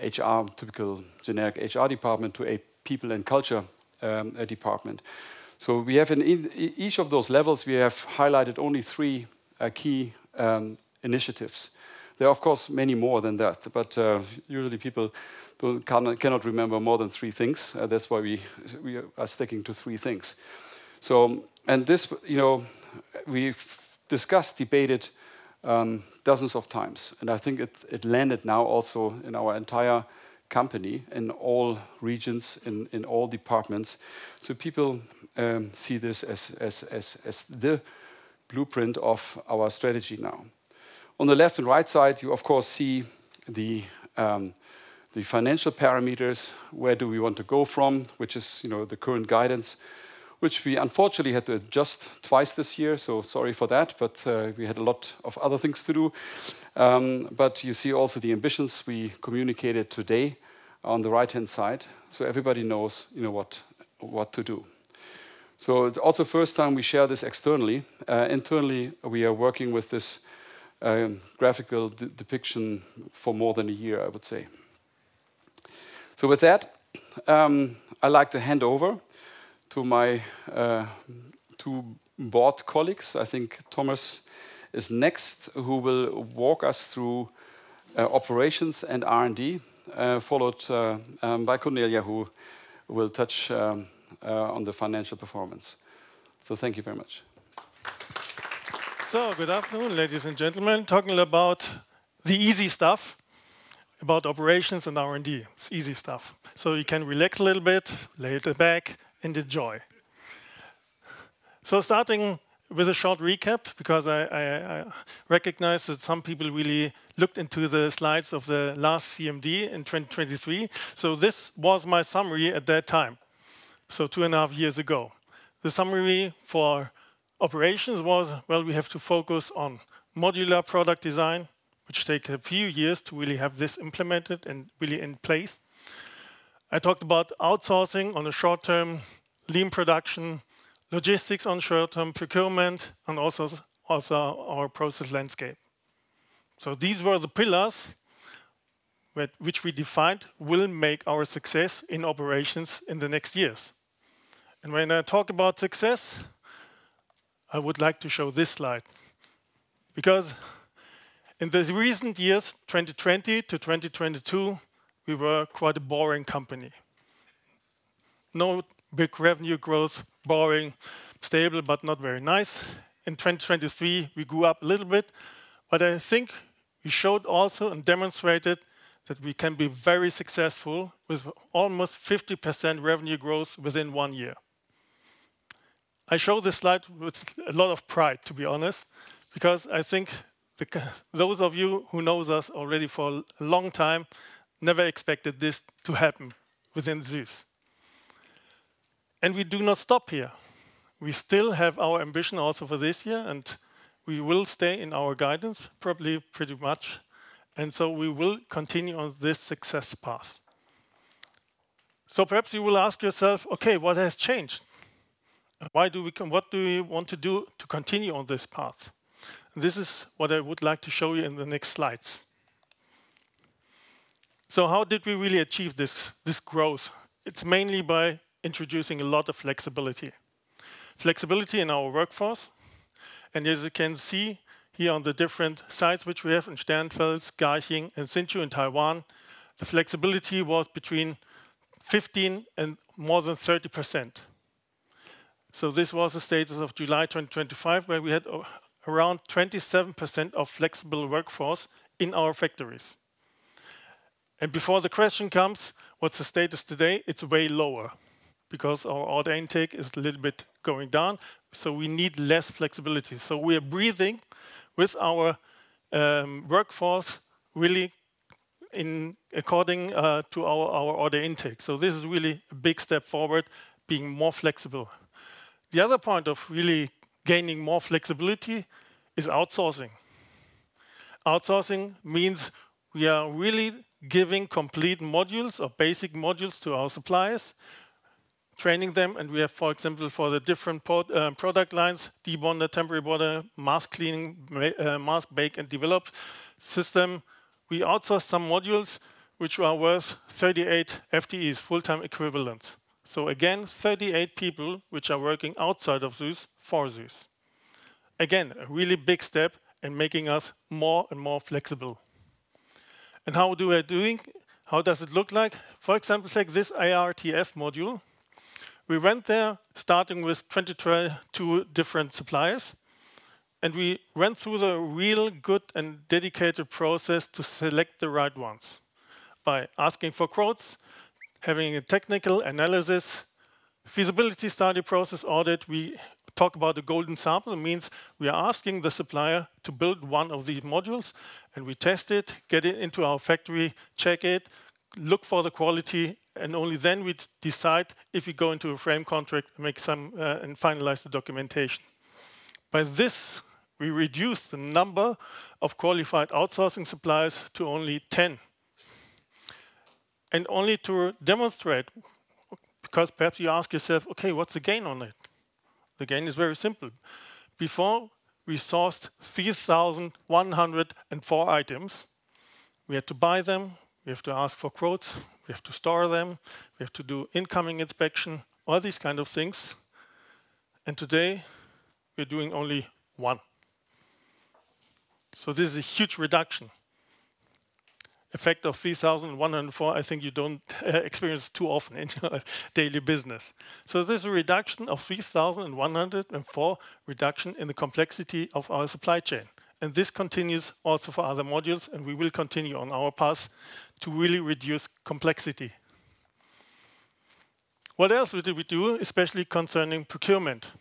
HR, typical generic HR department to a people and culture department. We have in each of those levels, we have highlighted only three key initiatives. There are, of course, many more than that, but usually people cannot remember more than three things. That is why we are sticking to three things. This we have discussed, debated dozens of times. I think it landed now also in our entire company in all regions, in all departments. People see this as the blueprint of our strategy now. On the left and right side, you, of course, see the financial parameters, where do we want to go from, which is the current guidance, which we unfortunately had to adjust twice this year. Sorry for that, but we had a lot of other things to do. You see also the ambitions we communicated today on the right-hand side. Everybody knows what to do. It is also the first time we share this externally. Internally, we are working with this graphical depiction for more than a year, I would say. With that, I'd like to hand over to my two board colleagues. I think Thomas is next, who will walk us through operations and R&D, followed by Cornelia, who will touch on the financial performance. Thank you very much. Good afternoon, ladies and gentlemen. Talking about the easy stuff, about operations and R&D. It's easy stuff. You can relax a little bit, lay it back, and enjoy. Starting with a short recap, because I recognize that some people really looked into the slides of the last CMD in 2023. This was my summary at that time, so two and a half years ago. The summary for operations was, well, we have to focus on modular product design, which takes a few years to really have this implemented and really in place. I talked about outsourcing on the short term, lean production, logistics on short term, procurement, and also our process landscape. These were the pillars which we defined will make our success in operations in the next years. When I talk about success, I would like to show this slide. Because in these recent years, 2020 to 2022, we were quite a boring company. No big revenue growth, boring, stable, but not very nice. In 2023, we grew up a little bit. I think we showed also and demonstrated that we can be very successful with almost 50% revenue growth within one year. I showed this slide with a lot of pride, to be honest, because I think those of you who know us already for a long time never expected this to happen within SUSS. We do not stop here. We still have our ambition also for this year, and we will stay in our guidance, probably pretty much. We will continue on this success path. Perhaps you will ask yourself, "Okay, what has changed? What do we want to do to continue on this path?" This is what I would like to show you in the next slides. How did we really achieve this growth? It's mainly by introducing a lot of flexibility. Flexibility in our workforce. As you can see here on the different sites which we have in Starnberg, Garching, and Hsinchu in Taiwan, the flexibility was between 15% and more than 30%. This was the status of July 2025, where we had around 27% of flexible workforce in our factories. Before the question comes, "What's the status today?" it is way lower because our order intake is a little bit going down. We need less flexibility. We are breathing with our workforce really according to our order intake. This is really a big step forward, being more flexible. The other point of really gaining more flexibility is outsourcing. Outsourcing means we are really giving complete modules or basic modules to our suppliers, training them. We have, for example, for the different product lines, deep bonded, temporary bonder, mask cleaning, mask bake and develop system, we outsource some modules which are worth 38 FTEs, full-time equivalents. Again, 38 people which are working outside of SUSS for SUSS. Again, a really big step in making us more and more flexible. How do we do it? How does it look like? For example, take this IRTF module. We went there starting with 22 different suppliers. We went through the real good and dedicated process to select the right ones by asking for quotes, having a technical analysis, feasibility study, process audit. We talk about the golden sample. It means we are asking the supplier to build one of these modules. We test it, get it into our factory, check it, look for the quality, and only then we decide if we go into a frame contract and finalize the documentation. By this, we reduce the number of qualified outsourcing suppliers to only 10. Only to demonstrate, because perhaps you ask yourself, "Okay, what's the gain on it?" The gain is very simple. Before, we sourced 3,104 items. We had to buy them. We have to ask for quotes. We have to store them. We have to do incoming inspection, all these kind of things. Today, we're doing only one. This is a huge reduction. Effect of 3,104, I think you don't experience too often in daily business. This reduction of 3,104 is a reduction in the complexity of our supply chain. This continues also for other modules. We will continue on our path to really reduce complexity. What else did we do, especially concerning procurement?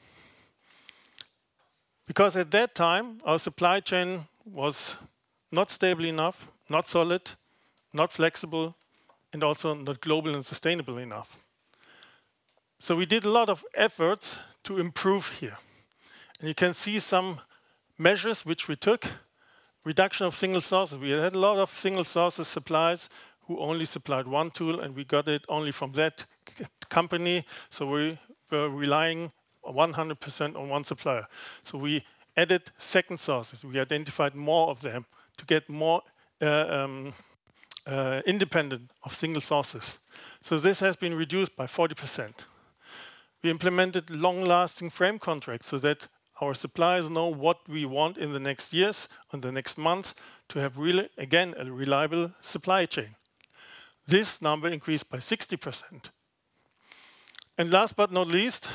Because at that time, our supply chain was not stable enough, not solid, not flexible, and also not global and sustainable enough. We did a lot of efforts to improve here. You can see some measures which we took, reduction of single sources. We had a lot of single sources suppliers who only supplied one tool, and we got it only from that company. We were relying 100% on one supplier. We added second sources. We identified more of them to get more independent of single sources. This has been reduced by 40%. We implemented long-lasting frame contracts so that our suppliers know what we want in the next years and the next months to have really, again, a reliable supply chain. This number increased by 60%. Last but not least,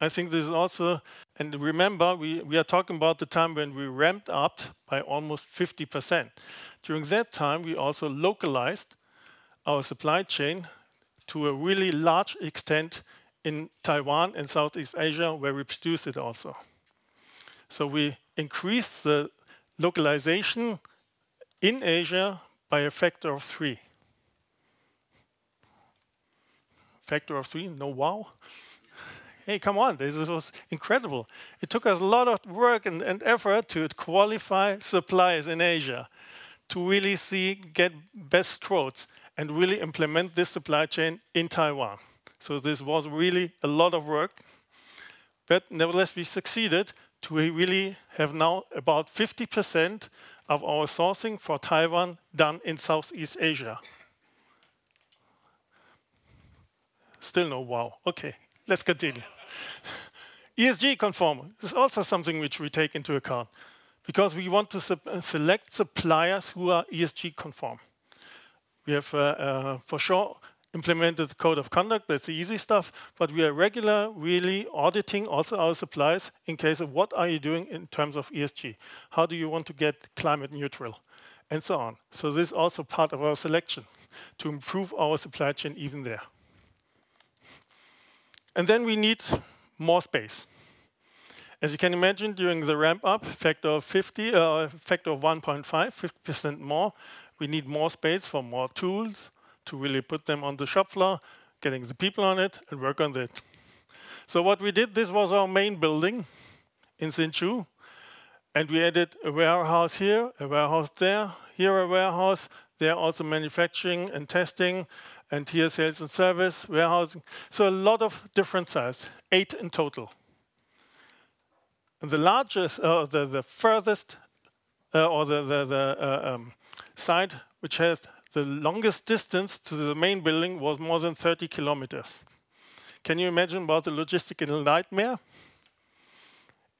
I think this is also. Remember, we are talking about the time when we ramped up by almost 50%. During that time, we also localized our supply chain to a really large extent in Taiwan and Southeast Asia, where we produced it also. We increased the localization in Asia by a factor of three. Factor of three, no wow. Hey, come on, this was incredible. It took us a lot of work and effort to qualify suppliers in Asia to really see, get best quotes, and really implement this supply chain in Taiwan. This was really a lot of work. Nevertheless, we succeeded to really have now about 50% of our sourcing for Taiwan done in Southeast Asia. Still no wow. Okay, let's continue. ESG conform. This is also something which we take into account because we want to select suppliers who are ESG conform. We have for sure implemented the code of conduct. That's the easy stuff. We are regularly auditing also our suppliers in case of what are you doing in terms of ESG. How do you want to get climate neutral and so on? This is also part of our selection to improve our supply chain even there. We need more space. As you can imagine, during the ramp-up, factor of 50, factor of 1.5, 50% more, we need more space for more tools to really put them on the shop floor, getting the people on it and work on it. What we did, this was our main building in Hsinchu. We added a warehouse here, a warehouse there, here a warehouse. There are also manufacturing and testing and here sales and service warehousing. A lot of different sizes, eight in total. The largest, the furthest, or the site which has the longest distance to the main building was more than 30 km. Can you imagine what a logistical nightmare?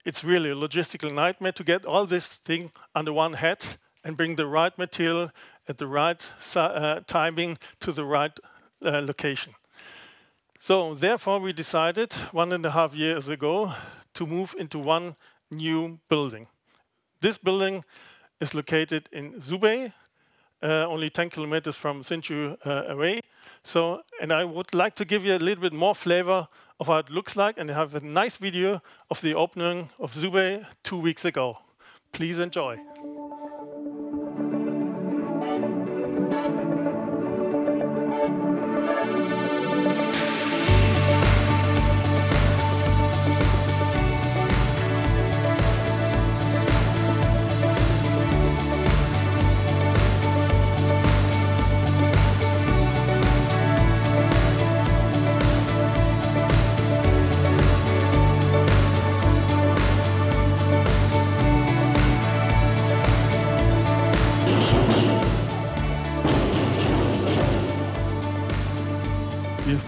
It's really a logistical nightmare to get all this thing under one hat and bring the right material at the right timing to the right location. Therefore, we decided one and a half years ago to move into one new building. This building is located in Zhubei, only 10 km from Hsinchu away. I would like to give you a little bit more flavor of how it looks like. I have a nice video of the opening of Zhubei two weeks ago. Please enjoy.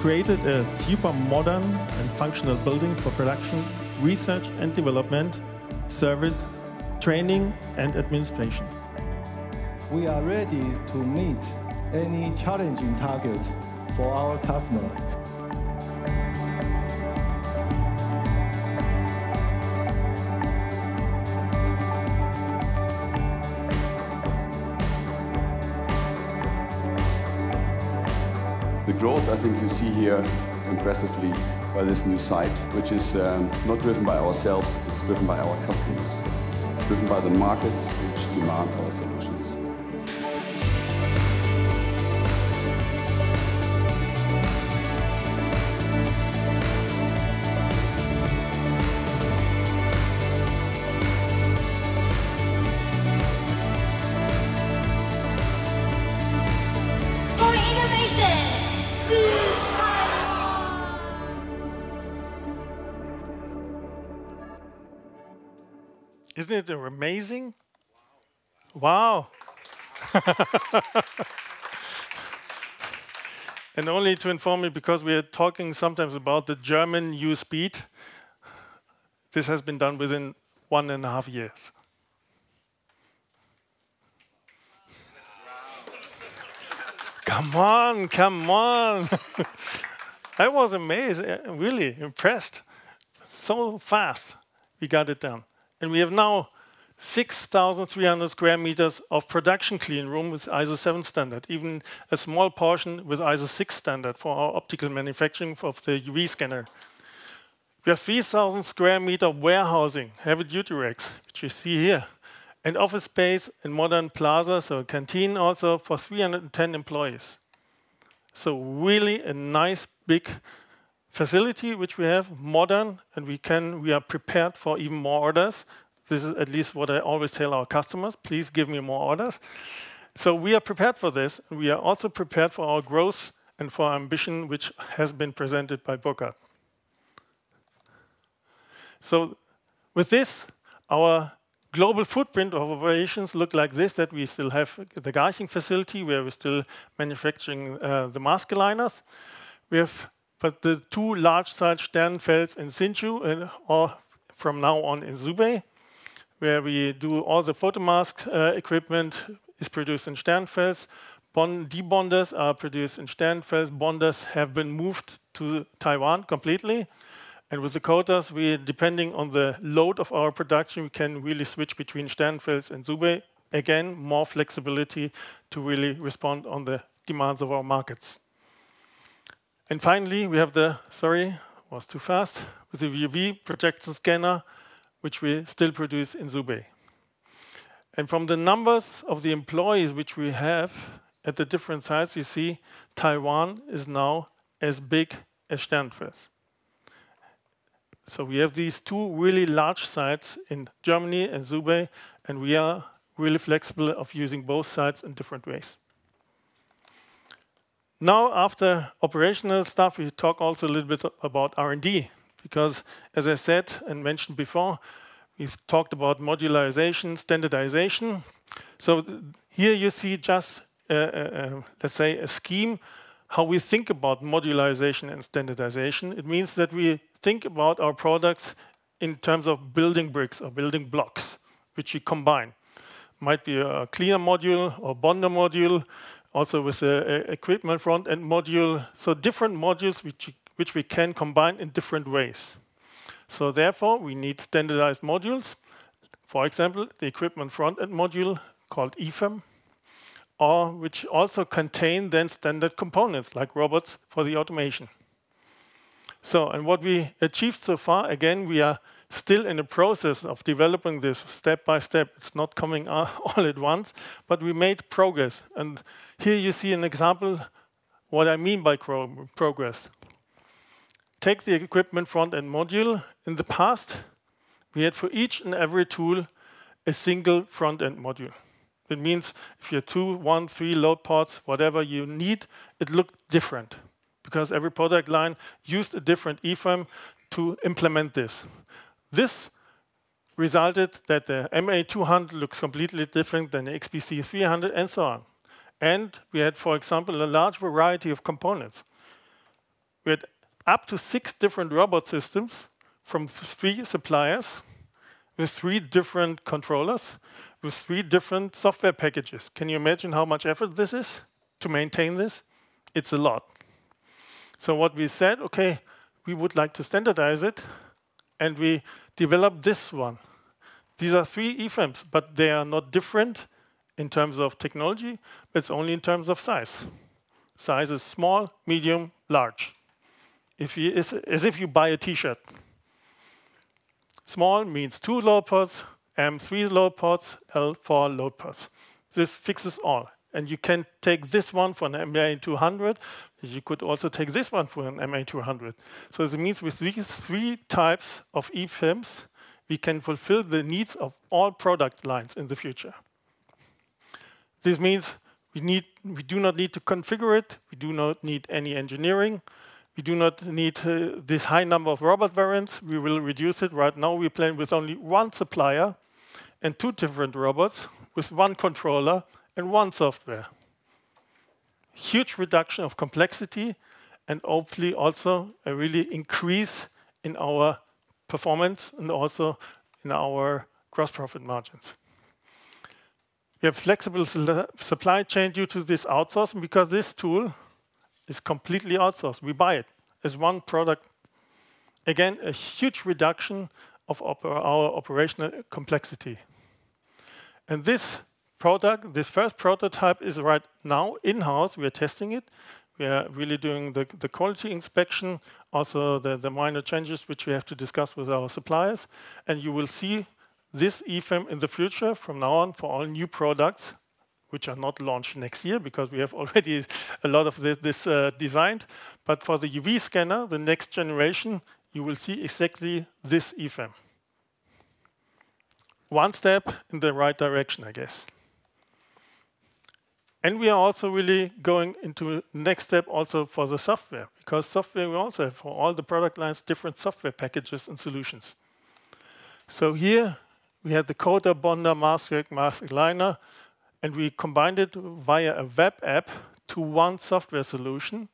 We have created a super modern and functional building for production, research and development, service, training, and administration. We are ready to meet any challenging target for our customer. The growth, I think you see here impressively by this new site, which is not driven by ourselves. It is driven by our customers. It is driven by the markets which demand our solutions. For innovation, SUSS MicroTec Taiwan. Isn't it amazing? Wow. Only to inform you, because we are talking sometimes about the German new speed, this has been done within one and a half years. Come on, come on. I was amazed, really impressed. So fast we got it done. We have now 6,300 sq m of production clean room with ISO 7 standard, even a small portion with ISO 6 standard for our optical manufacturing of the UV Scanner. We have 3,000 sq m warehousing, heavy duty racks, which you see here, and office space and modern plazas, so a canteen also for 310 employees. Really a nice big facility which we have, modern, and we are prepared for even more orders. This is at least what I always tell our customers, "Please give me more orders." We are prepared for this. We are also prepared for our growth and for our ambition, which has been presented by Burkhardt. With this, our global footprint of operations looks like this: we still have the Garching facility where we're still manufacturing the mask aligners. We have put the two large sites Starnberg and Hsinchu, or from now on in Zhubei, where we do all the photomask equipment is produced in Starnberg. Debonders are produced in Starnberg. Bonders have been moved to Taiwan completely. With the quotas, depending on the load of our production, we can really switch between Starnberg and Zhubei. Again, more flexibility to really respond to the demands of our markets. Finally, we have the, sorry, it was too fast, with the UV projection scanner, which we still produce in Zhubei. From the numbers of the employees which we have at the different sites, you see Taiwan is now as big as Starnberg. We have these two really large sites in Germany and Zhubei, and we are really flexible in using both sites in different ways. Now, after operational stuff, we talk also a little bit about R&D, because as I said and mentioned before, we talked about modularization, standardization. Here you see just, let's say, a scheme, how we think about modularization and standardization. It means that we think about our products in terms of building bricks or building blocks, which we combine. Might be a cleaner module or bonder module, also with an equipment front-end module. Different modules which we can combine in different ways. Therefore, we need standardized modules. For example, the equipment front-end module called EFEM, which also contains then standard components like robots for the automation. What we achieved so far, again, we are still in the process of developing this step by step. It's not coming all at once, but we made progress. Here you see an example of what I mean by progress. Take the equipment front-end module. In the past, we had for each and every tool a single front-end module. It means if you have two, one, three load pods, whatever you need, it looked different because every product line used a different EFEM to implement this. This resulted that the MA200 looks completely different than the XBC300 and so on. We had, for example, a large variety of components. We had up to six different robot systems from three suppliers with three different controllers, with three different software packages. Can you imagine how much effort this is to maintain this? It's a lot. What we said, "Okay, we would like to standardize it." We developed this one. These are three EFEMs, but they are not different in terms of technology. It's only in terms of size. Size is small, medium, large. As if you buy a T-shirt. Small means two load pods, M three load pods, L four load pods. This fixes all. You can take this one for an MA200. You could also take this one for an MA200. It means with these three types of EFEMs, we can fulfill the needs of all product lines in the future. This means we do not need to configure it. We do not need any engineering. We do not need this high number of robot variants. We will reduce it. Right now, we're playing with only one supplier and two different robots with one controller and one software. Huge reduction of complexity and hopefully also a real increase in our performance and also in our gross profit margins. We have flexible supply chain due to this outsourcing because this tool is completely outsourced. We buy it as one product. Again, a huge reduction of our operational complexity. This product, this first prototype is right now in-house. We are testing it. We are really doing the quality inspection, also the minor changes which we have to discuss with our suppliers. You will see this EFEM in the future from now on for all new products which are not launched next year because we have already a lot of this designed. For the UV scanner, the next generation, you will see exactly this EFEM. One step in the right direction, I guess. We are also really going into the next step also for the software because software we also have for all the product lines, different software packages and solutions. Here we have the quarter bonder mask aligner, and we combined it via a web app to one software solution,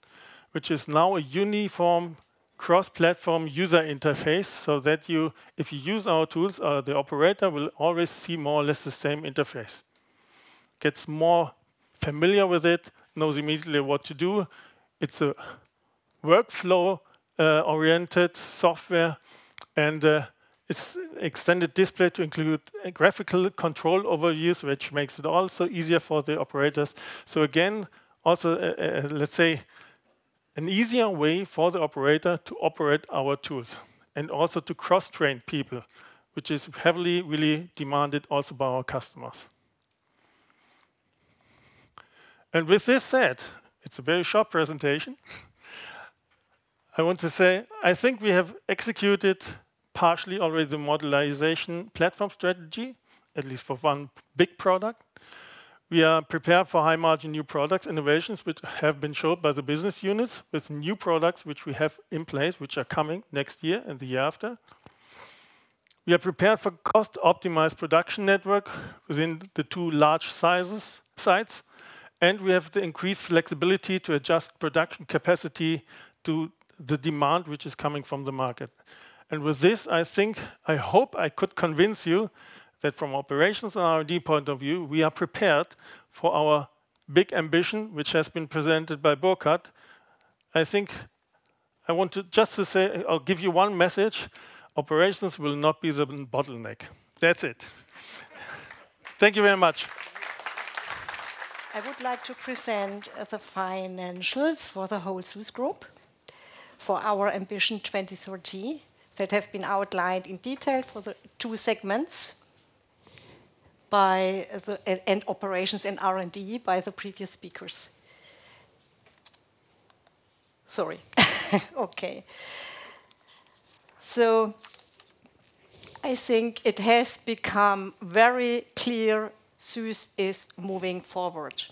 which is now a uniform cross-platform user interface so that if you use our tools, the operator will always see more or less the same interface. Gets more familiar with it, knows immediately what to do. It's a workflow-oriented software, and it's extended display to include graphical control overviews, which makes it also easier for the operators. Again, also, let's say, an easier way for the operator to operate our tools and also to cross-train people, which is heavily really demanded also by our customers. With this said, it's a very short presentation. I want to say I think we have executed partially already the modernization platform strategy, at least for one big product. We are prepared for high-margin new product innovations, which have been showed by the business units with new products which we have in place, which are coming next year and the year after. We are prepared for cost-optimized production network within the two large sizes. We have the increased flexibility to adjust production capacity to the demand which is coming from the market. With this, I think I hope I could convince you that from operations and R&D point of view, we are prepared for our big ambition, which has been presented by Burkhardt. I think I want to just to say, I'll give you one message. Operations will not be the bottleneck. That's it. Thank you very much. I would like to present the financials for the whole SÜSS Group for our ambition 2030 that have been outlined in detail for the two segments and operations and R&D by the previous speakers. Sorry. I think it has become very clear SÜSS is moving forward.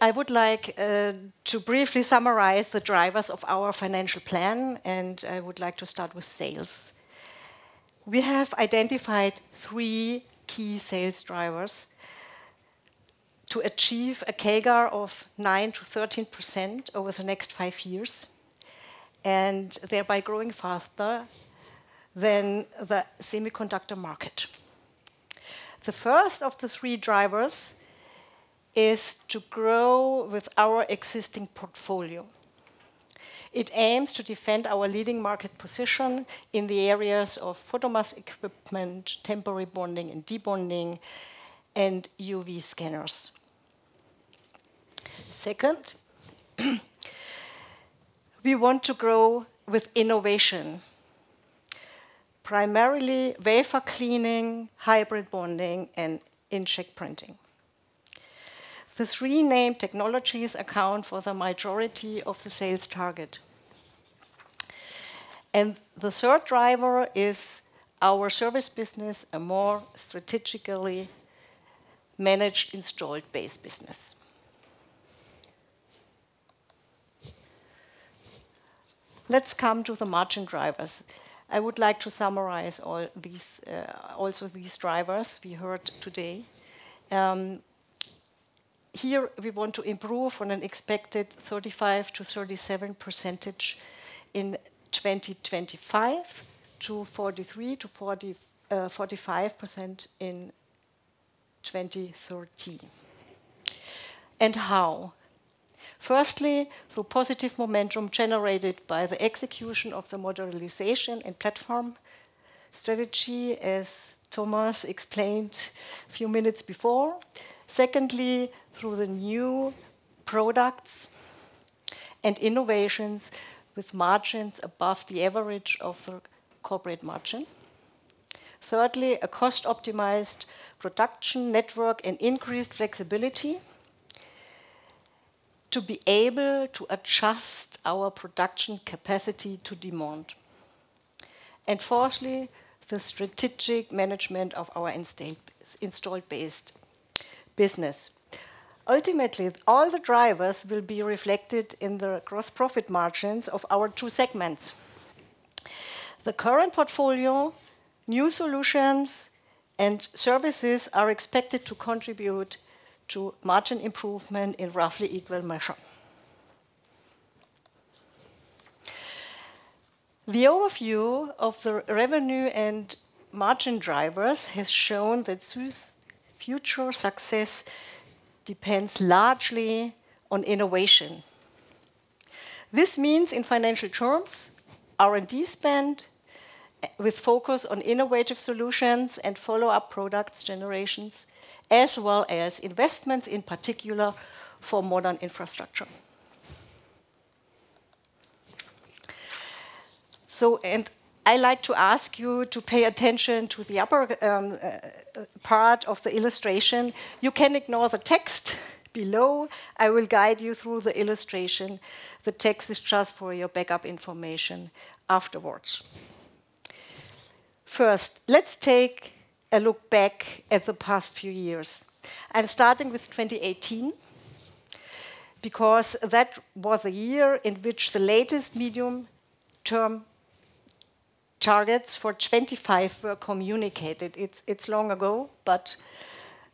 I would like to briefly summarize the drivers of our financial plan, and I would like to start with sales. We have identified three key sales drivers to achieve a CAGR of 9%-13% over the next five years and thereby growing faster than the semiconductor market. The first of the three drivers is to grow with our existing portfolio. It aims to defend our leading market position in the areas of photomask equipment, temporary bonding and debonding, and UV scanners. Second, we want to grow with innovation, primarily wafer cleaning, hybrid bonding, and in-check printing. The three named technologies account for the majority of the sales target. The third driver is our service business, a more strategically managed installed-based business. Let's come to the margin drivers. I would like to summarize also these drivers we heard today. Here we want to improve on an expected 35-37% in 2025 to 43-45% in 2030. And how? Firstly, through positive momentum generated by the execution of the modernization and platform strategy, as Thomas explained a few minutes before. Secondly, through the new products and innovations with margins above the average of the corporate margin. Thirdly, a cost-optimized production network and increased flexibility to be able to adjust our production capacity to demand. Fourthly, the strategic management of our installed-based business. Ultimately, all the drivers will be reflected in the gross profit margins of our two segments. The current portfolio, new solutions, and services are expected to contribute to margin improvement in roughly equal measure. The overview of the revenue and margin drivers has shown that SÜSS's future success depends largely on innovation. This means in financial terms, R&D spend with focus on innovative solutions and follow-up products generations, as well as investments in particular for modern infrastructure. I'd like to ask you to pay attention to the upper part of the illustration. You can ignore the text below. I will guide you through the illustration. The text is just for your backup information afterwards. First, let's take a look back at the past few years. I'm starting with 2018 because that was a year in which the latest medium-term targets for 2025 were communicated. It's long ago, but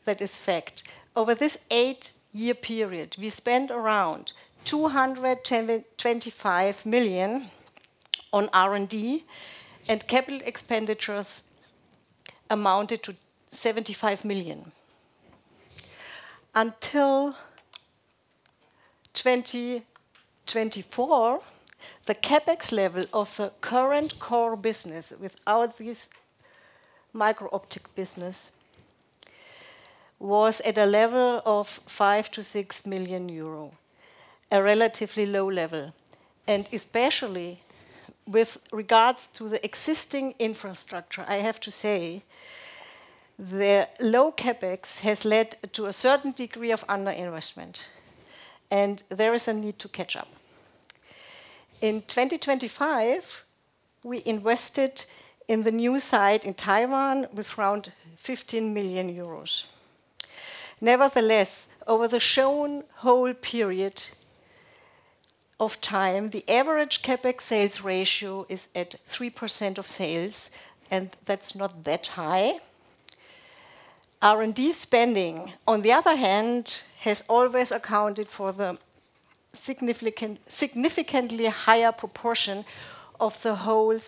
that is fact. Over this eight-year period, we spent around 225 million on R&D, and capital expenditures amounted to EUR 75 million. Until 2024, the CapEx level of the current core business without this microoptics business was at a level of 5-6 million euro, a relatively low level. Especially with regards to the existing infrastructure, I have to say the low CapEx has led to a certain degree of underinvestment, and there is a need to catch up. In 2025, we invested in the new site in Taiwan with around 15 million euros. Nevertheless, over the shown whole period of time, the average CapEx sales ratio is at 3% of sales, and that's not that high. R&D spending, on the other hand, has always accounted for the significantly higher proportion of the whole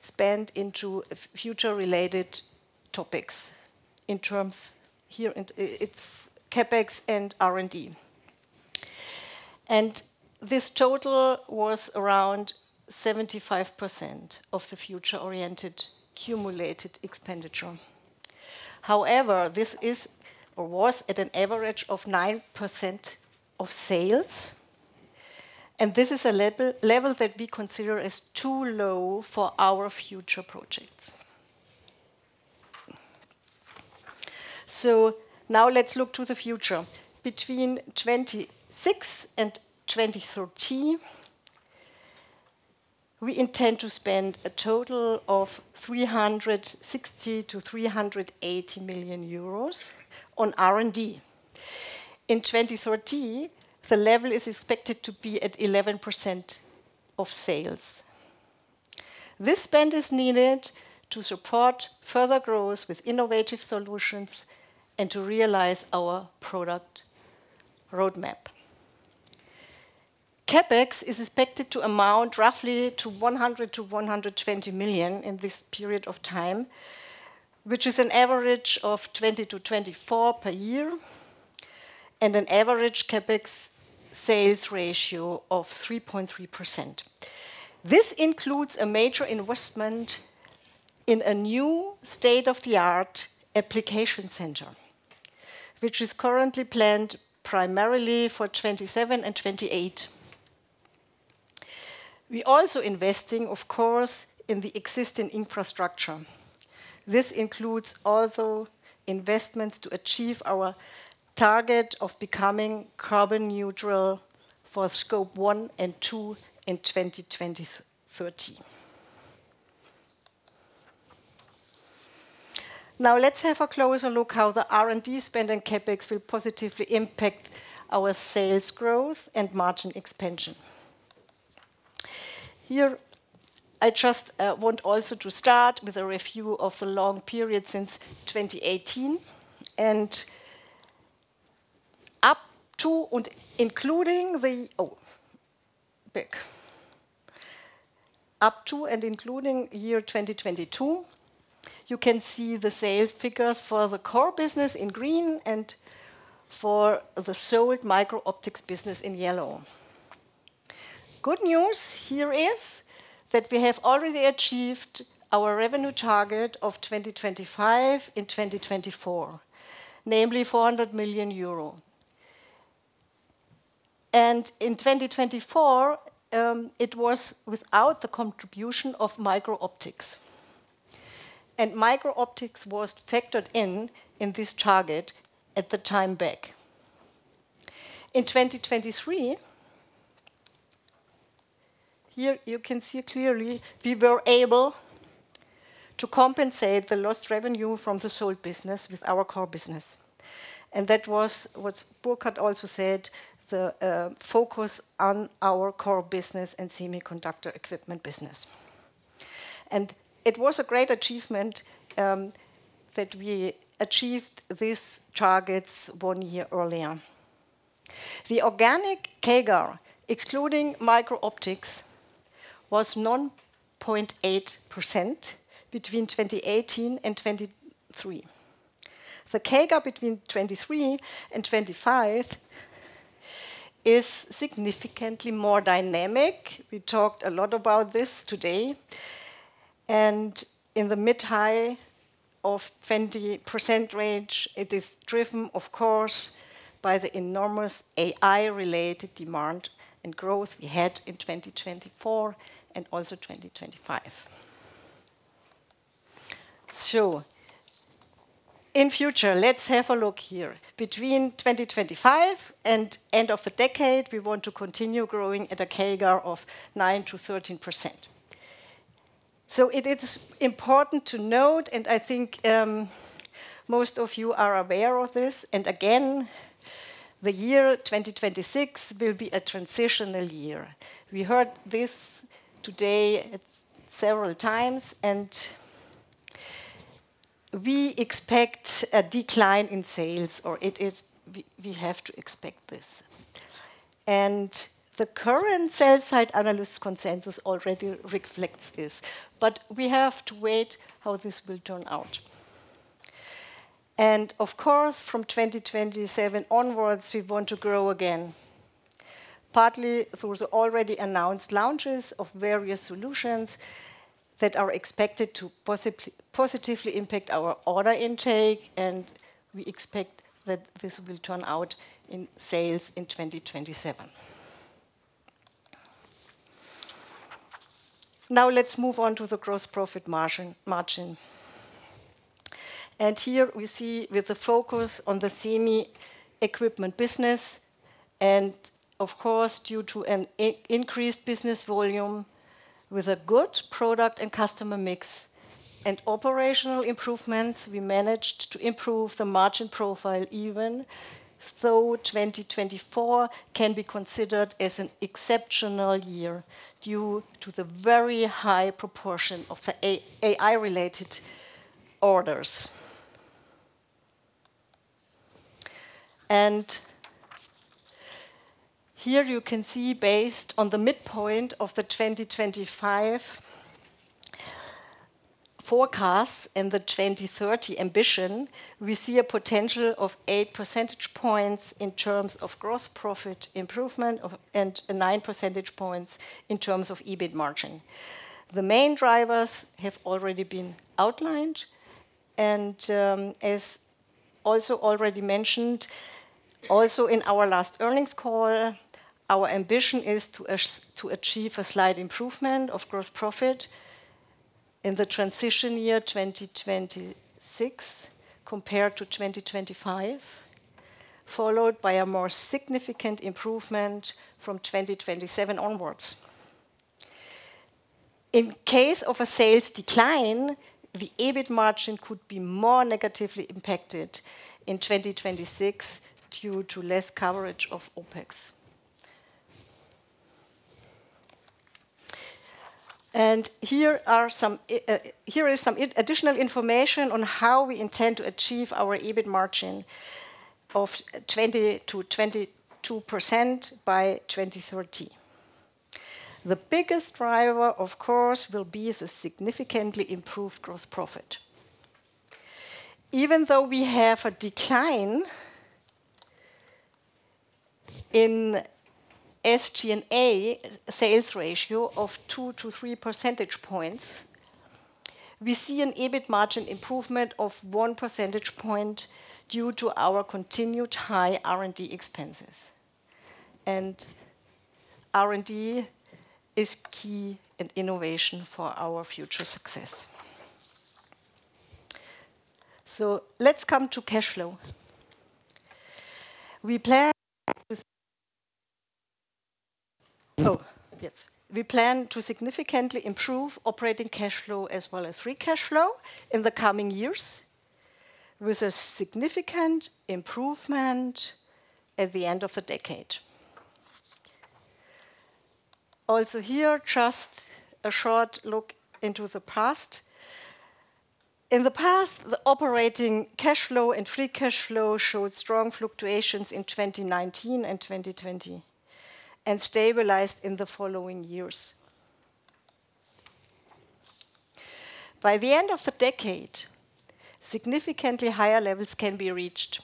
spend into future-related topics in terms here in its CapEx and R&D. This total was around 75% of the future-oriented cumulated expenditure. However, this is or was at an average of 9% of sales, and this is a level that we consider as too low for our future projects. Now let's look to the future. Between 2026 and 2030, we intend to spend a total of 360 million-380 million euros on R&D. In 2030, the level is expected to be at 11% of sales. This spend is needed to support further growth with innovative solutions and to realize our product roadmap. CapEx is expected to amount roughly to 100 million-120 million in this period of time, which is an average of 20 million-24 million per year and an average CapEx sales ratio of 3.3%. This includes a major investment in a new state-of-the-art application center, which is currently planned primarily for 2027 and 2028. We are also investing, of course, in the existing infrastructure. This includes also investments to achieve our target of becoming carbon neutral for Scope 1 and 2 in 2020-2030. Now let's have a closer look at how the R&D spend and CapEx will positively impact our sales growth and margin expansion. Here, I just want also to start with a review of the long period since 2018 and up to and including the back up to and including year 2022. You can see the sales figures for the core business in green and for the sold microoptics business in yellow. Good news here is that we have already achieved our revenue target of 2025 in 2024, namely EUR 400 million. In 2024, it was without the contribution of microoptics. Microoptics was factored in in this target at the time back. In 2023, here you can see clearly we were able to compensate the lost revenue from the sold business with our core business. That was what Burkhardt also said, the focus on our core business and semiconductor equipment business. It was a great achievement that we achieved these targets one year earlier. The organic CAGR, excluding microoptics, was 9.8% between 2018 and 2023. The CAGR between 2023 and 2025 is significantly more dynamic. We talked a lot about this today. In the mid-high of 20% range, it is driven, of course, by the enormous AI-related demand and growth we had in 2024 and also 2025. In future, let's have a look here. Between 2025 and the end of the decade, we want to continue growing at a CAGR of 9-13%. It is important to note, and I think most of you are aware of this. Again, the year 2026 will be a transitional year. We heard this today several times, and we expect a decline in sales, or we have to expect this. The current sell-side analyst consensus already reflects this, but we have to wait how this will turn out. Of course, from 2027 onwards, we want to grow again, partly through the already announced launches of various solutions that are expected to positively impact our order intake, and we expect that this will turn out in sales in 2027. Now let's move on to the gross profit margin. Here we see with the focus on the semi-equipment business and, of course, due to an increased business volume with a good product and customer mix and operational improvements, we managed to improve the margin profile even though 2024 can be considered as an exceptional year due to the very high proportion of the AI-related orders. Here you can see, based on the midpoint of the 2025 forecast and the 2030 ambition, we see a potential of 8 percentage points in terms of gross profit improvement and 9 percentage points in terms of EBIT margin. The main drivers have already been outlined, and as also already mentioned in our last earnings call, our ambition is to achieve a slight improvement of gross profit in the transition year 2026 compared to 2025, followed by a more significant improvement from 2027 onwards. In case of a sales decline, the EBIT margin could be more negatively impacted in 2026 due to less coverage of OpEx. Here is some additional information on how we intend to achieve our EBIT margin of 20-22% by 2030. The biggest driver, of course, will be the significantly improved gross profit. Even though we have a decline in SG&A sales ratio of 2-3 percentage points, we see an EBIT margin improvement of 1 percentage point due to our continued high R&D expenses. R&D is key and innovation for our future success. Let's come to cash flow. We plan to significantly improve operating cash flow as well as free cash flow in the coming years with a significant improvement at the end of the decade. Also here, just a short look into the past. In the past, the operating cash flow and free cash flow showed strong fluctuations in 2019 and 2020 and stabilized in the following years. By the end of the decade, significantly higher levels can be reached.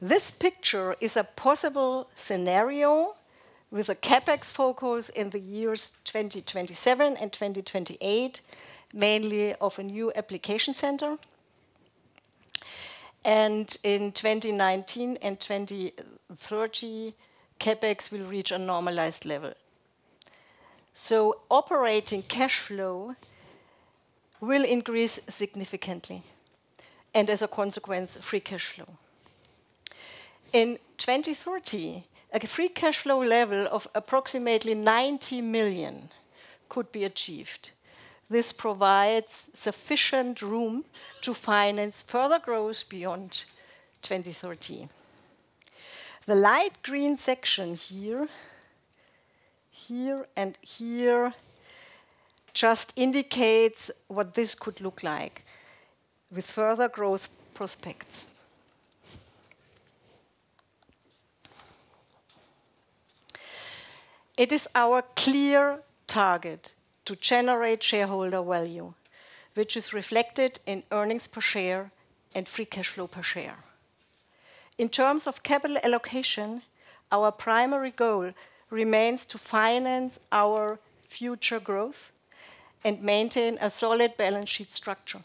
This picture is a possible scenario with a CapEx focus in the years 2027 and 2028, mainly of a new application center. In 2019 and 2030, CapEx will reach a normalized level. Operating cash flow will increase significantly and, as a consequence, free cash flow. In 2030, a free cash flow level of approximately 90 million could be achieved. This provides sufficient room to finance further growth beyond 2030. The light green section here, here and here just indicates what this could look like with further growth prospects. It is our clear target to generate shareholder value, which is reflected in earnings per share and free cash flow per share. In terms of capital allocation, our primary goal remains to finance our future growth and maintain a solid balance sheet structure.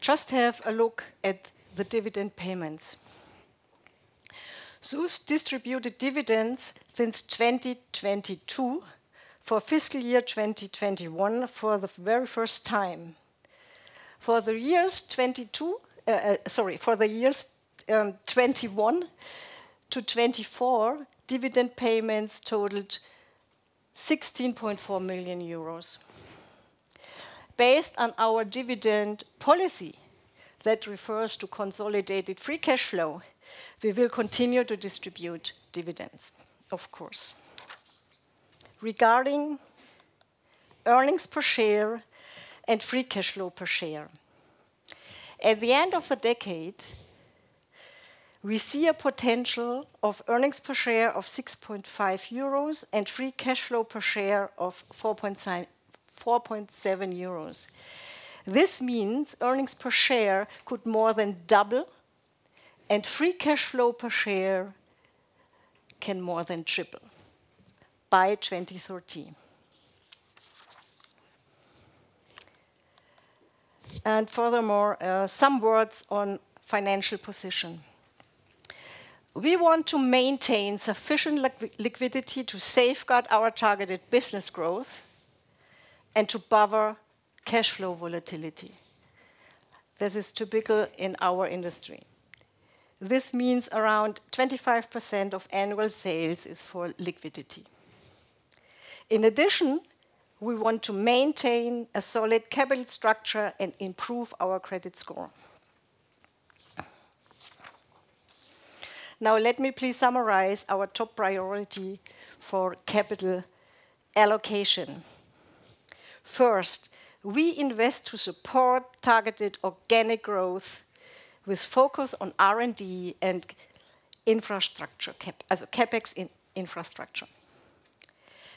Just have a look at the dividend payments. SÜSS MicroTec distributed dividends since 2022 for fiscal year 2021 for the very first time. For the years 2021 to 2024, dividend payments totaled 16.4 million euros. Based on our dividend policy that refers to consolidated free cash flow, we will continue to distribute dividends, of course. Regarding earnings per share and free cash flow per share, at the end of the decade, we see a potential of earnings per share of 6.5 euros and free cash flow per share of 4.7 euros. This means earnings per share could more than double and free cash flow per share can more than triple by 2030. Furthermore, some words on financial position. We want to maintain sufficient liquidity to safeguard our targeted business growth and to buffer cash flow volatility. This is typical in our industry. This means around 25% of annual sales is for liquidity. In addition, we want to maintain a solid capital structure and improve our credit score. Now let me please summarize our top priority for capital allocation. First, we invest to support targeted organic growth with focus on R&D and infrastructure, so CapEx infrastructure.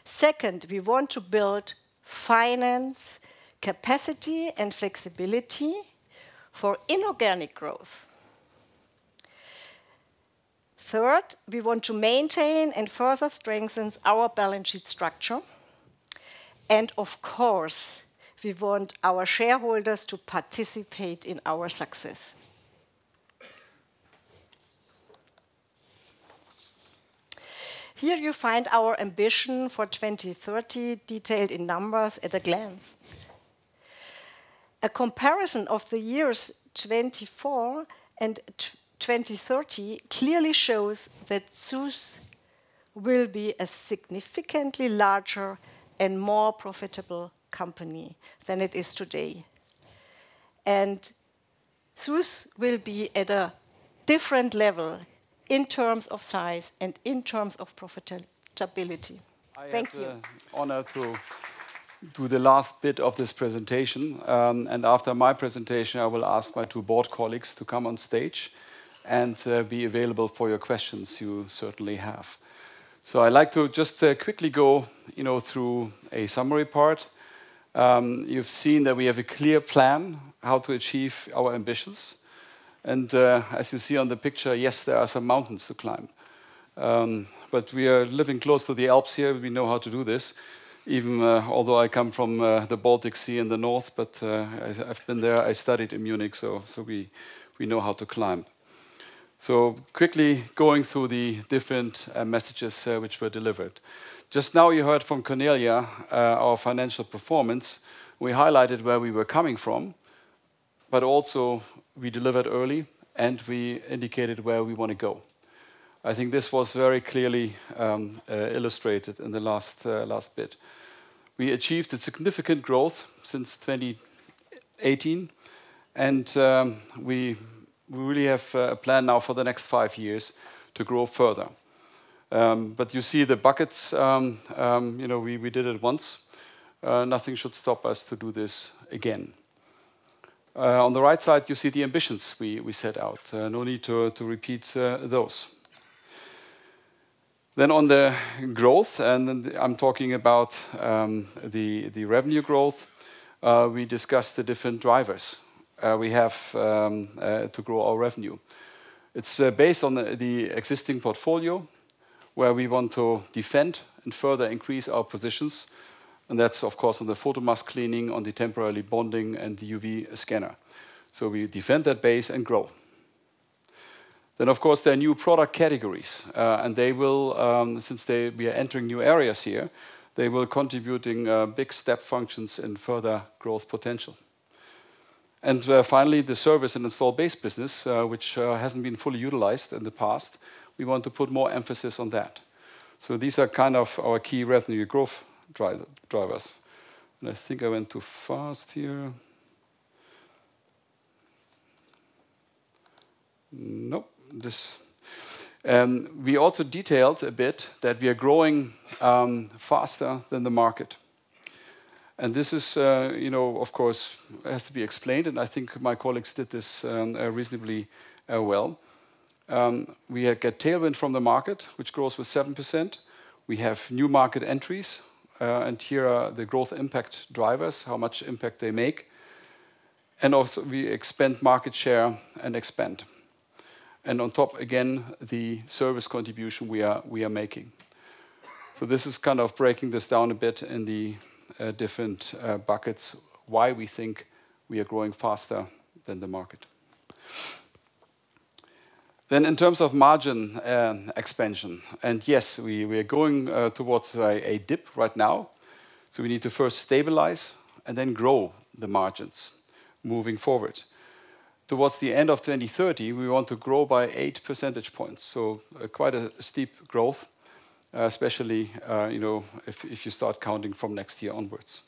Second, we want to build finance capacity and flexibility for inorganic growth. Third, we want to maintain and further strengthen our balance sheet structure. Of course, we want our shareholders to participate in our success. Here you find our ambition for 2030 detailed in numbers at a glance. A comparison of the years 2024 and 2030 clearly shows that SÜSS will be a significantly larger and more profitable company than it is today. SÜSS will be at a different level in terms of size and in terms of profitability. Thank you. I have the honor to do the last bit of this presentation. After my presentation, I will ask my two board colleagues to come on stage and be available for your questions you certainly have. I'd like to just quickly go through a summary part. You've seen that we have a clear plan how to achieve our ambitions. As you see on the picture, yes, there are some mountains to climb. We are living close to the Alps here. We know how to do this, even although I come from the Baltic Sea in the north, but I've been there. I studied in Munich, so we know how to climb. Quickly going through the different messages which were delivered. Just now you heard from Cornelia, our financial performance. We highlighted where we were coming from, but also we delivered early and we indicated where we want to go. I think this was very clearly illustrated in the last bit. We achieved significant growth since 2018, and we really have a plan now for the next five years to grow further. You see the buckets. We did it once. Nothing should stop us to do this again. On the right side, you see the ambitions we set out. No need to repeat those. On the growth, and I'm talking about the revenue growth, we discussed the different drivers we have to grow our revenue. It's based on the existing portfolio where we want to defend and further increase our positions. That's, of course, on the photomask cleaning, on the temporary bonding, and the UV scanner. We defend that base and grow. There are new product categories, and since we are entering new areas here, they will contribute in big step functions and further growth potential. Finally, the service and install-based business, which hasn't been fully utilized in the past, we want to put more emphasis on that. These are kind of our key revenue growth drivers. I think I went too fast here. Nope. We also detailed a bit that we are growing faster than the market. This is, of course, has to be explained, and I think my colleagues did this reasonably well. We get tailwind from the market, which grows with 7%. We have new market entries, and here are the growth impact drivers, how much impact they make. We also expand market share and expand. On top, again, the service contribution we are making. This is kind of breaking this down a bit in the different buckets, why we think we are growing faster than the market. In terms of margin expansion, yes, we are going towards a dip right now. We need to first stabilize and then grow the margins moving forward. Towards the end of 2030, we want to grow by 8 percentage points. Quite a steep growth, especially if you start counting from next year onwards.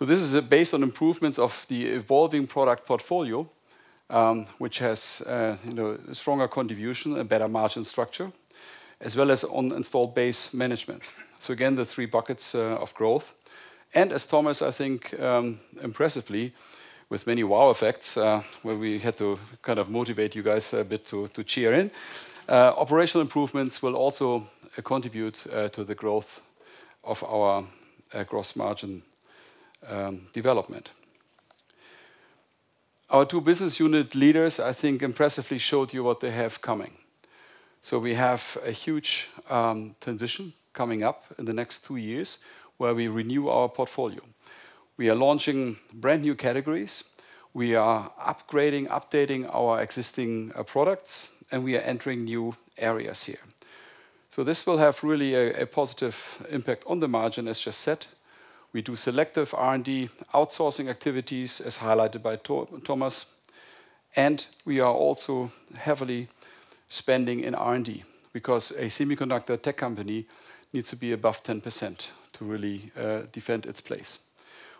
This is based on improvements of the evolving product portfolio, which has stronger contribution and better margin structure, as well as on install-based management. Again, the three buckets of growth. As Thomas, I think impressively, with many wow effects, where we had to kind of motivate you guys a bit to cheer in, operational improvements will also contribute to the growth of our gross margin development. Our two business unit leaders, I think impressively showed you what they have coming. We have a huge transition coming up in the next two years where we renew our portfolio. We are launching brand new categories. We are upgrading, updating our existing products, and we are entering new areas here. This will have really a positive impact on the margin, as just said. We do selective R&D outsourcing activities, as highlighted by Thomas. We are also heavily spending in R&D because a semiconductor tech company needs to be above 10% to really defend its place.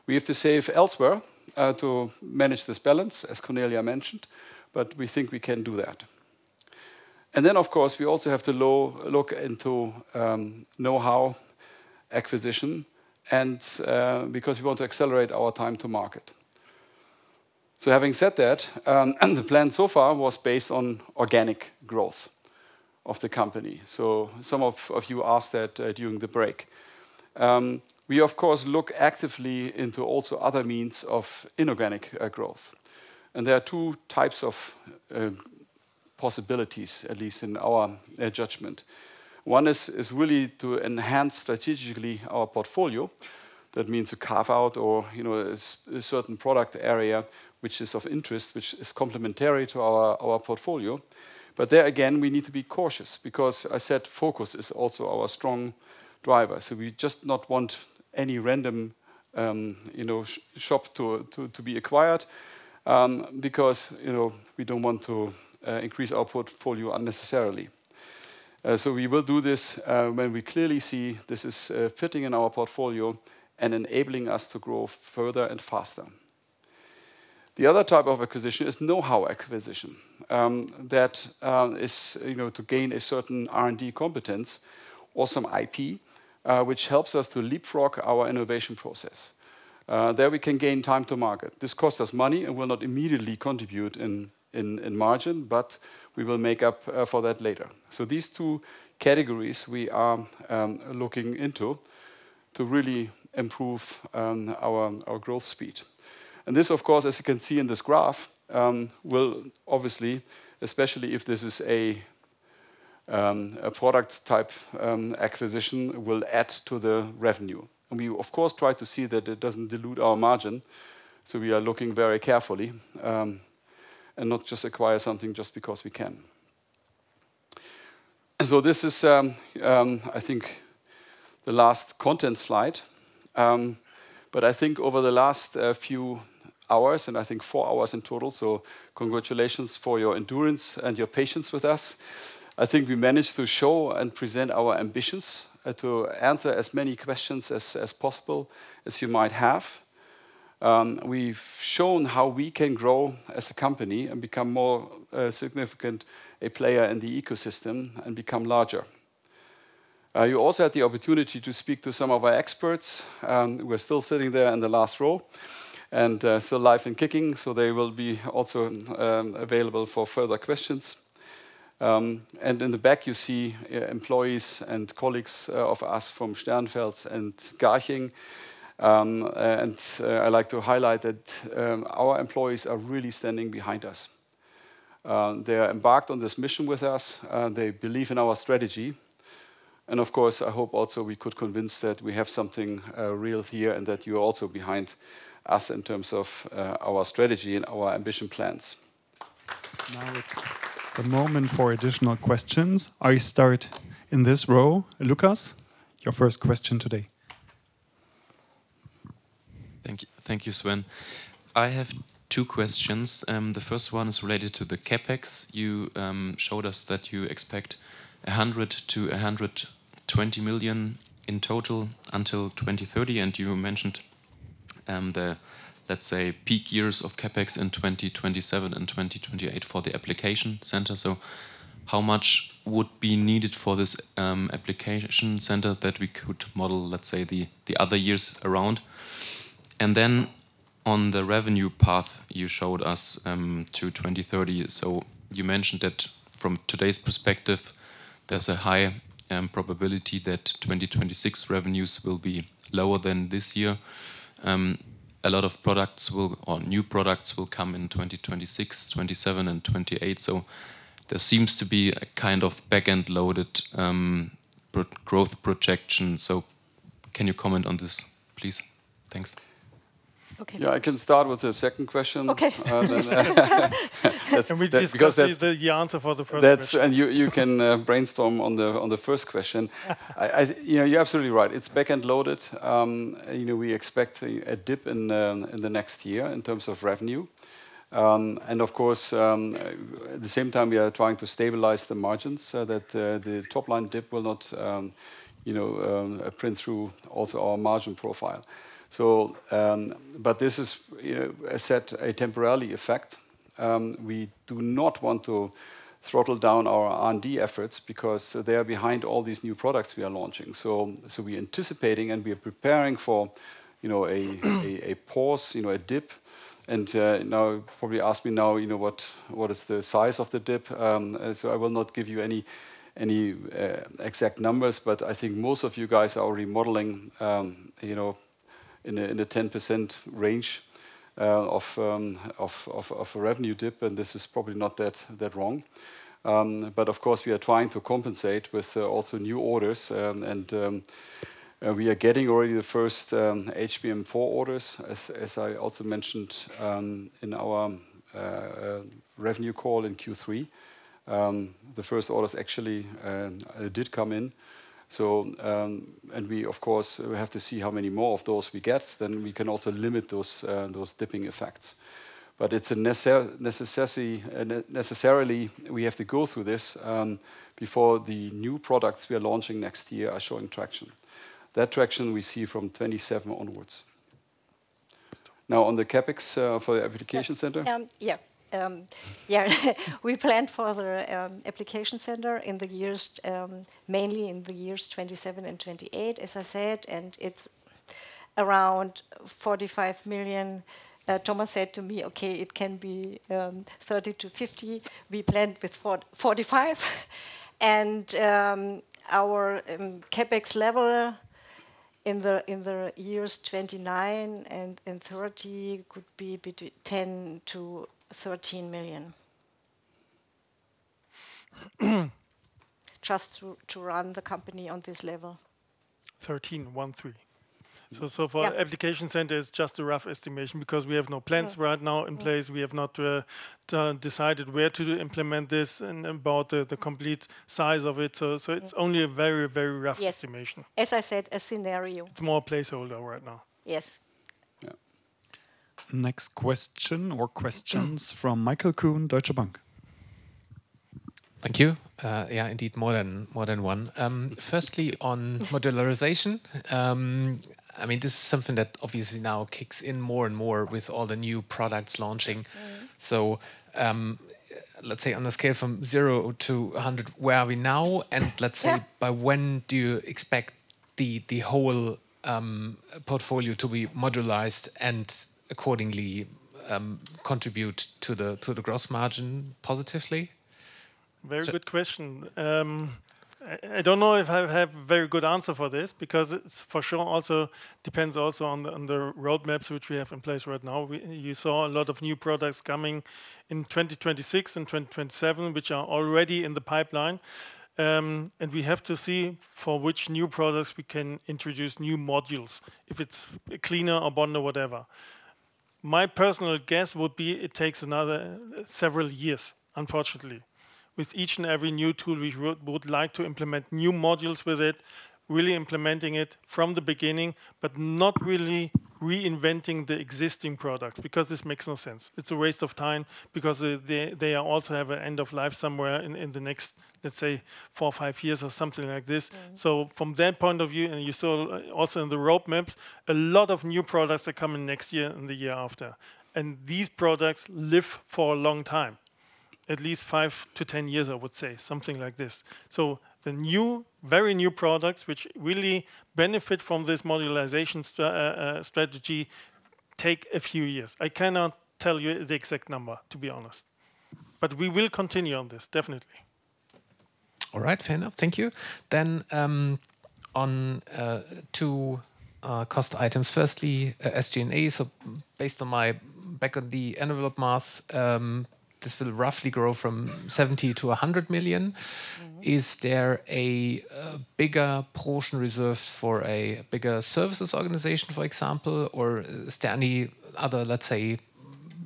We have to save elsewhere to manage this balance, as Cornelia mentioned, but we think we can do that. Of course, we also have to look into know-how acquisition because we want to accelerate our time to market. Having said that, the plan so far was based on organic growth of the company. Some of you asked that during the break. We, of course, look actively into also other means of inorganic growth. There are two types of possibilities, at least in our judgment. One is really to enhance strategically our portfolio. That means a carve-out or a certain product area which is of interest, which is complementary to our portfolio. There again, we need to be cautious because I said focus is also our strong driver. We just not want any random shop to be acquired because we do not want to increase our portfolio unnecessarily. We will do this when we clearly see this is fitting in our portfolio and enabling us to grow further and faster. The other type of acquisition is know-how acquisition. That is to gain a certain R&D competence or some IP, which helps us to leapfrog our innovation process. There we can gain time to market. This costs us money and will not immediately contribute in margin, but we will make up for that later. These two categories we are looking into to really improve our growth speed. As you can see in this graph, this will obviously, especially if this is a product-type acquisition, add to the revenue. We, of course, try to see that it does not dilute our margin. We are looking very carefully and not just acquire something just because we can. I think this is the last content slide. I think over the last few hours, and I think four hours in total, congratulations for your endurance and your patience with us. I think we managed to show and present our ambitions to answer as many questions as possible as you might have. We have shown how we can grow as a company and become more significant, a player in the ecosystem, and become larger. You also had the opportunity to speak to some of our experts. We're still sitting there in the last row and still live and kicking, so they will be also available for further questions. In the back, you see employees and colleagues of us from Starnberg and Garching. I like to highlight that our employees are really standing behind us. They are embarked on this mission with us. They believe in our strategy. Of course, I hope also we could convince that we have something real here and that you are also behind us in terms of our strategy and our ambition plans. Now it's the moment for additional questions. I start in this row. Lucas, your first question today. Thank you, Sven. I have two questions. The first one is related to the CapEx. You showed us that you expect 100 million-120 million in total until 2030. You mentioned the, let's say, peak years of CapEx in 2027 and 2028 for the application center. How much would be needed for this application center that we could model, let's say, the other years around? On the revenue path, you showed us to 2030. You mentioned that from today's perspective, there's a high probability that 2026 revenues will be lower than this year. A lot of products or new products will come in 2026, 2027, and 2028. There seems to be a kind of back-end-loaded growth projection. Can you comment on this, please? Thanks. Okay. I can start with the second question. We just got the answer for the first question. You can brainstorm on the first question. You're absolutely right. It's back-end-loaded. We expect a dip in the next year in terms of revenue. Of course, at the same time, we are trying to stabilize the margins so that the top-line dip will not print through also our margin profile. This is, as said, a temporary effect. We do not want to throttle down our R&D efforts because they are behind all these new products we are launching. We are anticipating and we are preparing for a pause, a dip. You probably ask me now, what is the size of the dip? I will not give you any exact numbers, but I think most of you guys are already modeling in a 10% range of a revenue dip. This is probably not that wrong. Of course, we are trying to compensate with also new orders. We are getting already the first HBM4 orders, as I also mentioned in our revenue call in Q3. The first orders actually did come in. We, of course, have to see how many more of those we get. We can also limit those dipping effects. It is necessarily we have to go through this before the new products we are launching next year are showing traction. That traction we see from 2027 onwards. Now on the CapEx for the application center? Yeah. We planned for the application center mainly in the years 2027 and 2028, as I said, and it is around 45 million. Thomas said to me, "Okay, it can be 30-50 million." We planned with 45 million. Our CapEx level in the years 2029 and 2030 could be between 10-13 million just to run the company on this level. Thirteen, thirteen. For the application center, it is just a rough estimation because we have no plans right now in place. We have not decided where to implement this and about the complete size of it. It is only a very, very rough estimation. Yes. As I said, a scenario. It is more placeholder right now. Yes. Next question or questions from Michael Kuhn, Deutsche Bank. Thank you. Yeah, indeed, more than one. Firstly, on modularization. I mean, this is something that obviously now kicks in more and more with all the new products launching. Let's say on a scale from 0 to 100, where are we now? And let's say, by when do you expect the whole portfolio to be modularized and accordingly contribute to the gross margin positively? Very good question. I do not know if I have a very good answer for this because it for sure also depends on the roadmaps which we have in place right now. You saw a lot of new products coming in 2026 and 2027, which are already in the pipeline. We have to see for which new products we can introduce new modules, if it's a cleaner or bond or whatever. My personal guess would be it takes several years, unfortunately. With each and every new tool, we would like to implement new modules with it, really implementing it from the beginning, but not really reinventing the existing products because this makes no sense. It's a waste of time because they also have an end of life somewhere in the next, let's say, four or five years or something like this. From that point of view, and you saw also in the roadmaps, a lot of new products are coming next year and the year after. These products live for a long time, at least five to ten years, I would say, something like this. The very new products which really benefit from this modularization strategy take a few years. I cannot tell you the exact number, to be honest. We will continue on this, definitely. All right, fair enough. Thank you. On two cost items. Firstly, SG&A. Based on my back of the envelope math, this will roughly grow from 70 million to 100 million. Is there a bigger portion reserved for a bigger services organization, for example? Is there any other, let's say,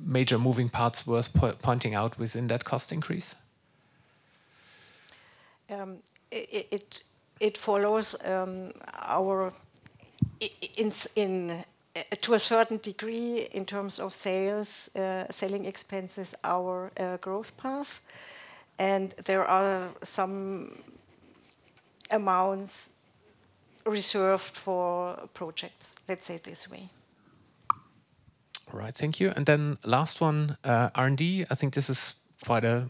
major moving parts worth pointing out within that cost increase? It follows our, to a certain degree, in terms of sales, selling expenses, our growth path. There are some amounts reserved for projects, let's say it this way. All right, thank you. The last one, R&D. I think this is quite a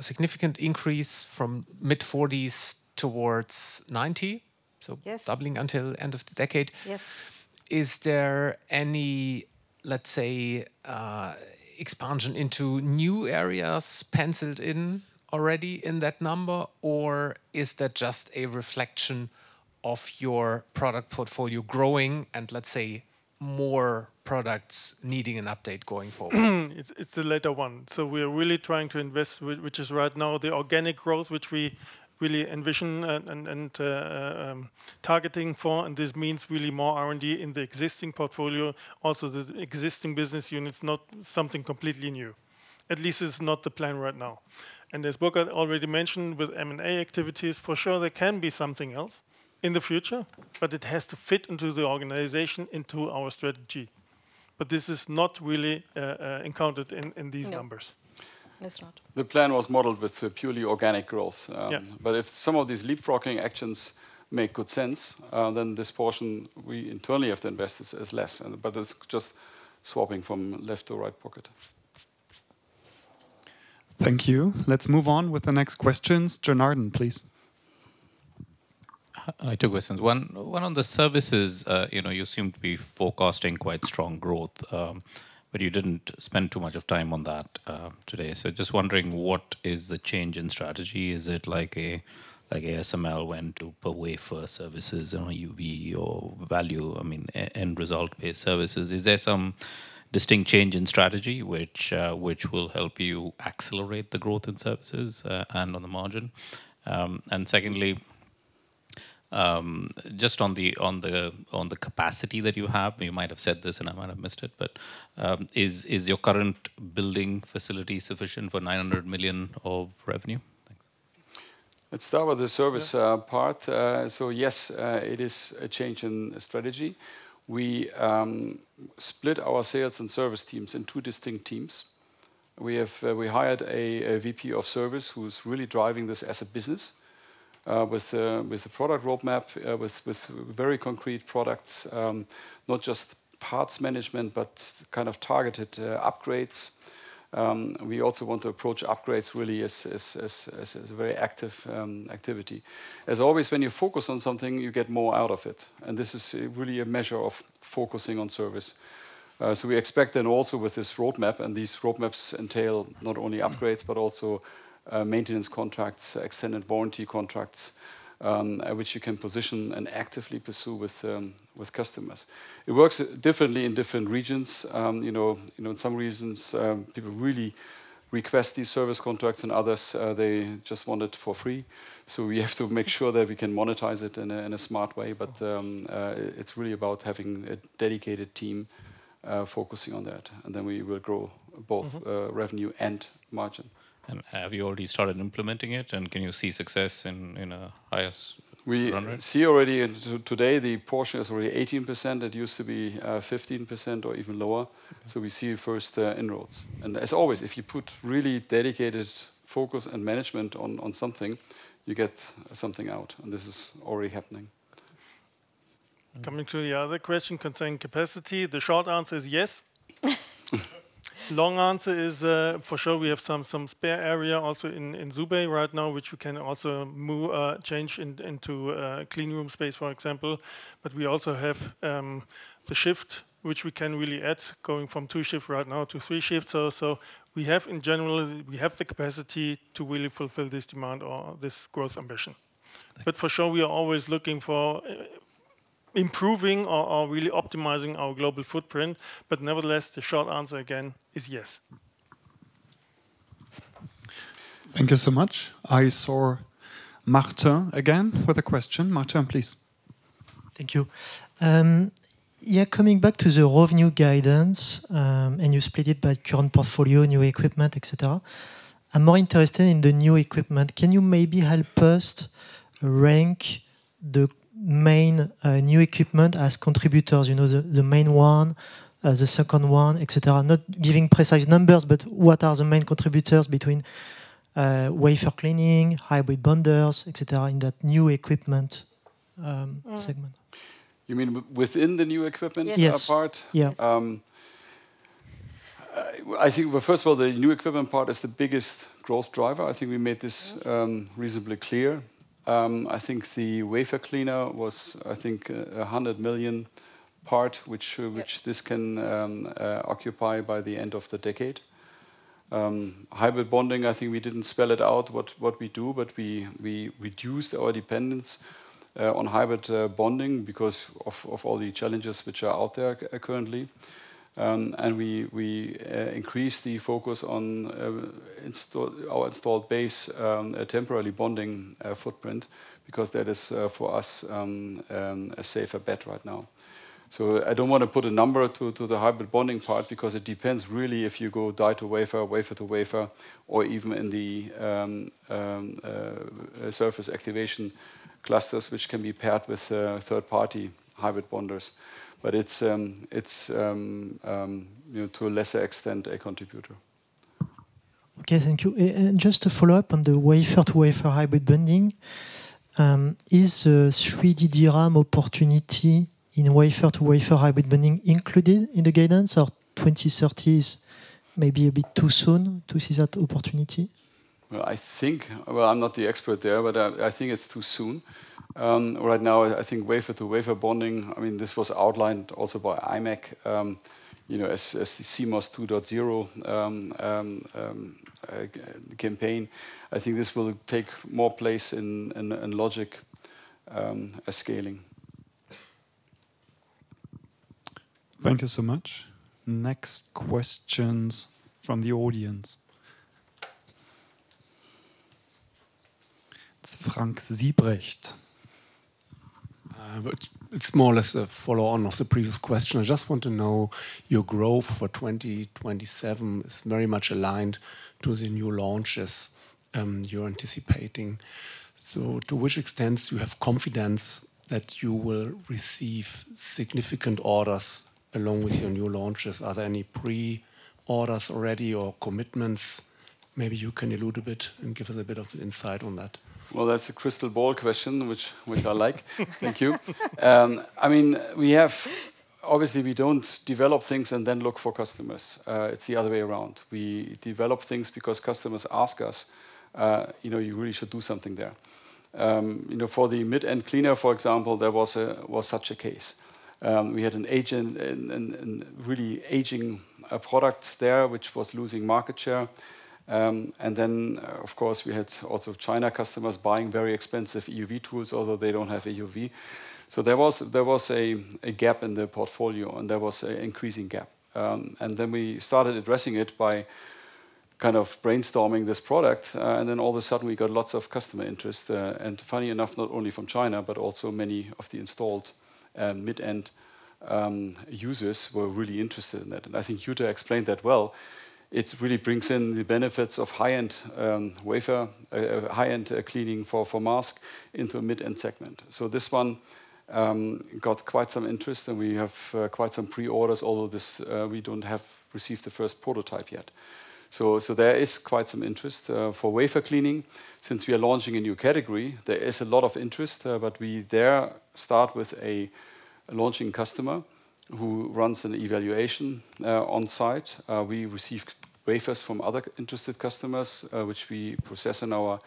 significant increase from mid-40s towards 90, so doubling until the end of the decade. Is there any, let's say, expansion into new areas penciled in already in that number? Or is that just a reflection of your product portfolio growing and, let's say, more products needing an update going forward? It's the latter one. We are really trying to invest, which is right now the organic growth, which we really envision and are targeting for. This means really more R&D in the existing portfolio, also the existing business units, not something completely new. At least it's not the plan right now. As Burkhardt already mentioned with M&A activities, for sure there can be something else in the future, but it has to fit into the organization, into our strategy. This is not really encountered in these numbers. That is not. The plan was modeled with purely organic growth. If some of these leapfrogging actions make good sense, then this portion we internally have to invest is less. It is just swapping from left to right pocket. Thank you. Let's move on with the next questions. Jornarden, please. I have two questions. One on the services. You seem to be forecasting quite strong growth, but you did not spend too much time on that today. Just wondering, what is the change in strategy? Is it like ASML went to per wafer services or UV or value, I mean, end result-based services? Is there some distinct change in strategy which will help you accelerate the growth in services and on the margin? Secondly, just on the capacity that you have, you might have said this and I might have missed it, but is your current building facility sufficient for 900 million of revenue? Thanks. Let's start with the service part. Yes, it is a change in strategy. We split our sales and service teams into distinct teams. We hired a VP of Service who's really driving this as a business with a product roadmap with very concrete products, not just parts management, but kind of targeted upgrades. We also want to approach upgrades really as a very active activity. As always, when you focus on something, you get more out of it. This is really a measure of focusing on service. We expect then also with this roadmap, and these roadmaps entail not only upgrades, but also maintenance contracts, extended warranty contracts, which you can position and actively pursue with customers. It works differently in different regions. In some regions, people really request these service contracts, and others, they just want it for free. We have to make sure that we can monetize it in a smart way. It is really about having a dedicated team focusing on that. We will grow both revenue and margin. Have you already started implementing it? Can you see success in a higher run rate? We see already today the portion is already 18%. It used to be 15% or even lower. We see first inroads. As always, if you put really dedicated focus and management on something, you get something out. This is already happening. Coming to the other question concerning capacity, the short answer is yes. Long answer is for sure we have some spare area also in Zhubei right now, which we can also change into clean room space, for example. We also have the shift, which we can really add going from two shifts right now to three shifts. In general, we have the capacity to really fulfill this demand or this growth ambition. We are always looking for improving or really optimizing our global footprint. Nevertheless, the short answer again is yes. Thank you so much. I saw Martin again with a question. Martin, please. Thank you. Yeah, coming back to the revenue guidance, and you split it by current portfolio, new equipment, etc. I'm more interested in the new equipment. Can you maybe help us rank the main new equipment as contributors, the main one, the second one, etc.? Not giving precise numbers, but what are the main contributors between wafer cleaning, hybrid bonders, etc. in that new equipment segment? You mean within the new equipment part? Yes. I think, first of all, the new equipment part is the biggest growth driver. I think we made this reasonably clear. I think the wafer cleaner was, I think, a 100 million part, which this can occupy by the end of the decade. Hybrid bonding, I think we did not spell it out what we do, but we reduced our dependence on hybrid bonding because of all the challenges which are out there currently. We increased the focus on our installed base temporary bonding footprint because that is for us a safer bet right now. I don't want to put a number to the hybrid bonding part because it depends really if you go die to wafer, wafer to wafer, or even in the surface activation clusters, which can be paired with third-party hybrid bonders. It's to a lesser extent a contributor. Okay, thank you. Just to follow up on the wafer to wafer hybrid bonding, is the 3D DRAM opportunity in wafer to wafer hybrid bonding included in the guidance, or 2030 is maybe a bit too soon to see that opportunity? I think, I'm not the expert there, but I think it's too soon. Right now, I think wafer to wafer bonding, I mean, this was outlined also by IMEC as the CMOS 2.0 campaign. I think this will take more place in logic scaling. Thank you so much. Next questions from the audience. It's Frank Siebrecht. It's more or less a follow-on of the previous question. I just want to know your growth for 2027 is very much aligned to the new launches you're anticipating. To which extent do you have confidence that you will receive significant orders along with your new launches? Are there any pre-orders already or commitments? Maybe you can allude a bit and give us a bit of insight on that. That's a crystal ball question, which I like. Thank you. I mean, obviously, we don't develop things and then look for customers. It's the other way around. We develop things because customers ask us, you really should do something there. For the mid-end cleaner, for example, there was such a case. We had a really aging product there, which was losing market share. Of course, we had also China customers buying very expensive EUV tools, although they do not have EUV. There was a gap in the portfolio, and there was an increasing gap. We started addressing it by kind of brainstorming this product. All of a sudden, we got lots of customer interest. Funny enough, not only from China, but also many of the installed mid-end users were really interested in that. I think Yuta explained that well. It really brings in the benefits of high-end wafer, high-end cleaning for mask into a mid-end segment. This one got quite some interest, and we have quite some pre-orders, although we have not received the first prototype yet. There is quite some interest for wafer cleaning. Since we are launching a new category, there is a lot of interest, but we start with a launching customer who runs an evaluation on site. We received wafers from other interested customers, which we process in our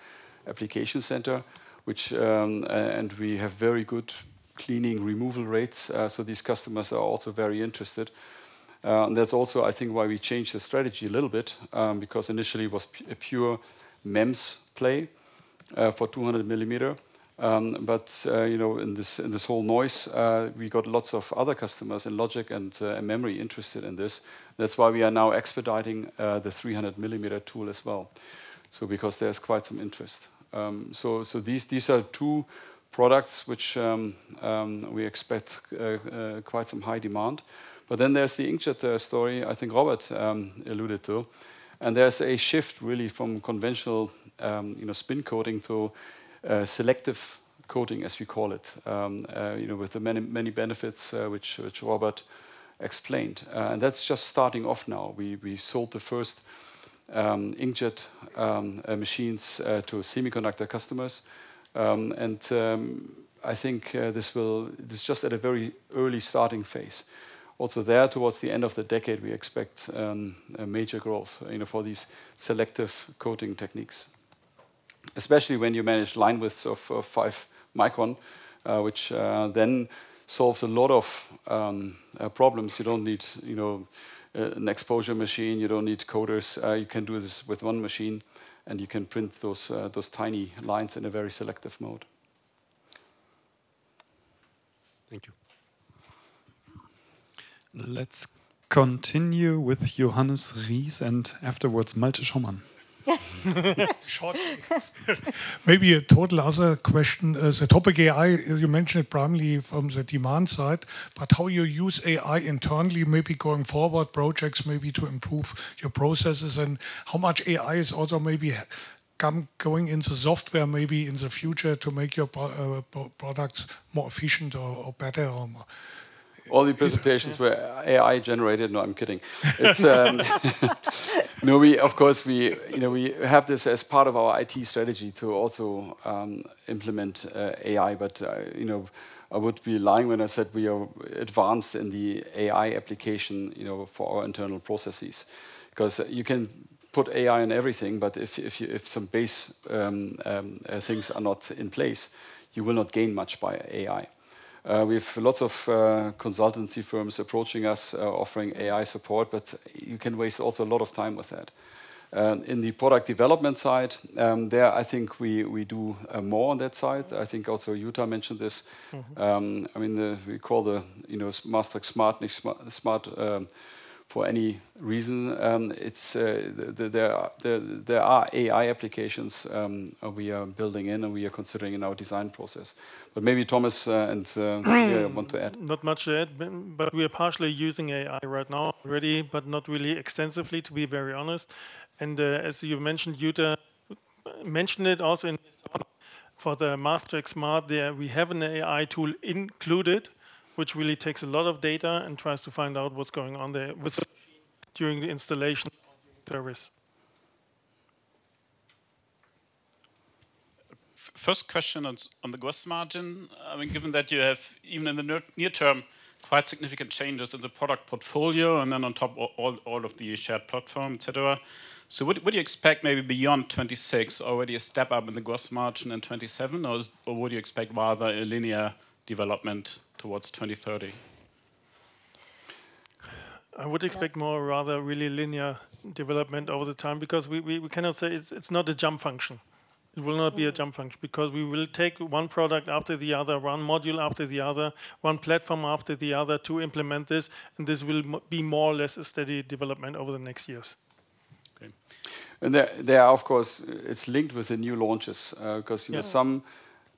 application center, and we have very good cleaning removal rates. These customers are also very interested. I think that's also why we changed the strategy a little bit because initially it was a pure MEMS play for 200 millimeter. In this whole noise, we got lots of other customers in logic and memory interested in this. That is why we are now expediting the 300 millimeter tool as well, because there is quite some interest. These are two products which we expect quite some high demand. There is the Inkjet story, I think Robert alluded to. There is a shift really from conventional spin coating to selective coating, as we call it, with many benefits which Robert explained. That is just starting off now. We sold the first inkjet machines to semiconductor customers. I think this is just at a very early starting phase. Also there, towards the end of the decade, we expect major growth for these selective coating techniques, especially when you manage line widths of 5 micron, which then solves a lot of problems. You do not need an exposure machine. You do not need coaters. You can do this with one machine, and you can print those tiny lines in a very selective mode. Thank you. Let's continue with Johannes Ries and afterwards Malte Schaumann. Maybe a total other question. The topic AI, you mentioned it primarily from the demand side, but how you use AI internally, maybe going forward projects, maybe to improve your processes and how much AI is also maybe going into software maybe in the future to make your products more efficient or better or more. All the presentations were AI-generated. No, I'm kidding. No, of course, we have this as part of our IT strategy to also implement AI. I would be lying when I said we are advanced in the AI application for our internal processes because you can put AI in everything, but if some base things are not in place, you will not gain much by AI. We have lots of consultancy firms approaching us, offering AI support, but you can waste also a lot of time with that. In the product development side, there, I think we do more on that side. I think also Yuta mentioned this. I mean, we call the Master Smart for any reason. There are AI applications we are building in and we are considering in our design process. Maybe Thomas and Cornelia want to add. Not much to add, but we are partially using AI right now already, but not really extensively, to be very honest. As you mentioned, Yuta mentioned it also in this talk for the Master Smart, we have an AI tool included, which really takes a lot of data and tries to find out what's going on there with the machine during the installation of the service. First question on the gross margin. I mean, given that you have, even in the near term, quite significant changes in the product portfolio and then on top of all of the shared platform, etc. What do you expect maybe beyond 2026, already a step up in the gross margin in 2027, or would you expect rather a linear development towards 2030? I would expect more rather really linear development over the time because we cannot say it's not a jump function. It will not be a jump function because we will take one product after the other, one module after the other, one platform after the other to implement this. This will be more or less a steady development over the next years. Of course, it is linked with the new launches because some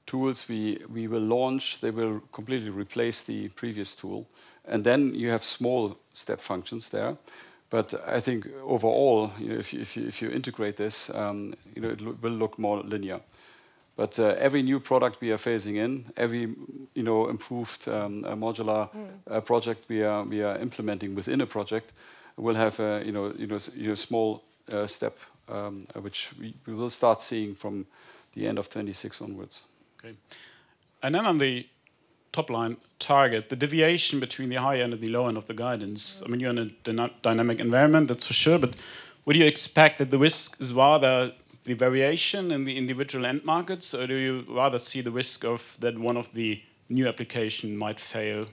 tools we will launch, they will completely replace the previous tool. You have small step functions there. I think overall, if you integrate this, it will look more linear. Every new product we are phasing in, every improved modular project we are implementing within a project will have a small step, which we will start seeing from the end of 2026 onwards. On the top line target, the deviation between the high end and the low end of the guidance. I mean, you are in a dynamic environment, that's for sure. Would you expect that the risk is rather the variation in the individual end markets? Or do you rather see the risk that one of the new applications might fail,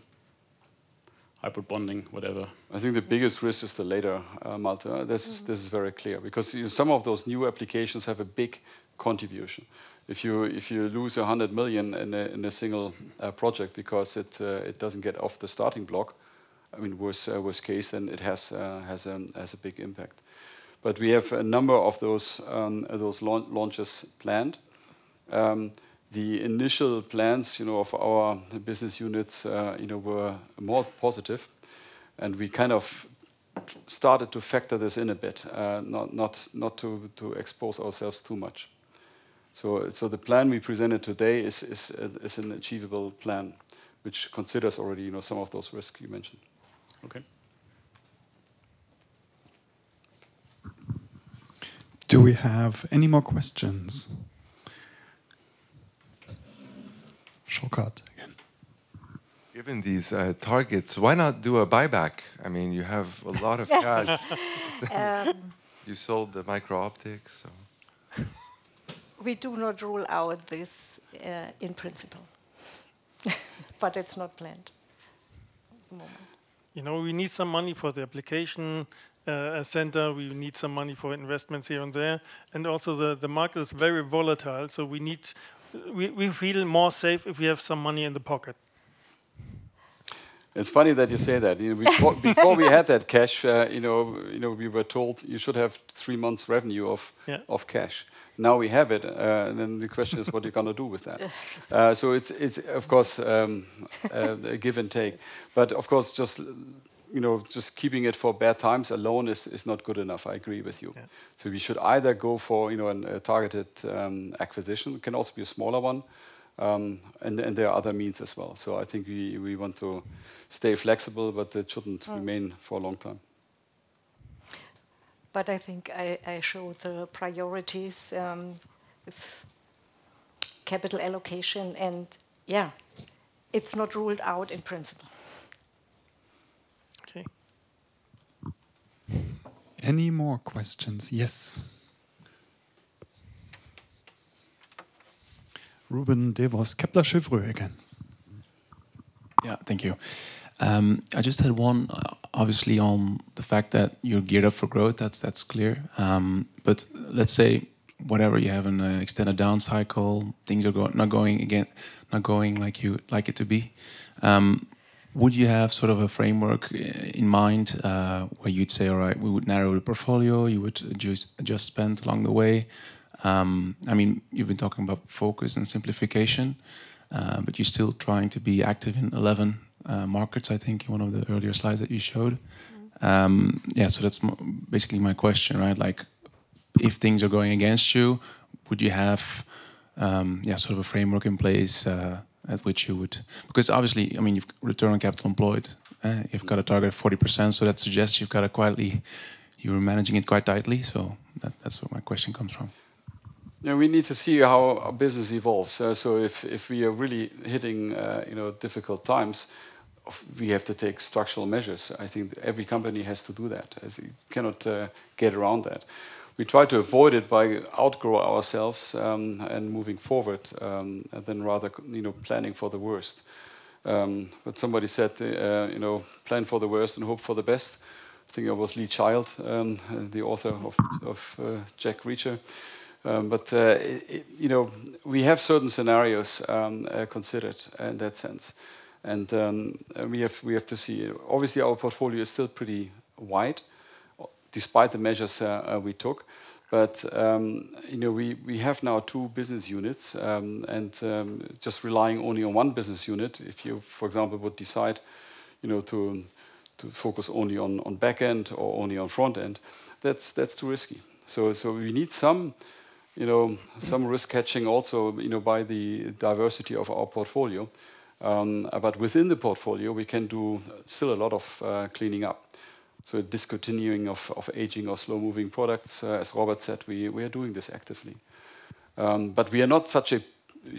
hybrid bonding, whatever? I think the biggest risk is the latter, Malte. This is very clear because some of those new applications have a big contribution. If you lose 100 million in a single project because it doesn't get off the starting block, I mean, worst case, then it has a big impact. We have a number of those launches planned. The initial plans of our business units were more positive. We kind of started to factor this in a bit, not to expose ourselves too much. The plan we presented today is an achievable plan, which considers already some of those risks you mentioned. Okay. Do we have any more questions? Shortcut again. Given these targets, why not do a buyback? I mean, you have a lot of cash. You sold the microoptics, so. We do not rule out this in principle, but it's not planned at the moment. We need some money for the application center. We need some money for investments here and there. Also, the market is very volatile. We feel more safe if we have some money in the pocket. It's funny that you say that. Before we had that cash, we were told you should have three months' revenue of cash. Now we have it. The question is, what are you going to do with that? It's, of course, a give and take. Just keeping it for bad times alone is not good enough. I agree with you. We should either go for a targeted acquisition. It can also be a smaller one. There are other means as well. I think we want to stay flexible, but it shouldn't remain for a long time. I think I showed the priorities with capital allocation. Yeah, it's not ruled out in principle. Okay. Any more questions? Yes. Ruben Devos, Kepler Cheuvreux again. Yeah, thank you. I just had one, obviously, on the fact that you're geared up for growth. That's clear. Let's say, whatever, you have an extended down cycle, things are not going like you like it to be. Would you have sort of a framework in mind where you'd say, all right, we would narrow the portfolio, you would just spend along the way? I mean, you've been talking about focus and simplification, but you're still trying to be active in 11 markets, I think, in one of the earlier slides that you showed. Yeah, so that's basically my question, right? If things are going against you, would you have sort of a framework in place at which you would? Because obviously, I mean, you've returned on capital employed. You've got a target of 40%. That suggests you've got a quietly you're managing it quite tightly. That's where my question comes from. We need to see how our business evolves. If we are really hitting difficult times, we have to take structural measures. I think every company has to do that. You cannot get around that. We try to avoid it by outgrow ourselves and moving forward, and then rather planning for the worst. Somebody said, plan for the worst and hope for the best. I think it was Lee Child, the author of Jack Reacher. We have certain scenarios considered in that sense. We have to see. Obviously, our portfolio is still pretty wide despite the measures we took. We have now two business units. Just relying only on one business unit, if you, for example, would decide to focus only on back end or only on front end, that's too risky. We need some risk catching also by the diversity of our portfolio. Within the portfolio, we can do still a lot of cleaning up. Discontinuing of aging or slow-moving products, as Robert said, we are doing this actively. We are not such a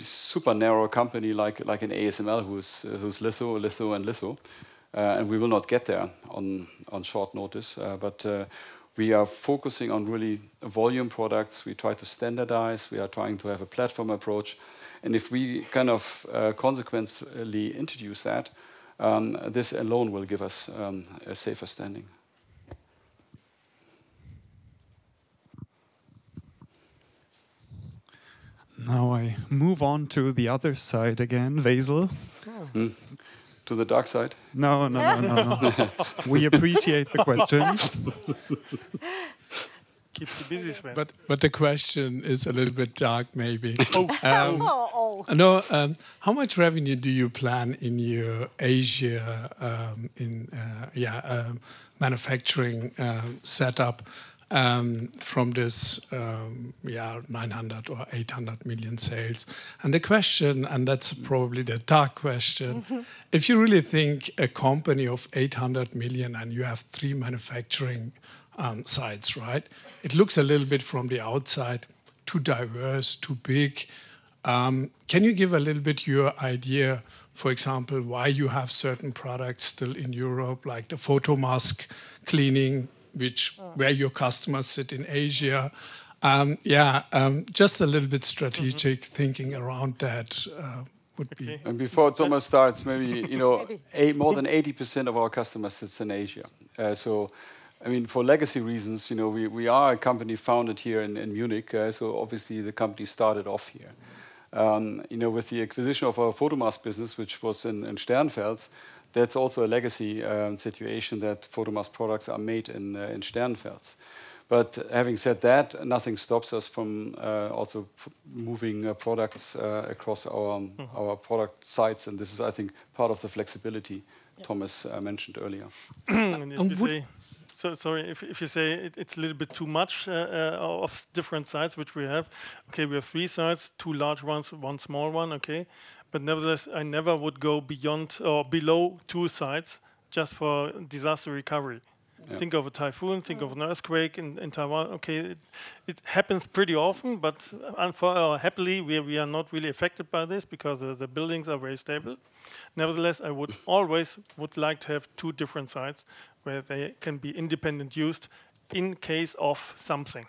super narrow company like an ASML, who's Litho, Litho, and Litho. We will not get there on short notice. We are focusing on really volume products. We try to standardize. We are trying to have a platform approach. If we kind of consequently introduce that, this alone will give us a safer standing. Now I move on to the other side again, Veysel. To the dark side? No, no, no, no, no. We appreciate the questions. Keep the busy sweater. The question is a little bit dark, maybe. Oh, no. How much revenue do you plan in your Asia, yeah, manufacturing setup from this 900 million or 800 million sales? The question, and that's probably the dark question, if you really think a company of 800 million and you have three manufacturing sites, right? It looks a little bit from the outside too diverse, too big. Can you give a little bit your idea, for example, why you have certain products still in Europe, like the photo mask cleaning, where your customers sit in Asia? Yeah, just a little bit strategic thinking around that would be. Before it almost starts, maybe more than 80% of our customers sits in Asia. I mean, for legacy reasons, we are a company founded here in Munich. Obviously, the company started off here. With the acquisition of our photo mask business, which was in Starnberg, that's also a legacy situation that photo mask products are made in Starnberg. Having said that, nothing stops us from also moving products across our product sites. This is, I think, part of the flexibility Thomas mentioned earlier. Sorry, if you say it's a little bit too much of different sites which we have, okay, we have three sites, two large ones, one small one, okay? Nevertheless, I never would go beyond or below two sites just for disaster recovery. Think of a typhoon, think of an earthquake in Taiwan, okay? It happens pretty often, but happily, we are not really affected by this because the buildings are very stable. Nevertheless, I would always like to have two different sites where they can be independently used in case of something.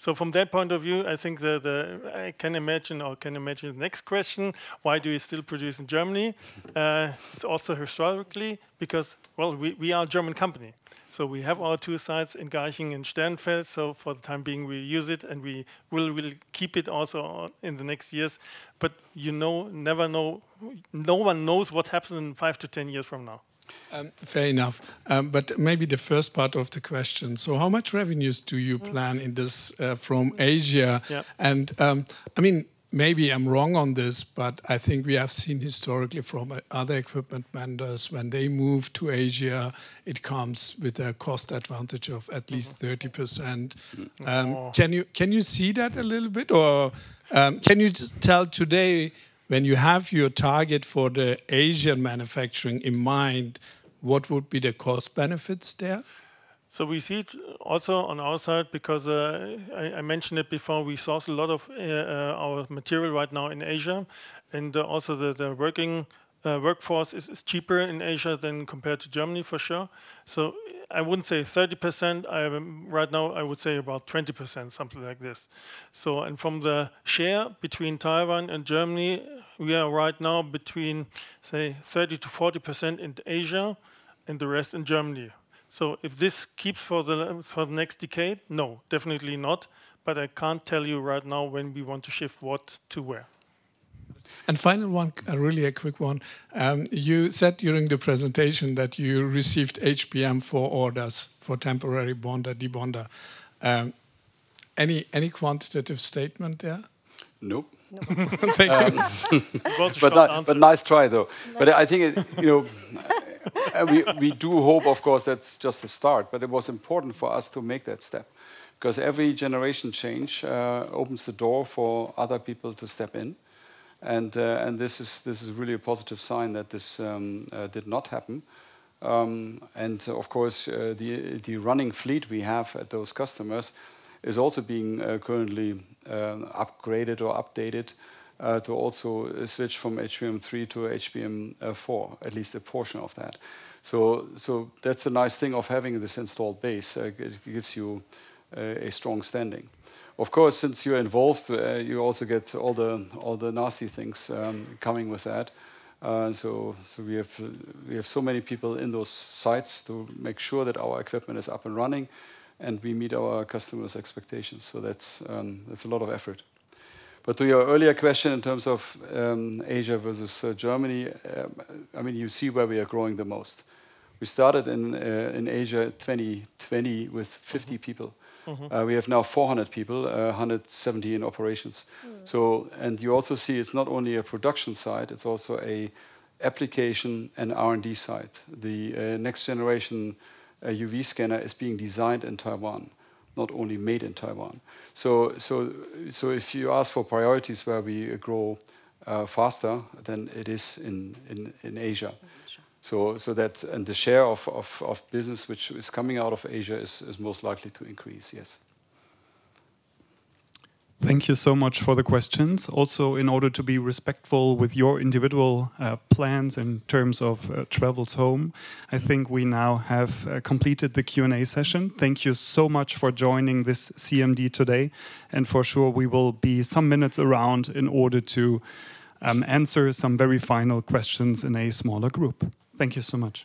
From that point of view, I think I can imagine or can imagine the next question, why do we still produce in Germany? It is also historically because, well, we are a German company. We have our two sites in Garching and Starnberg. For the time being, we use it and we will keep it also in the next years. You never know. No one knows what happens in five to ten years from now. Fair enough. Maybe the first part of the question. How much revenues do you plan in this from Asia? I mean, maybe I'm wrong on this, but I think we have seen historically from other equipment vendors when they move to Asia, it comes with a cost advantage of at least 30%. Can you see that a little bit? Or can you tell today when you have your target for the Asian manufacturing in mind, what would be the cost benefits there? We see it also on our side because I mentioned it before, we source a lot of our material right now in Asia. Also, the working workforce is cheaper in Asia than compared to Germany, for sure. I wouldn't say 30%. Right now, I would say about 20%, something like this. From the share between Taiwan and Germany, we are right now between, say, 30-40% in Asia and the rest in Germany. If this keeps for the next decade, no, definitely not. I can't tell you right now when we want to shift what to where. Final one, really a quick one. You said during the presentation that you received HBM4 orders for temporary bonder, debonder. Any quantitative statement there? Nope. Nice try, though. I think we do hope, of course, that's just the start. It was important for us to make that step because every generation change opens the door for other people to step in. This is really a positive sign that this did not happen. Of course, the running fleet we have at those customers is also being currently upgraded or updated to also switch from HBM3 to HBM4, at least a portion of that. That's a nice thing of having this installed base. It gives you a strong standing. Of course, since you're involved, you also get all the nasty things coming with that. We have so many people in those sites to make sure that our equipment is up and running and we meet our customers' expectations. That is a lot of effort. To your earlier question in terms of Asia versus Germany, I mean, you see where we are growing the most. We started in Asia in 2020 with 50 people. We have now 400 people, 170 in operations. You also see it is not only a production site, it is also an application and R&D site. The next generation UV scanner is being designed in Taiwan, not only made in Taiwan. If you ask for priorities where we grow faster, then it is in Asia. The share of business which is coming out of Asia is most likely to increase, yes. Thank you so much for the questions. Also, in order to be respectful with your individual plans in terms of travels home, I think we now have completed the Q&A session. Thank you so much for joining this CMD today. For sure, we will be some minutes around in order to answer some very final questions in a smaller group. Thank you so much.